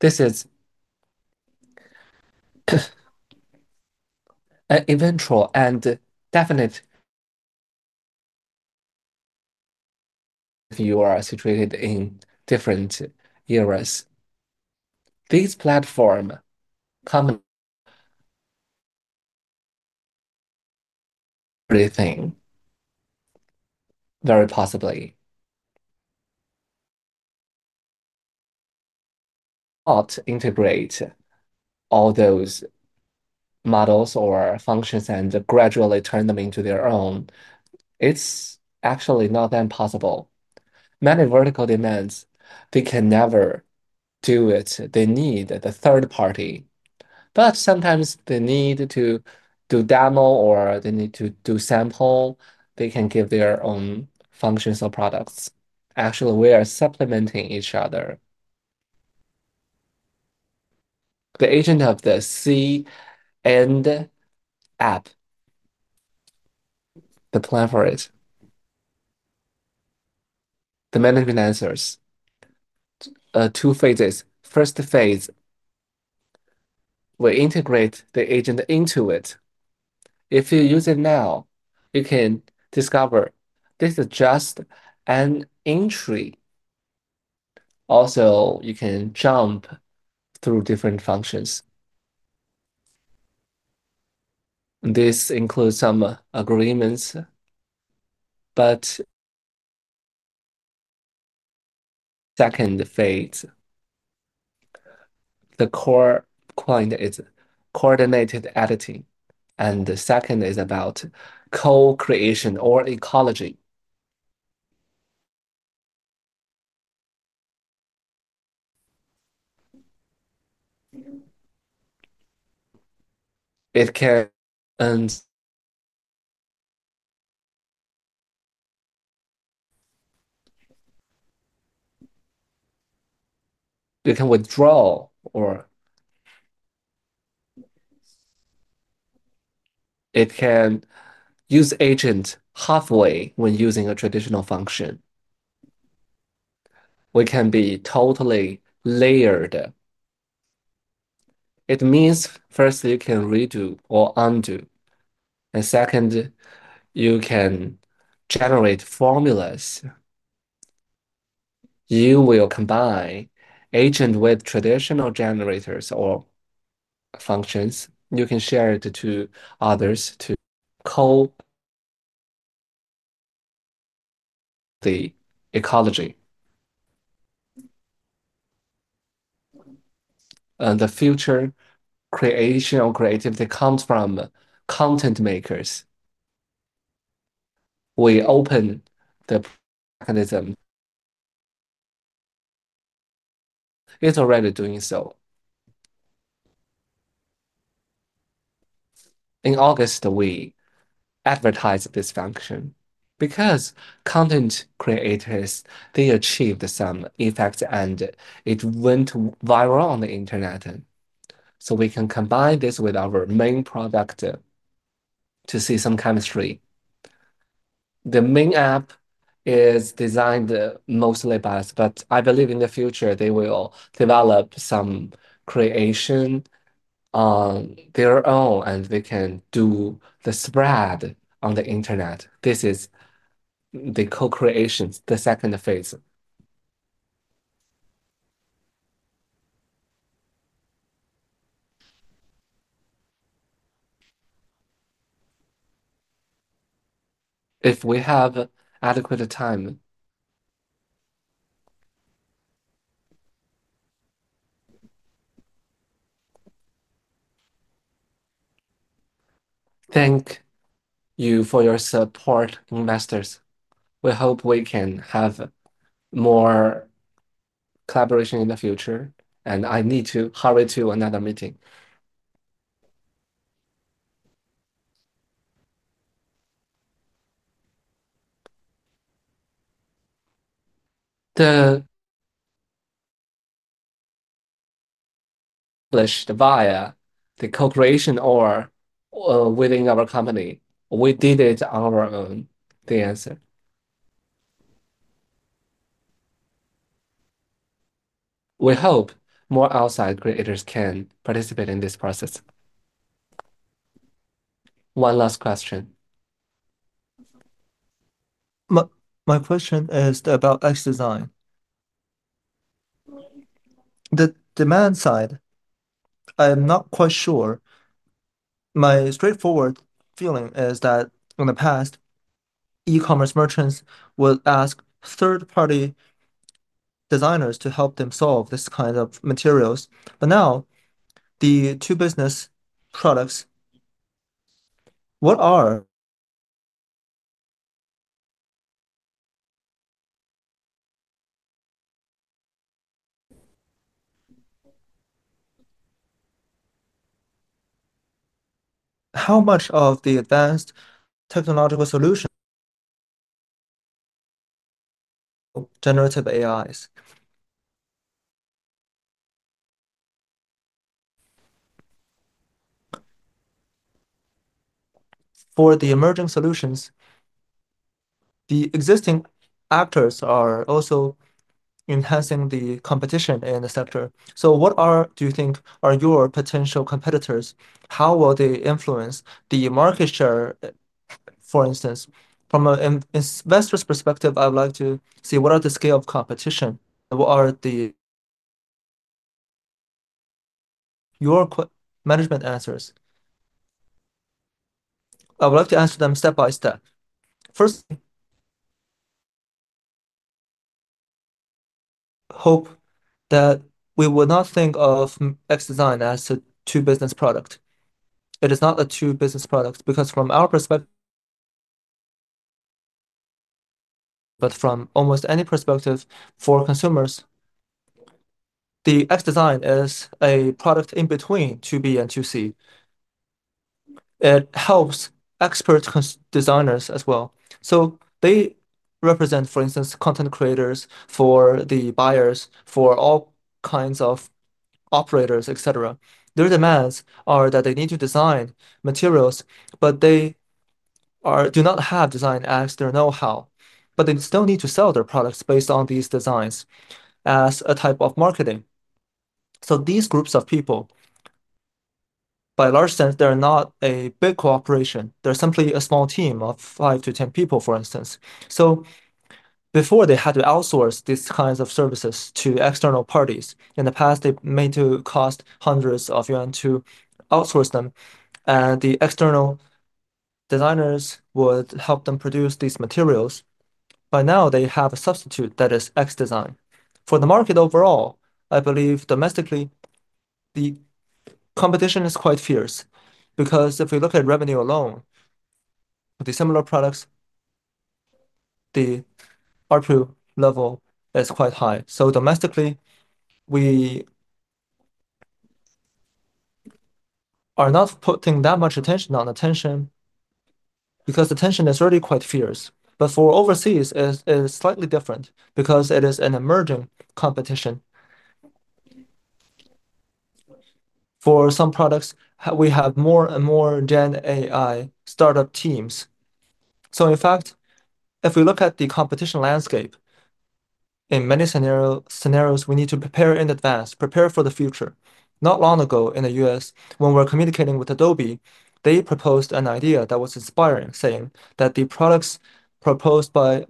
This is an eventual and definite if you are situated in different eras. These platforms commonly think very possibly not to integrate all those models or functions and gradually turn them into their own. It's actually not that impossible. Many vertical demands, they can never do it. They need the third party. Sometimes they need to do demo or they need to do sample. They can give their own functions or products. Actually, we are supplementing each other. The agent of the C and app, the plan for it, the management answers two phases. First phase, we integrate the agent into it. If you use it now, you can discover this is just an entry. Also, you can jump through different functions. This includes some agreements. Second phase, the core client is coordinated editing. The second is about co-creation or ecology. It can withdraw or it can use agent halfway when using a traditional function. We can be totally layered. It means first you can redo or undo. Second, you can generate formulas. You will combine agent with traditional generators or functions. You can share it to others to co-ecology. The future creation or creativity comes from content makers. We open the mechanism. It's already doing so. In August, we advertise this function because content creators, they achieved some effects, and it went viral on the internet. We can combine this with our main product to see some chemistry. The main app is designed mostly by us, but I believe in the future they will develop some creation on their own, and they can do the spread on the internet. This is the co-creation, the second phase. If we have adequate time, thank you for your support, investors. We hope we can have more collaboration in the future. I need to hurry to another meeting. The co-creation or within our company, we did it on our own. The answer, we hope more outside creators can participate in this process. One last question. My question is about XDesign. The demand side, I'm not quite sure. My straightforward feeling is that in the past, e-commerce merchants would ask third-party designers to help them solve this kind of materials. Now, the two business products, what are how much of the advanced technological solution generated by AIs? For the emerging solutions, the existing actors are also enhancing the competition in the sector. What do you think are your potential competitors? How will they influence the market share? For instance, from an investor's perspective, I would like to see what are the scale of competition and what are your management answers? I would like to answer them step by step. First, I hope that we will not think of XDesign as a two-business product. It is not a two-business product because from our perspective, but from almost any perspective for consumers, the XDesign is a product in between 2B and 2C. It helps expert designers as well. They represent, for instance, content creators for the buyers, for all kinds of operators, etc. Their demands are that they need to design materials, but they do not have design as their know-how. They still need to sell their products based on these designs as a type of marketing. These groups of people, by a large sense, they're not a big corporation. They're simply a small team of 5-10 people, for instance. Before they had to outsource these kinds of services to external parties, in the past, they may have cost hundreds of yuan to outsource them. The external designers would help them produce these materials. By now, they have a substitute that is XDesign. For the market overall, I believe domestically the competition is quite fierce because if we look at revenue alone, the similar products, the R2 level is quite high. Domestically, we are not putting that much attention on attention because the tension is already quite fierce. For overseas, it is slightly different because it is an emerging competition. For some products, we have more and more GenAI startup teams. In fact, if we look at the competition landscape, in many scenarios, we need to prepare in advance, prepare for the future. Not long ago in the U.S., when we're communicating with Adobe, they proposed an idea that was inspiring, saying that the products proposed by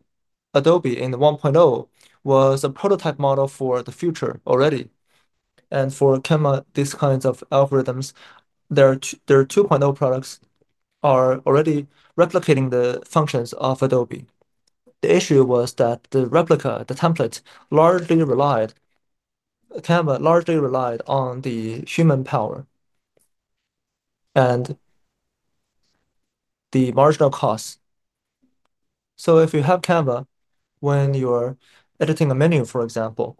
Adobe in the 1.0 was a prototype model for the future already. For Canva, these kinds of algorithms, their 2.0 products are already replicating the functions of Adobe. The issue was that the replica, the template, largely relied on the human power and the marginal costs. If you have Canva, when you're editing a menu, for example,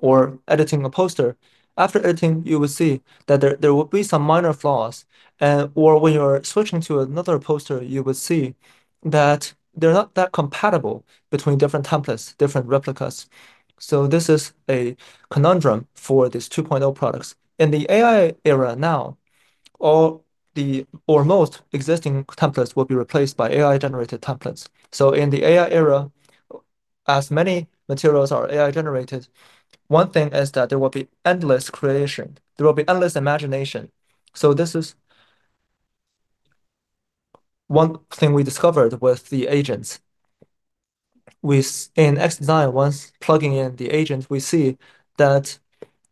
or editing a poster, after editing, you will see that there will be some minor flaws. When you're switching to another poster, you will see that they're not that compatible between different templates, different replicas. This is a conundrum for these 2.0 products. In the AI era now, most existing templates will be replaced by AI-generated templates. In the AI era, as many materials are AI-generated, one thing is that there will be endless creation. There will be endless imagination. This is one thing we discovered with the agents. In XDesign, once plugging in the agents, we see that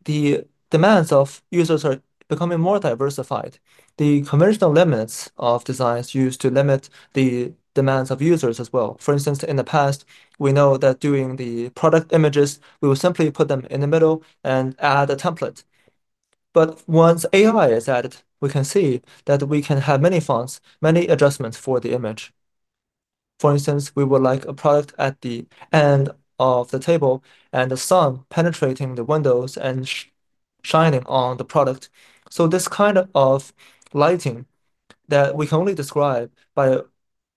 the demands of users are becoming more diversified. The conventional limits of designs used to limit the demands of users as well. For instance, in the past, we know that during the product images, we will simply put them in the middle and add a template. Once AI is added, we can see that we can have many fonts, many adjustments for the image. For instance, we would like a product at the end of the table and the sun penetrating the windows and shining on the product. This kind of lighting that we can only describe by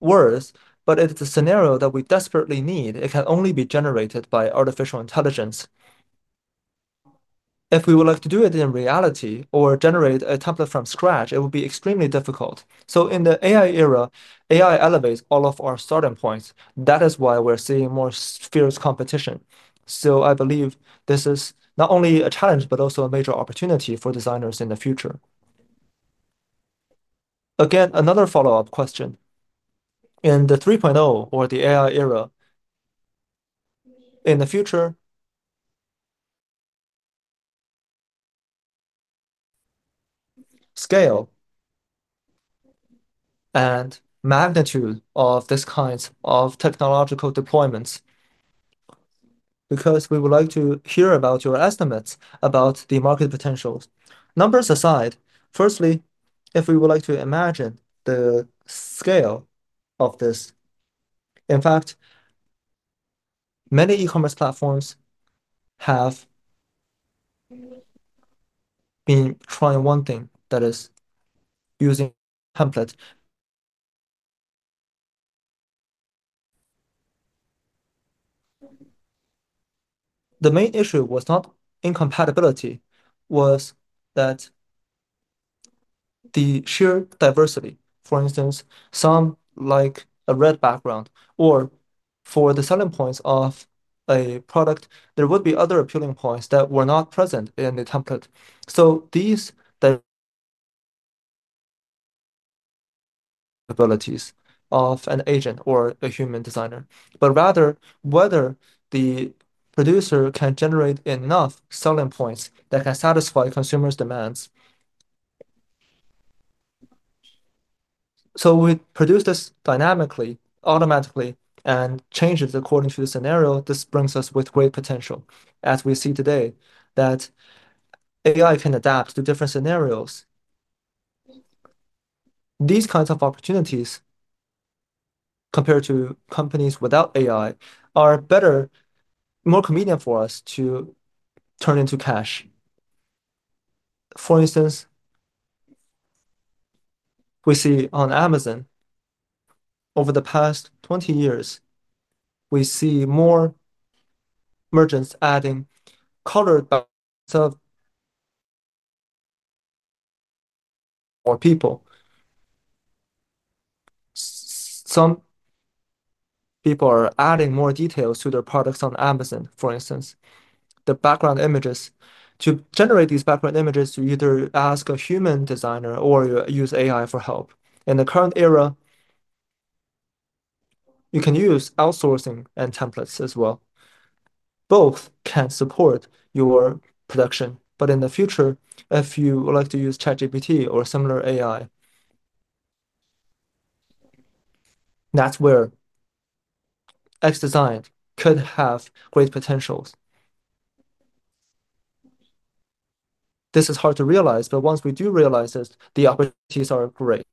words, but it is a scenario that we desperately need. It can only be generated by artificial intelligence. If we would like to do it in reality or generate a template from scratch, it would be extremely difficult. In the AI era, AI elevates all of our starting points. That is why we're seeing more fierce competition. I believe this is not only a challenge, but also a major opportunity for designers in the future. Again, another follow-up question. In the 3.0 or the AI era, in the future, scale and magnitude of these kinds of technological deployments, because we would like to hear about your estimates about the market potentials. Numbers aside, firstly, if we would like to imagine the scale of this, in fact, many e-commerce platforms have been trying one thing that is using templates. The main issue was not incompatibility, it was that the sheer diversity, for instance, some like a red background, or for the selling points of a product, there would be other appealing points that were not present in the template. These abilities of an agent or a human designer, but rather whether the producer can generate enough selling points that can satisfy consumers' demands. We produce this dynamically, automatically, and change this according to the scenario. This brings us great potential, as we see today that AI can adapt to different scenarios. These kinds of opportunities compared to companies without AI are better, more convenient for us to turn into cash. For instance, we see on Amazon, over the past 20 years, more merchants adding colored boxes or people. Some people are adding more details to their products on Amazon, for instance, the background images. To generate these background images, you either ask a human designer or use AI for help. In the current era, you can use outsourcing and templates as well. Both can support your production. In the future, if you would like to use ChatGPT or similar AI, that's where XDesign could have great potential. This is hard to realize, but once we do realize this, the opportunities are great.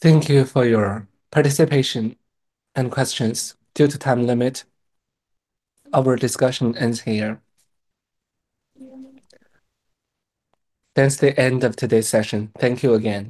Thank you for your participation and questions. Due to time limit, our discussion ends here. That's the end of today's session. Thank you again.